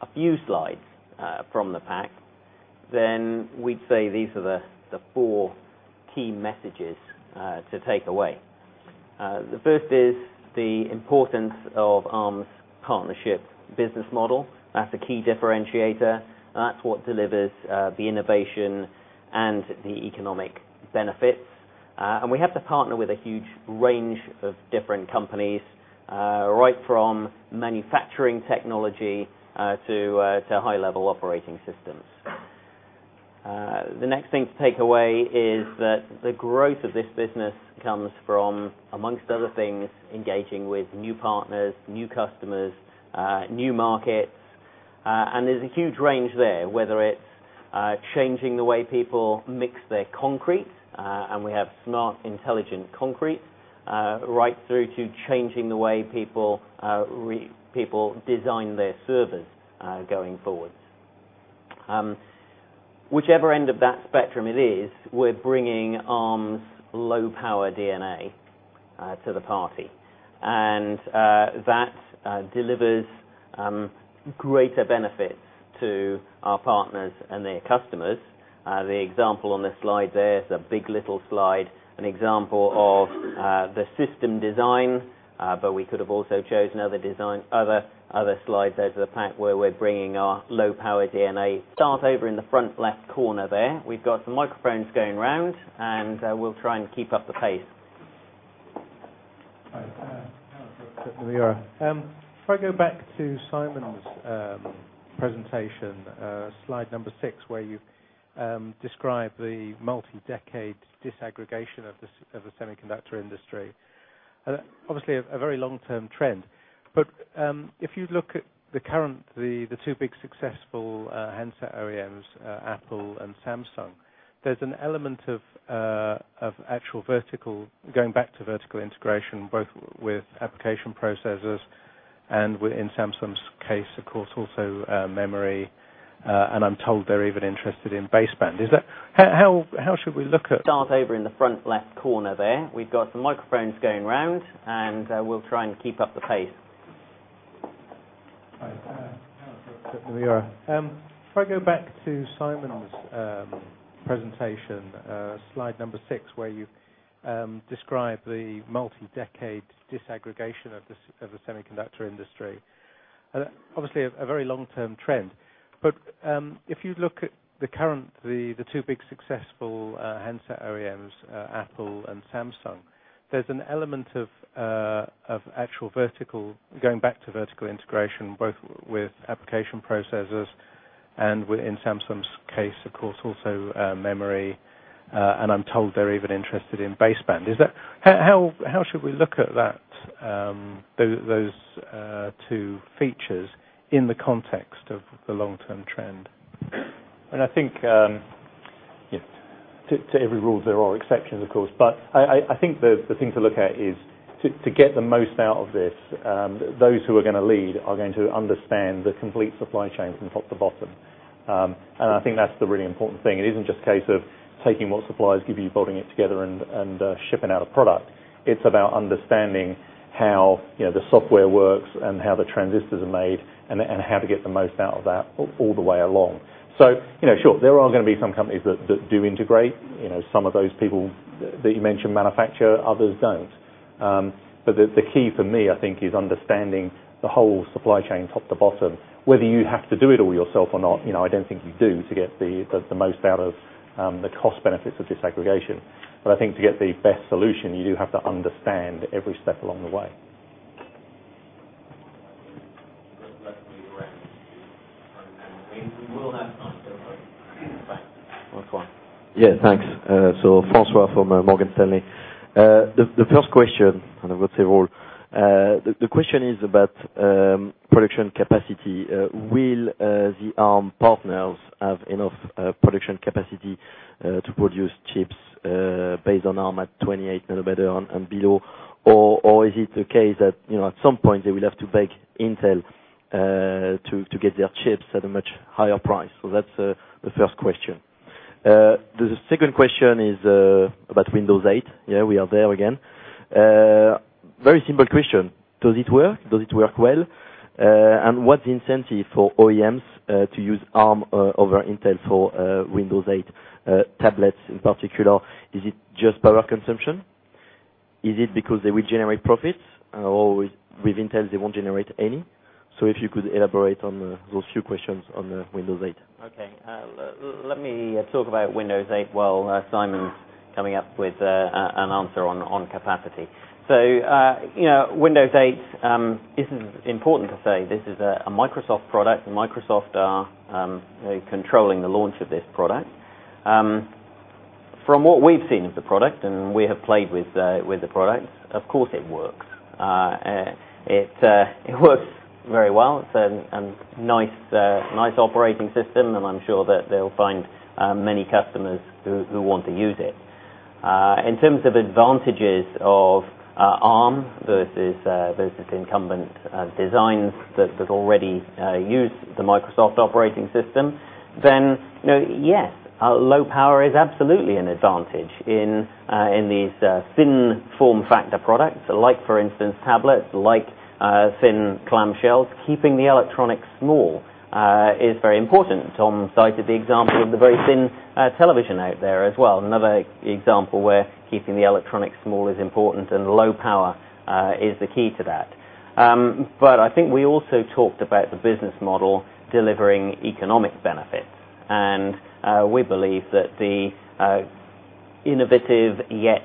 a few slides from the pack, then we'd say these are the four key messages to take away. The first is the importance of Arm's partnership business model. That's a key differentiator. That's what delivers the innovation and the economic benefits. We have to partner with a huge range of different companies, right from manufacturing technology to high-level operating systems. The next thing to take away is that the growth of this business comes from, amongst other things, engaging with new partners, new customers, new markets. There's a huge range there, whether it's changing the way people mix their concrete, and we have smart, intelligent concrete, right through to changing the way people design their servers going forwards. Whichever end of that spectrum it is, we're bringing Arm's low power DNA to the party, and that delivers greater benefits to our partners and their customers. The example on the slide there, it's a big. LITTLE slide, an example of the system design, but we could have also chosen other slides out of the pack where we're bringing our low power DNA. Start over in the front left corner there. We've got some microphones going round, and we'll try and keep up the pace. Hi. If I go back to Simon's presentation, slide number six, where you describe the multi-decade disaggregation of the semiconductor industry. Obviously, a very long-term trend. in the context of the long-term trend? I think to every rule there are exceptions, of course. I think the thing to look at is to get the most out of this, those who are going to lead are going to understand the complete supply chain from top to bottom. I think that's the really important thing. It isn't just a case of taking what suppliers give you, bolting it together and shipping out a product. It's about understanding how the software works and how the transistors are made and how to get the most out of that all the way along. Sure, there are going to be some companies that do integrate. Some of those people that you mentioned manufacture, others don't. The key for me, I think, is understanding the whole supply chain top to bottom. Whether you have to do it all yourself or not, I don't think you do to get the most out of the cost benefits of disaggregation. I think to get the best solution, you do have to understand every step along the way. Last one. Yeah, thanks. Francois from Morgan Stanley. The first question, and I would say all, the question is about production capacity. Will the Arm partners have enough production capacity to produce chips based on Arm at 28 nanometer and below? Is it the case that at some point they will have to beg Intel to get their chips at a much higher price? That's the first question. The second question is about Windows 8. Yeah, we are there again. Very simple question. Does it work? Does it work well? What's the incentive for OEMs to use Arm over Intel for Windows 8 tablets in particular? Is it just power consumption? Is it because they will generate profits? With Intel, they won't generate any? If you could elaborate on those two questions on Windows 8. Okay. Let me talk about Windows 8 while Simon's coming up with an answer on capacity. Windows 8, this is important to say, this is a Microsoft product. Microsoft are controlling the launch of this product. From what we've seen of the product, we have played with the product, of course it works. It works very well. It's a nice operating system, I'm sure that they'll find many customers who want to use it. In terms of advantages of Arm versus incumbent designs that already use the Microsoft operating system, yes, low power is absolutely an advantage in these thin form factor products like, for instance, tablets, like thin clamshells. Keeping the electronics small is very important. Tom cited the example of the very thin television out there as well. Another example where keeping the electronics small is important and low power is the key to that. I think we also talked about the business model delivering economic benefits, we believe that the innovative yet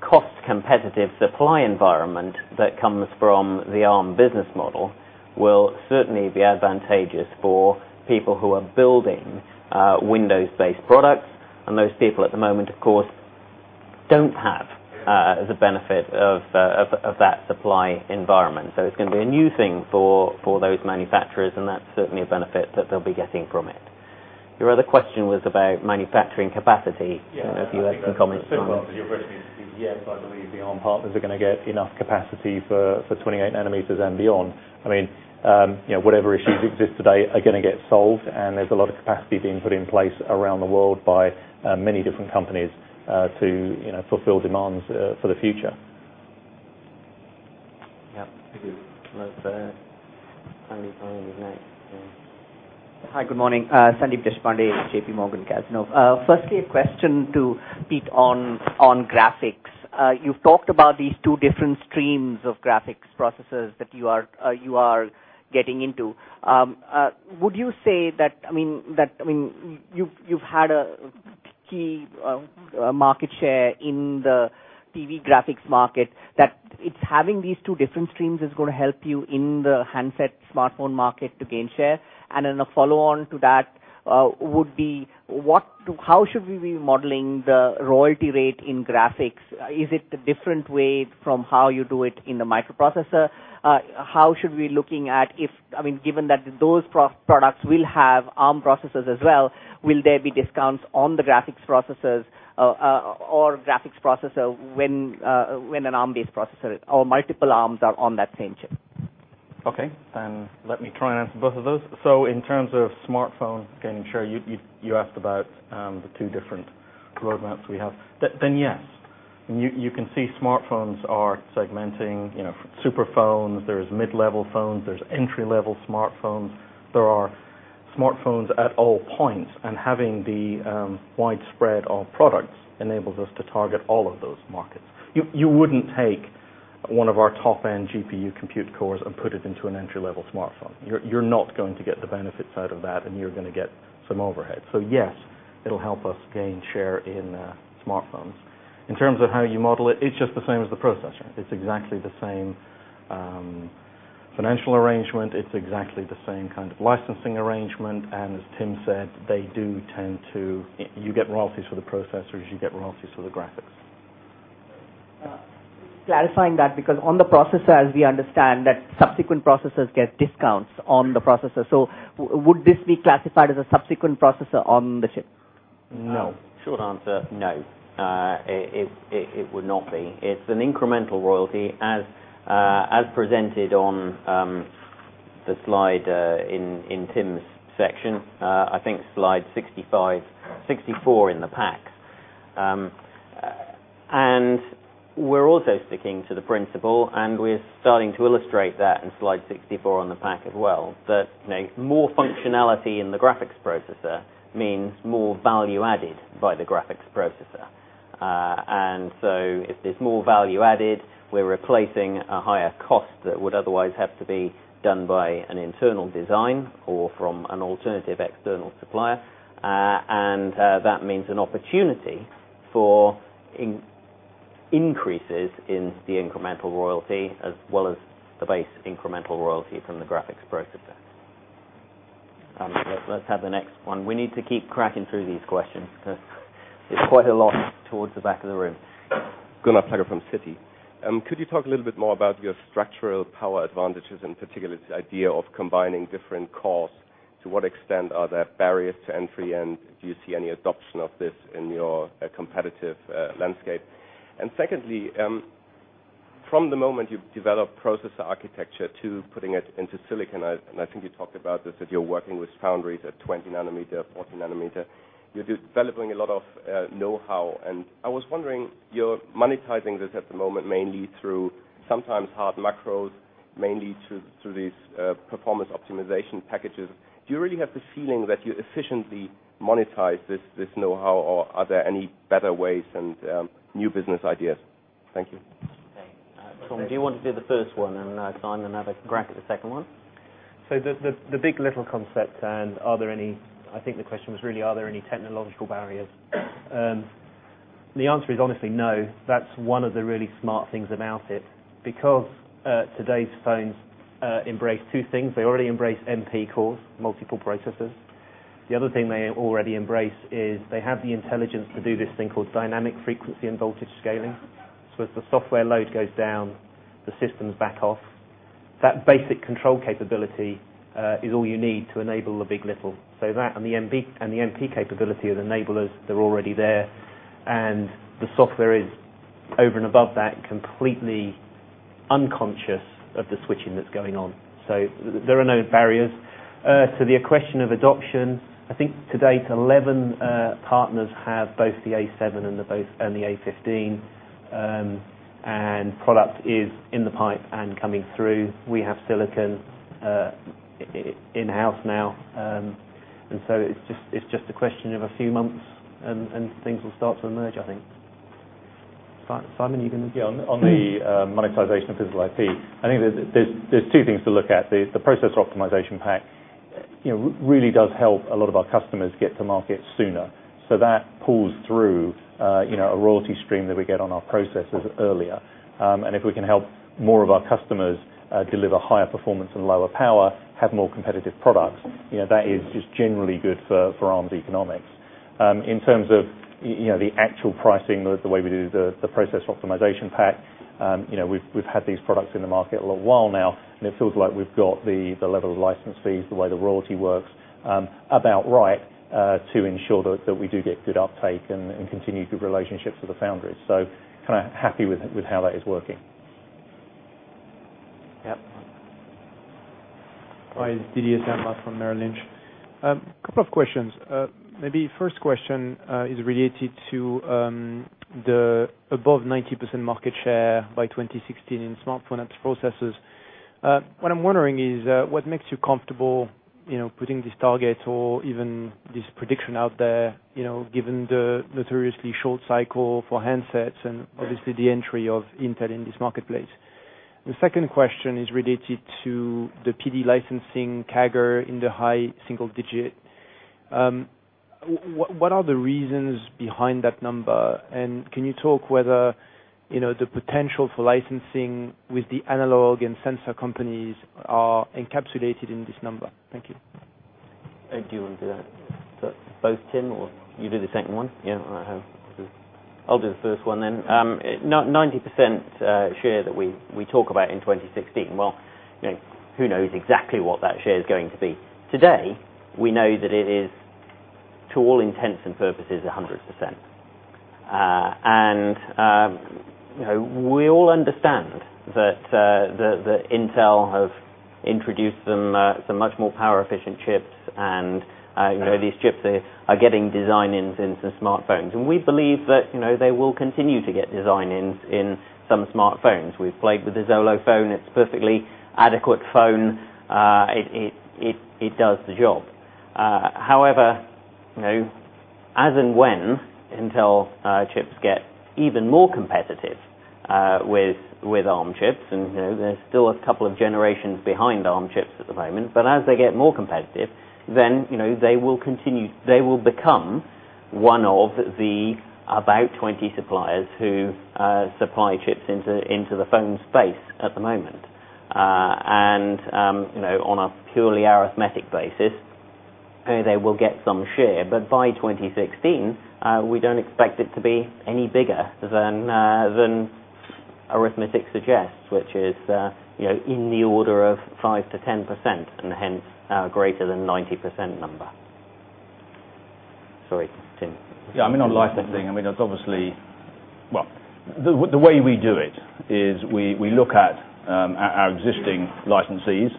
cost-competitive supply environment that comes from the Arm business model will certainly be advantageous for people who are building Windows-based products. Those people at the moment, of course, don't have the benefit of that supply environment. It's going to be a new thing for those manufacturers, and that's certainly a benefit that they'll be getting from it. Your other question was about manufacturing capacity. If you have any comments on that. Yes, I think that's a simple answer to your question is yes, I believe the Arm partners are going to get enough capacity for 28 nanometers and beyond. Whatever issues exist today are going to get solved, there's a lot of capacity being put in place around the world by many different companies to fulfill demands for the future. Yes. Thank you. Sandeep is next. Hi. Good morning. Sandeep Deshpande, J.P. Morgan Cazenove. Firstly, a question to Pete on graphics. You've talked about these two different streams of graphics processors that you are getting into. You've had a key market share in the TV graphics market, that it's having these two different streams is going to help you in the handset smartphone market to gain share. Then a follow-on to that would be, how should we be modeling the royalty rate in graphics? Is it a different way from how you do it in the microprocessor? How should we be looking at if, given that those products will have Arm processors as well, will there be discounts on the graphics processors or graphics processor when an Arm-based processor or multiple Arms are on that same chip? Let me try and answer both of those. In terms of smartphone gain share, you asked about the two different roadmaps we have. Yes. You can see smartphones are segmenting superphones. There's mid-level phones. There's entry-level smartphones. There are smartphones at all points, and having the widespread of products enables us to target all of those markets. You wouldn't take one of our top-end GPU compute cores and put it into an entry-level smartphone. You're not going to get the benefits out of that, and you're going to get some overhead. Yes, it'll help us gain share in smartphones. In terms of how you model it's just the same as the processor. It's exactly the same financial arrangement. It's exactly the same kind of licensing arrangement, and as Tim said, you get royalties for the processors, you get royalties for the graphics. Just clarifying that because on the processor, as we understand that subsequent processors get discounts on the processor. Would this be classified as a subsequent processor on the chip? No. Short answer, no. It would not be. It's an incremental royalty as presented on the slide in Tim's section. I think slide 64 in the pack. We're also sticking to the principle, and we're starting to illustrate that in slide 64 on the pack as well, that more functionality in the graphics processor means more value added by the graphics processor. If there's more value added, we're replacing a higher cost that would otherwise have to be done by an internal design or from an alternative external supplier. That means an opportunity for increases in the incremental royalty as well as the base incremental royalty from the graphics processor. Let's have the next one. We need to keep cracking through these questions because it's quite a lot towards the back of the room. Gunnar Plagge from Citi. Could you talk a little bit more about your structural power advantages, particularly this idea of combining different cores? To what extent are there barriers to entry, and do you see any adoption of this in your competitive landscape? Secondly, from the moment you've developed processor architecture to putting it into silicon, and I think you talked about this, that you're working with foundries at 20 nanometer, 40 nanometer. You're developing a lot of know-how, and I was wondering, you're monetizing this at the moment mainly through sometimes hard macros, mainly through these Processor Optimization Packs. Do you really have the feeling that you efficiently monetize this know-how, or are there any better ways and new business ideas? Thank you. Okay. Tom, do you want to do the first one, Simon have a crack at the second one? The big. LITTLE concept and I think the question was really are there any technological barriers? The answer is honestly, no. That's one of the really smart things about it because today's phones embrace two things. They already embrace MP cores, multiple processors. The other thing they already embrace is they have the intelligence to do this thing called dynamic frequency and voltage scaling. As the software load goes down, the systems back off. That basic control capability is all you need to enable the big. LITTLE. That and the MP capability are the enablers. They're already there, and the software is over and above that, completely unconscious of the switching that's going on. There are no barriers. To the question of adoption, I think to date, 11 partners have both the A7 and the A15, product is in the pipe and coming through. We have silicon in-house now. It's just a question of a few months, and things will start to emerge, I think. Simon, you going to? On the monetization of physical IP, I think there's two things to look at. The Processor Optimization Pack really does help a lot of our customers get to market sooner. That pulls through a royalty stream that we get on our processes earlier. If we can help more of our customers deliver higher performance and lower power, have more competitive products, that is just generally good for Arm's economics. In terms of the actual pricing, the way we do the Processor Optimization Pack, we've had these products in the market a little while now, and it feels like we've got the level of license fees, the way the royalty works about right to ensure that we do get good uptake and continue good relationships with the foundries. So happy with how that is working. Yep. Hi, it's Didier Scemama from Merrill Lynch. Couple of questions. Maybe first question is related to the above 90% market share by 2016 in smartphone processors. What I'm wondering is what makes you comfortable putting this target or even this prediction out there given the notoriously short cycle for handsets and obviously the entry of Intel in this marketplace. The second question is related to the PD licensing CAGR in the high single-digit. What are the reasons behind that number, and can you talk whether the potential for licensing with the analog and sensor companies are encapsulated in this number? Thank you. Do you want to do that? Both Tim, or you do the second one? I'll do the first one then. 90% share that we talk about in 2016. Well, who knows exactly what that share is going to be. Today, we know that it is, to all intents and purposes, 100%. We all understand that Intel have introduced some much more power-efficient chips, and these chips are getting design-ins into smartphones. We believe that they will continue to get design-ins in some smartphones. We've played with the Xolo phone. It's a perfectly adequate phone. It does the job. However, as and when Intel chips get even more competitive with Arm chips, and they're still a couple of generations behind Arm chips at the moment, but as they get more competitive, then they will become one of the about 20 suppliers who supply chips into the phone space at the moment. On a purely arithmetic basis, they will get some share. By 2016, we don't expect it to be any bigger than arithmetic suggests, which is in the order of 5%-10%, and hence our greater than 90% number. Sorry, Tim. Yeah, I mean, on licensing, the way we do it is we look at our existing licensees.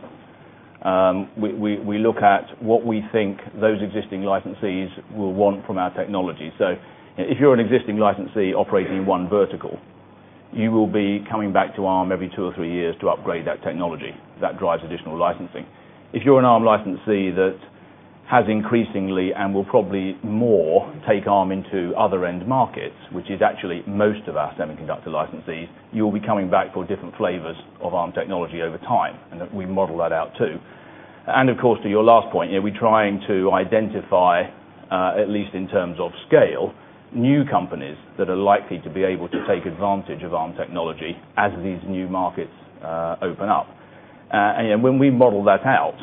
We look at what we think those existing licensees will want from our technology. If you're an existing licensee operating in one vertical, you will be coming back to Arm every two or three years to upgrade that technology. That drives additional licensing. If you're an Arm licensee that has increasingly and will probably more take Arm into other end markets, which is actually most of our semiconductor licensees, you will be coming back for different flavors of Arm technology over time, and we model that out too. Of course, to your last point, we're trying to identify, at least in terms of scale, new companies that are likely to be able to take advantage of Arm technology as these new markets open up. When we model that out,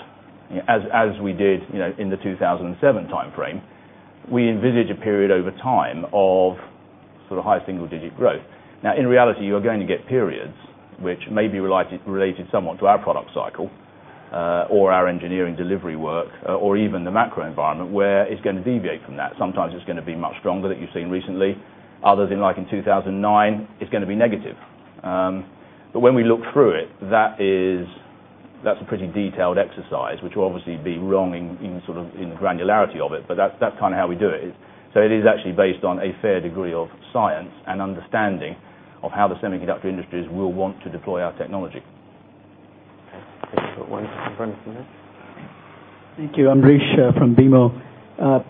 as we did in the 2007 timeframe, we envisage a period over time of high single-digit growth. Now, in reality, you're going to get periods which may be related somewhat to our product cycle, or our engineering delivery work, or even the macro environment where it's going to deviate from that. Sometimes it's going to be much stronger than you've seen recently. Others, like in 2009, it's going to be negative. When we look through it, that's a pretty detailed exercise which will obviously be wrong in the granularity of it. That's how we do it. It is actually based on a fair degree of science and understanding of how the semiconductor industries will want to deploy our technology. Okay. We've got one from Brendan Smith. Thank you. I'm Ambrish from BMO.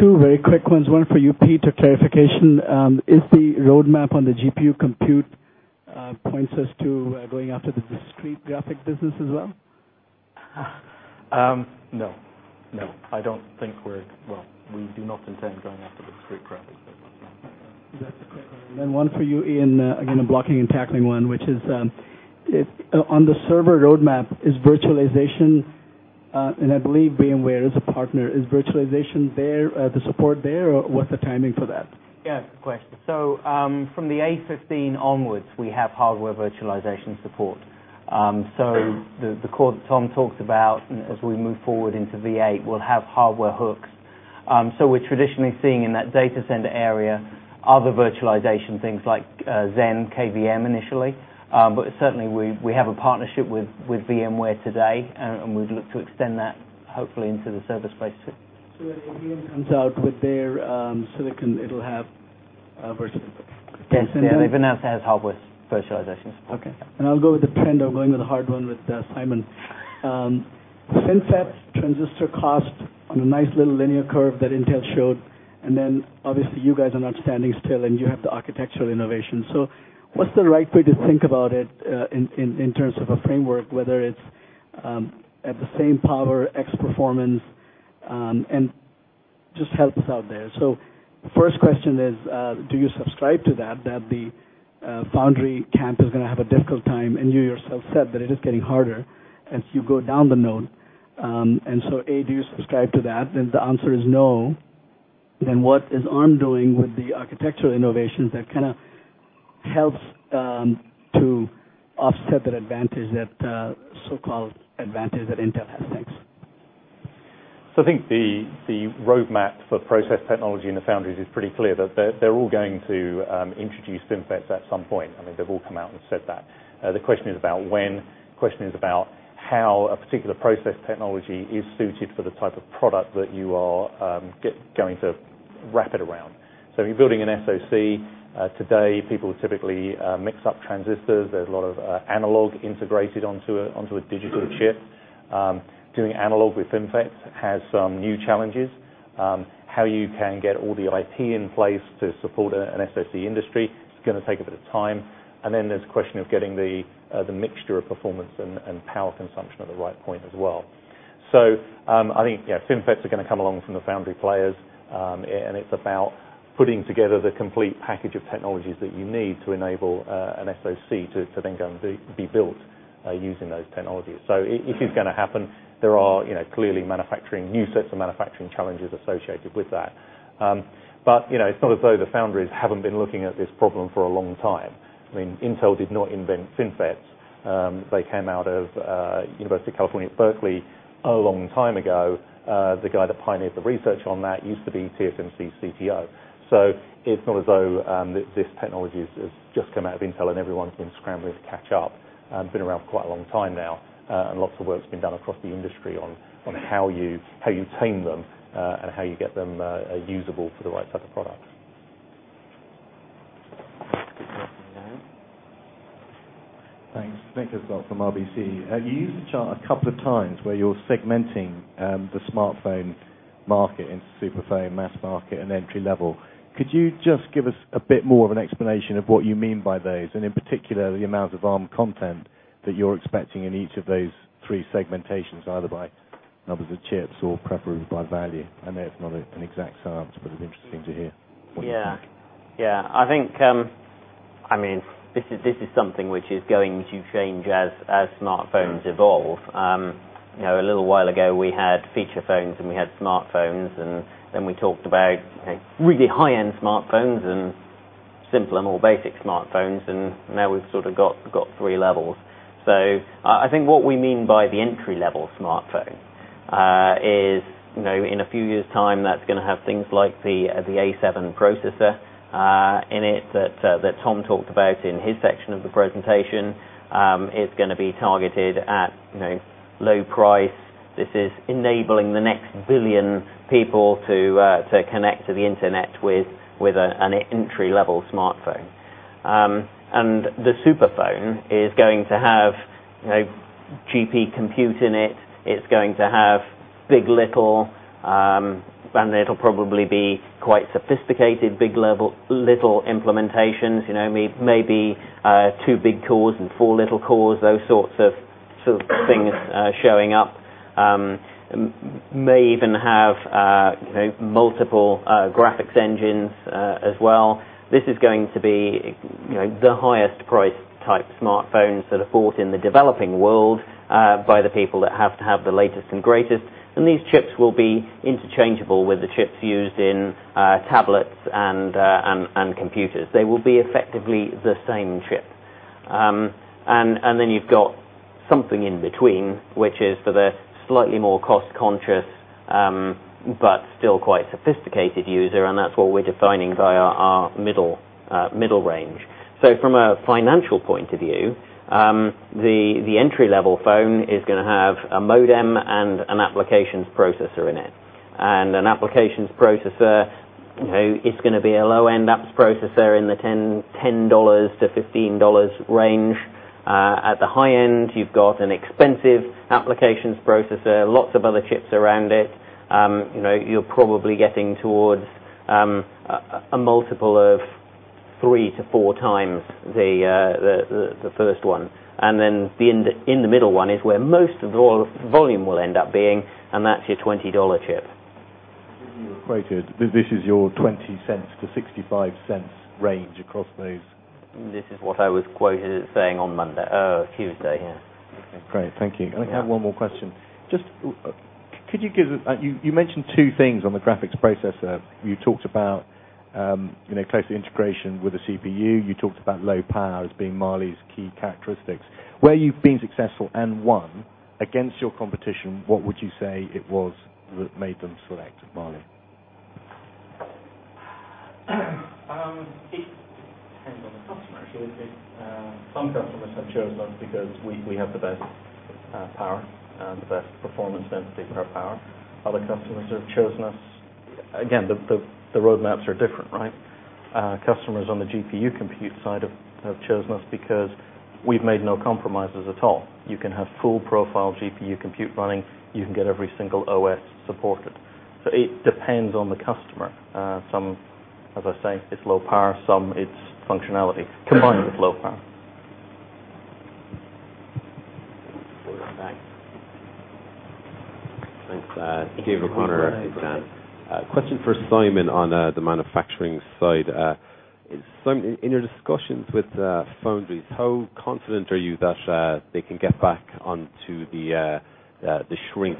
Two very quick ones. One for you, Pete, a clarification. Is the roadmap on the GPU compute points us to going after the discrete graphic business as well? No. We do not intend going after the discrete graphic business. No. That's a quick one. Then one for you, Ian, again, a blocking and tackling one, which is if on the server roadmap is virtualization, and I believe VMware is a partner, is virtualization the support there, or what's the timing for that? Yeah, good question. From the A15 onwards, we have hardware virtualization support. The core that Tom talked about as we move forward into V8 will have hardware hooks. We're traditionally seeing in that data center area other virtualization things like Xen, KVM initially. Certainly, we have a partnership with VMware today, and we'd look to extend that hopefully into the server space too. When AMD comes out with their silicon, it'll have virtualization support? Yes. They've announced it has hardware virtualization support. Okay. I'll go with the trend. I'll go with a hard one with Simon. FinFET transistor cost on a nice little linear curve that Intel showed, obviously you guys are not standing still, you have the architectural innovation. What's the right way to think about it in terms of a framework, whether it's at the same power, X performance, just help us out there. The first question is, do you subscribe to that the foundry camp is going to have a difficult time, you yourself said that it is getting harder as you go down the node. A, do you subscribe to that? If the answer is no, then what is Arm doing with the architectural innovations that kind of helps to offset that so-called advantage that Intel has, thanks. I think the roadmap for process technology in the foundries is pretty clear, that they're all going to introduce FinFETs at some point. I mean, they've all come out and said that. The question is about when. The question is about how a particular process technology is suited for the type of product that you are going to wrap it around. If you're building an SoC today, people typically mix up transistors. There's a lot of analog integrated onto a digital chip. Doing analog with FinFETs has some new challenges. How you can get all the IT in place to support an SoC industry, it's going to take a bit of time. There's the question of getting the mixture of performance and power consumption at the right point as well. I think FinFETs are going to come along from the foundry players, it's about putting together the complete package of technologies that you need to enable an SoC to go be built using those technologies. If it's going to happen, there are clearly new sets of manufacturing challenges associated with that. It's not as though the foundries haven't been looking at this problem for a long time. I mean, Intel did not invent FinFETs. They came out of University of California, Berkeley a long time ago. The guy that pioneered the research on that used to be TSMC's CTO. It's not as though this technology has just come out of Intel everyone's been scrambling to catch up. Been around for quite a long time now. Lots of work's been done across the industry on how you tame them, and how you get them usable for the right type of products. Good afternoon. Thanks. Nick Hyslop from RBC. You used the chart a couple of times where you're segmenting the smartphone market into super phone, mass market, and entry level. Could you just give us a bit more of an explanation of what you mean by those, and in particular, the amount of Arm content that you're expecting in each of those 3 segmentations, either by numbers of chips or preferably by value? I know it's not an exact science, but it's interesting to hear what you think. Yeah. I think this is something which is going to change as smartphones evolve. A little while ago, we had feature phones and we had smartphones. Then we talked about really high-end smartphones and simpler, more basic smartphones. Now we've sort of got 3 levels. I think what we mean by the entry-level smartphone is, in a few years' time, that's going to have things like the A7 processor in it that Tom talked about in his section of the presentation. It's going to be targeted at low price. This is enabling the next billion people to connect to the internet with an entry-level smartphone. The super phone is going to have GPU compute in it. It's going to have big. LITTLE, and it'll probably be quite sophisticated big. LITTLE implementations. Maybe two big cores and four little cores, those sorts of things showing up. May even have multiple graphics engines as well. This is going to be the highest price type smartphones that are bought in the developing world by the people that have to have the latest and greatest. These chips will be interchangeable with the chips used in tablets and computers. They will be effectively the same chip. You've got something in between, which is for the slightly more cost-conscious but still quite sophisticated user, and that's what we're defining by our middle range. From a financial point of view, the entry-level phone is going to have a modem and an applications processor in it. An applications processor is going to be a low-end apps processor in the GBP 10-GBP 15 range. At the high end, you've got an expensive applications processor, lots of other chips around it. You're probably getting towards a multiple of three to four times the first one. The in the middle one is where most of the volume will end up being, and that's your GBP 20 chip. This is your 0.20-0.65 range across those. This is what I was quoted as saying on Monday. Tuesday, yeah. Okay, great. Thank you. I have one more question. You mentioned two things on the graphics processor. You talked about close integration with the CPU. You talked about low power as being Mali's key characteristics. Where you've been successful and won against your competition, what would you say it was that made them select Mali? It depends on the customer, really. Some customers have chosen us because we have the best power and the best performance density per power. Other customers have chosen us Again, the roadmaps are different. Customers on the GPU compute side have chosen us because we've made no compromises at all. You can have full profile GPU compute running. You can get every single OS supported. It depends on the customer. Some, as I say, it's low power. Some, it's functionality combined with low power. Hold that back. Thanks. Gabe O'Connor, Goldman. Question for Simon on the manufacturing side. Simon, in your discussions with foundries, how confident are you that they can get back onto the shrink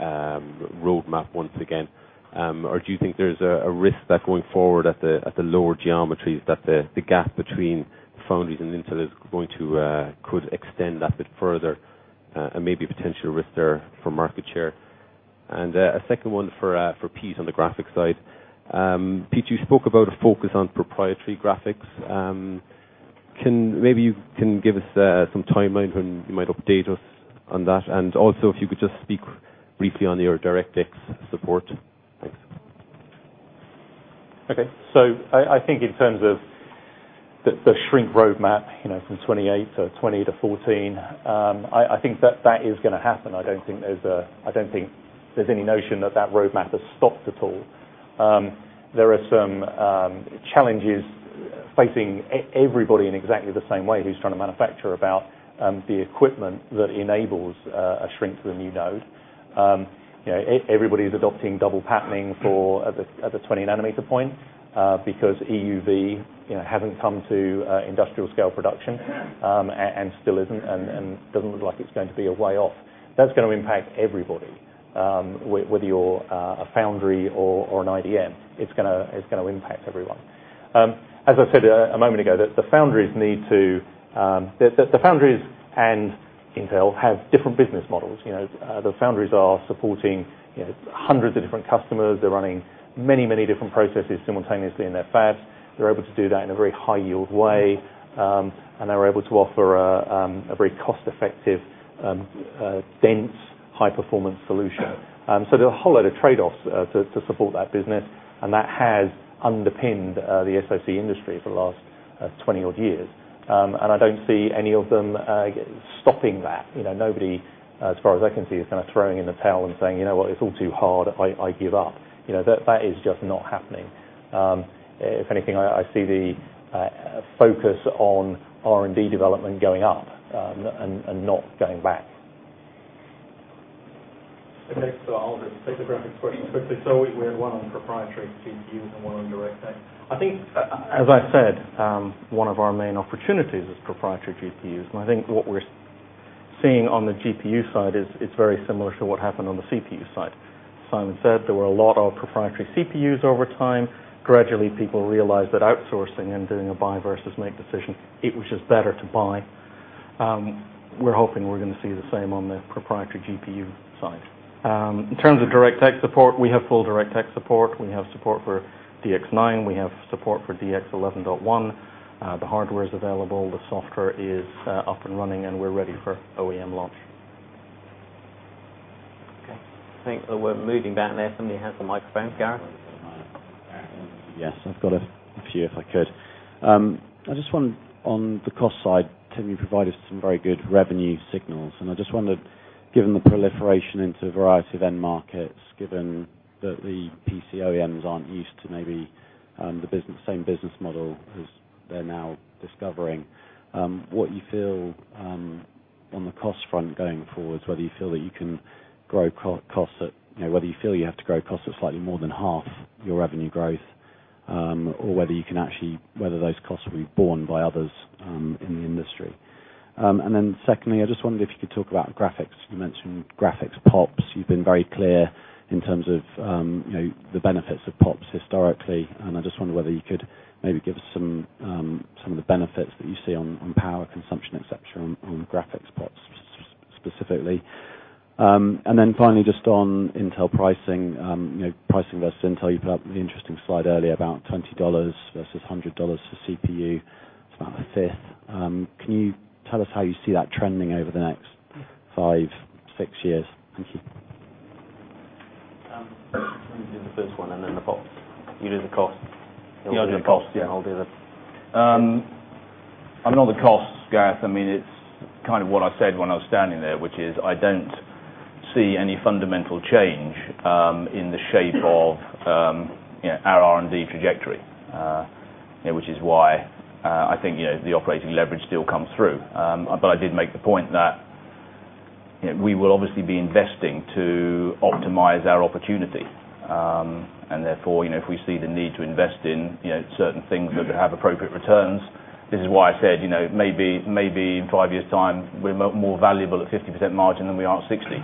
roadmap once again? Or do you think there's a risk that going forward at the lower geometries, that the gap between foundries and Intel could extend that bit further, and maybe a potential risk there for market share? A second one for Pete on the graphics side. Pete, you spoke about a focus on proprietary graphics. Maybe you can give us some timeline when you might update us on that? Also, if you could just speak briefly on your DirectX support? Thanks. Okay. I think in terms of the shrink roadmap from 28 to 20 to 14, I think that is going to happen. I don't think there's any notion that roadmap has stopped at all. There are some challenges facing everybody in exactly the same way who's trying to manufacture about the equipment that enables a shrink to the new node. Everybody's adopting double patterning at the 20 nanometer point because EUV hasn't come to industrial scale production and still isn't, and doesn't look like it's going to be a way off. That's going to impact everybody, whether you're a foundry or an IDM. It's going to impact everyone. As I said a moment ago, the foundries and Intel have different business models. The foundries are supporting hundreds of different customers. They're running many different processes simultaneously in their fabs. They're able to do that in a very high yield way, and they're able to offer a very cost-effective, dense, high-performance solution. There's a whole load of trade-offs to support that business, and that has underpinned the SoC industry for the last 20-odd years. I don't see any of them stopping that. Nobody, as far as I can see, is throwing in the towel and saying, "You know what? It's all too hard. I give up." That is just not happening. If anything, I see the focus on R&D development going up and not going back. Okay. I'll just take the graphics question quickly. We had one on proprietary GPUs and one on DirectX. I think, as I said, one of our main opportunities is proprietary GPUs. I think what we're seeing on the GPU side is very similar to what happened on the CPU side. Simon said there were a lot of proprietary CPUs over time. Gradually, people realized that outsourcing and doing a buy versus make decision, it was just better to buy. We're hoping we're going to see the same on the proprietary GPU side. In terms of DirectX support, we have full DirectX support. We have support for DX nine. We have support for DX 11.1. The hardware is available, the software is up and running, and we're ready for OEM launch. Okay, I think that we're moving back there. Somebody has the microphone. Gareth? Gareth. Yes, I've got a few if I could. I just wonder on the cost side, Tim, you provided some very good revenue signals. I just wondered, given the proliferation into a variety of end markets, given that the PC OEMs aren't used to maybe the same business model as they're now discovering, what you feel on the cost front going forwards, whether you feel you have to grow costs at slightly more than half your revenue growth, or whether those costs will be borne by others in the industry. Then secondly, I just wondered if you could talk about graphics. You mentioned Graphics POPs. You've been very clear in terms of the benefits of POPs historically, and I just wonder whether you could maybe give some of the benefits that you see on power consumption, et cetera, on Graphics POPs specifically. Then finally, just on Intel pricing versus Intel, you put up the interesting slide earlier about $20 versus $100 for CPU. It's about a fifth. Can you tell us how you see that trending over the next five, six years? Thank you. Let me do the first one and then the POPs. You do the cost. You'll do the cost. Yeah, I'll do. Sure On the costs, Gareth, it's what I said when I was standing there, which is I don't see any fundamental change in the shape of our R&D trajectory which is why I think the operating leverage still comes through. I did make the point that we will obviously be investing to optimize our opportunity. Therefore, if we see the need to invest in certain things that could have appropriate returns, this is why I said, maybe in five years' time, we're more valuable at 50% margin than we are at 60%.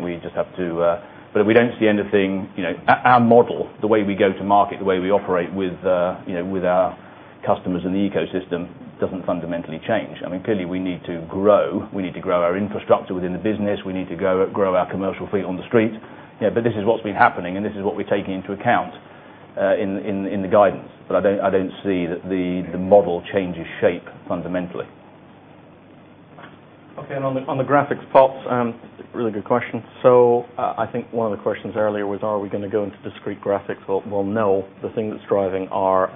We don't see anything. Our model, the way we go to market, the way we operate with our customers in the ecosystem doesn't fundamentally change. Clearly, we need to grow. We need to grow our infrastructure within the business. We need to grow our commercial feet on the street. This is what's been happening, and this is what we're taking into account in the guidance. I don't see that the model changes shape fundamentally. Okay. On the graphics POPs, really good question. I think one of the questions earlier was, are we going to go into discrete graphics? No. The thing that's driving our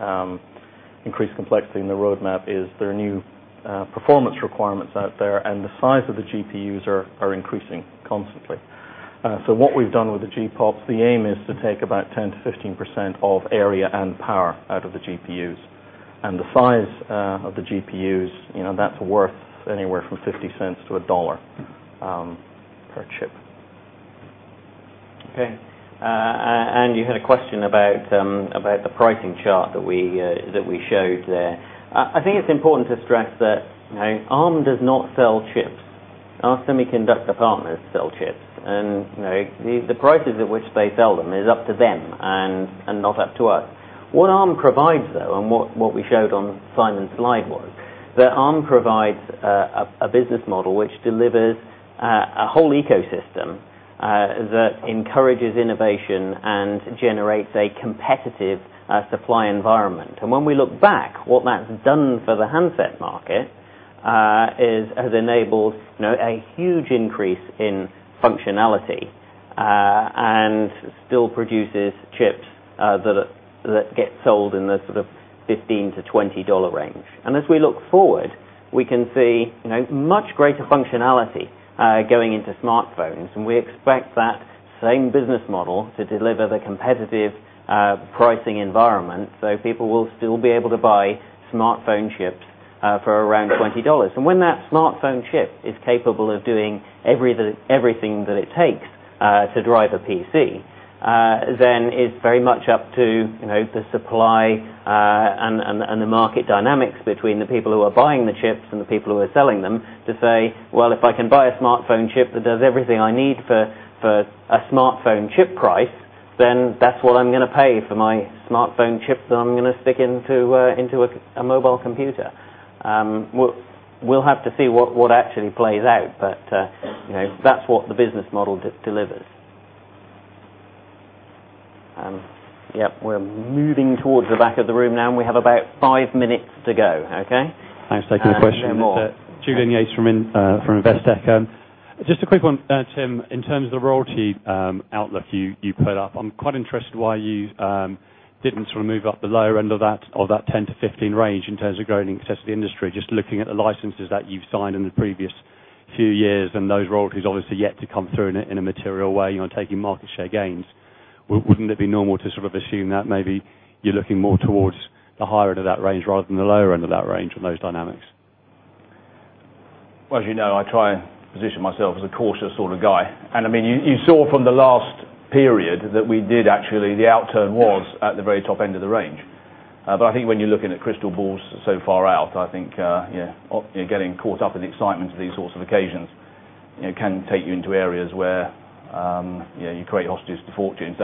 increased complexity in the roadmap is there are new performance requirements out there, and the size of the GPUs are increasing constantly. What we've done with the G POPs, the aim is to take about 10%-15% of area and power out of the GPUs. The size of the GPUs, that's worth anywhere from $0.50 to $1 per chip. Okay. You had a question about the pricing chart that we showed there. I think it's important to stress that Arm does not sell chips. Our semiconductor partners sell chips, and the prices at which they sell them is up to them and not up to us. What Arm provides, though, what we showed on Simon's slide was, that Arm provides a business model which delivers a whole ecosystem that encourages innovation and generates a competitive supply environment. When we look back, what that's done for the handset market is has enabled a huge increase in functionality and still produces chips that get sold in the sort of $15-$20 range. As we look forward, we can see much greater functionality going into smartphones. We expect that same business model to deliver the competitive pricing environment so people will still be able to buy smartphone chips for around $20. When that smartphone chip is capable of doing everything that it takes to drive a PC, then it's very much up to the supply and the market dynamics between the people who are buying the chips and the people who are selling them to say, "Well, if I can buy a smartphone chip that does everything I need for a smartphone chip price, then that's what I'm going to pay for my smartphone chip that I'm going to stick into a mobile computer." We'll have to see what actually plays out. That's what the business model delivers. Yep, we're moving towards the back of the room now, and we have about five minutes to go. Okay? Thanks. Taking a question. No more. Julian Yates from Investec. Just a quick one, Tim. In terms of the royalty outlook you put up, I'm quite interested why you didn't sort of move up the lower end of that 10 to 15 range in terms of growing success of the industry. Just looking at the licenses that you've signed in the previous few years and those royalties obviously yet to come through in a material way, taking market share gains. Wouldn't it be normal to sort of assume that maybe you're looking more towards the higher end of that range rather than the lower end of that range with those dynamics? Well, as you know, I try and position myself as a cautious sort of guy. You saw from the last period that we did actually, the outturn was at the very top end of the range. I think when you're looking at crystal balls so far out, I think getting caught up in the excitement of these sorts of occasions can take you into areas where you create hostages to fortune.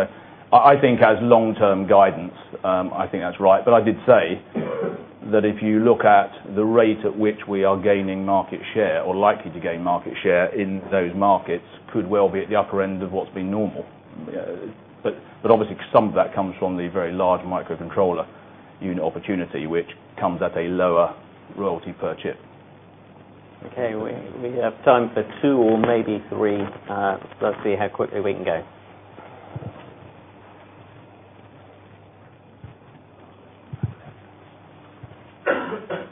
I think as long-term guidance, I think that's right. I did say that if you look at the rate at which we are gaining market share or likely to gain market share in those markets could well be at the upper end of what's been normal. Obviously, some of that comes from the very large microcontroller unit opportunity, which comes at a lower royalty per chip. Okay. We have time for two or maybe three. Let's see how quickly we can go.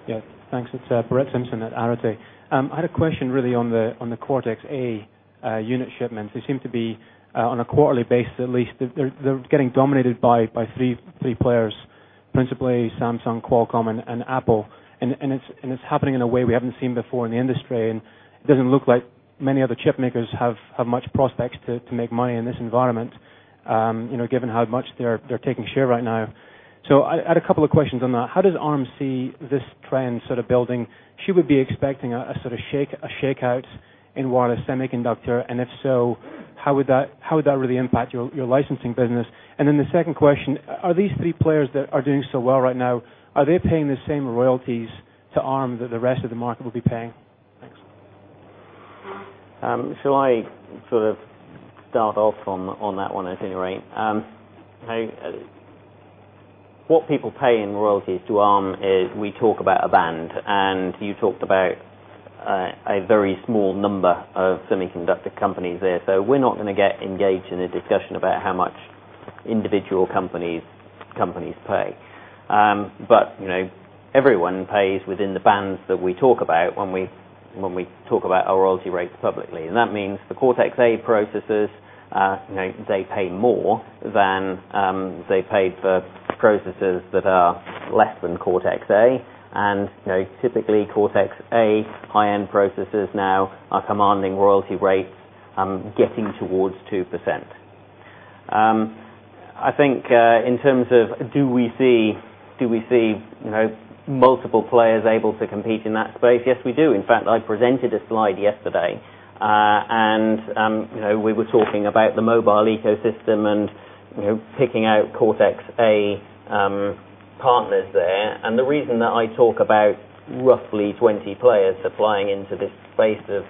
Yeah. Thanks. It's Brett Simpson at Arete. I had a question really on the Cortex-A unit shipments. They seem to be on a quarterly basis, at least. They're getting dominated by three players, principally Samsung, Qualcomm, and Apple. It's happening in a way we haven't seen before in the industry, and it doesn't look like many other chip makers have much prospects to make money in this environment given how much they're taking share right now. I had a couple of questions on that. How does Arm see this trend sort of building? Should we be expecting a sort of shakeout in wireless semiconductor? If so, how would that really impact your licensing business? The second question, are these three players that are doing so well right now, are they paying the same royalties to Arm that the rest of the market will be paying? Thanks. Shall I sort of start off on that one, I think, right? What people pay in royalties to Arm is we talk about a band, you talked about a very small number of semiconductor companies there. We're not going to get engaged in a discussion about how much individual companies pay. Everyone pays within the bands that we talk about when we talk about our royalty rates publicly. That means the Cortex-A processors, they pay more than they paid for processors that are less than Cortex-A. Typically, Cortex-A high-end processors now are commanding royalty rates getting towards 2%. I think in terms of do we see multiple players able to compete in that space? Yes, we do. In fact, I presented a slide yesterday. We were talking about the mobile ecosystem and picking out Cortex-A partners there. The reason that I talk about roughly 20 players supplying into this space of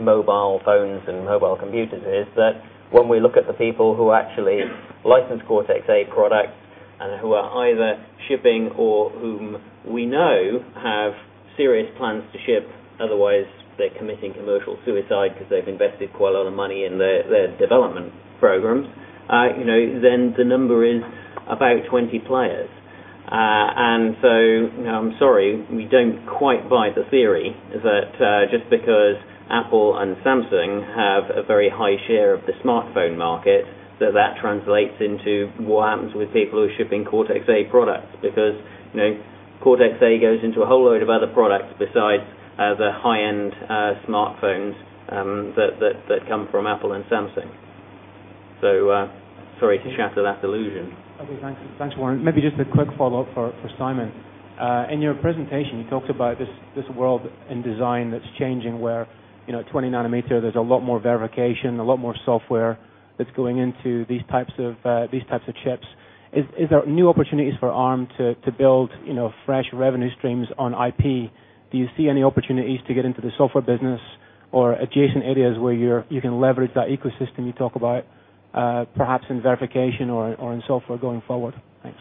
mobile phones and mobile computers is that when we look at the people who actually license Cortex-A products and who are either shipping or whom we know have serious plans to ship, otherwise they're committing commercial suicide because they've invested quite a lot of money in their development programs. The number is about 20 players. I'm sorry, we don't quite buy the theory that just because Apple and Samsung have a very high share of the smartphone market, that translates into what happens with people who are shipping Cortex-A products. Cortex-A goes into a whole load of other products besides the high-end smartphones that come from Apple and Samsung. Sorry to shatter that illusion. Okay. Thanks, Warren. Maybe just a quick follow-up for Simon. In your presentation, you talked about this world in design that's changing where 20 nanometer, there's a lot more verification, a lot more software that's going into these types of chips. Is there new opportunities for Arm to build fresh revenue streams on IP? Do you see any opportunities to get into the software business or adjacent areas where you can leverage that ecosystem you talk about perhaps in verification or in software going forward? Thanks.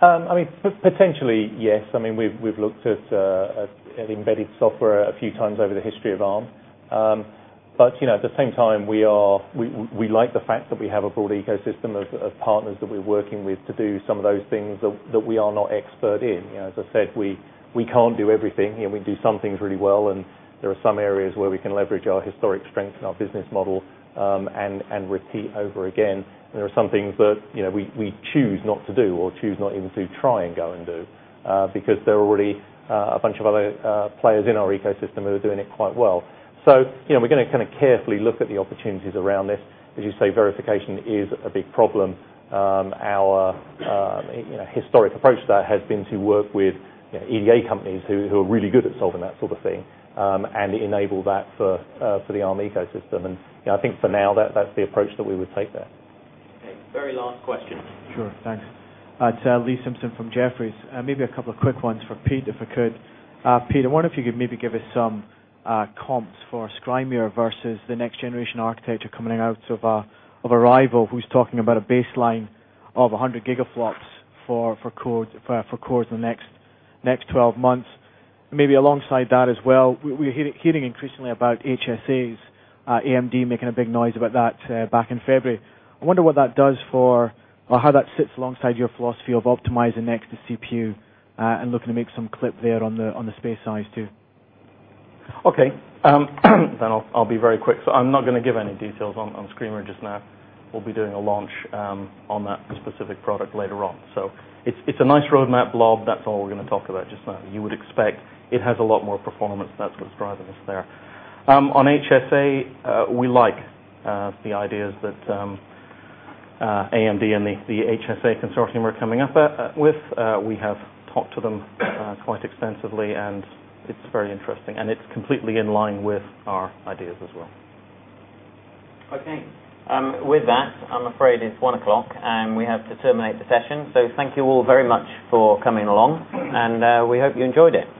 Potentially, yes. We've looked at embedded software a few times over the history of Arm. At the same time, we like the fact that we have a broad ecosystem of partners that we're working with to do some of those things that we are not expert in. As I said, we can't do everything. We do some things really well, and there are some areas where we can leverage our historic strength and our business model, and repeat over again. There are some things that we choose not to do or choose not even to try and go and do, because there are already a bunch of other players in our ecosystem who are doing it quite well. We're going to carefully look at the opportunities around this. As you say, verification is a big problem. Our historic approach to that has been to work with EDA companies who are really good at solving that sort of thing, and enable that for the Arm ecosystem. I think for now, that's the approach that we would take there. Okay. Very last question. Sure. Thanks. It's Lee Simpson from Jefferies. Maybe a couple of quick ones for Pete, if I could. Pete, I wonder if you could maybe give us some comps for Skrymir versus the next-generation architecture coming out of a rival, who's talking about a baseline of 100 Gigaflops for cores in the next 12 months. Maybe alongside that as well, we're hearing increasingly about HSAs. AMD making a big noise about that back in February. I wonder what that does for or how that sits alongside your philosophy of optimizing next to CPU, and looking to make some clip there on the space size too. Okay. I'll be very quick. I'm not going to give any details on Skrymir just now. We'll be doing a launch on that specific product later on. It's a nice roadmap blob. That's all we're going to talk about just now. You would expect it has a lot more performance. That's what's driving us there. On HSA, we like the ideas that AMD and the HSA Foundation are coming up with. We have talked to them quite extensively, and it's very interesting, and it's completely in line with our ideas as well. Okay. With that, I'm afraid it's 1:00, and we have to terminate the session. Thank you all very much for coming along, and we hope you enjoyed it.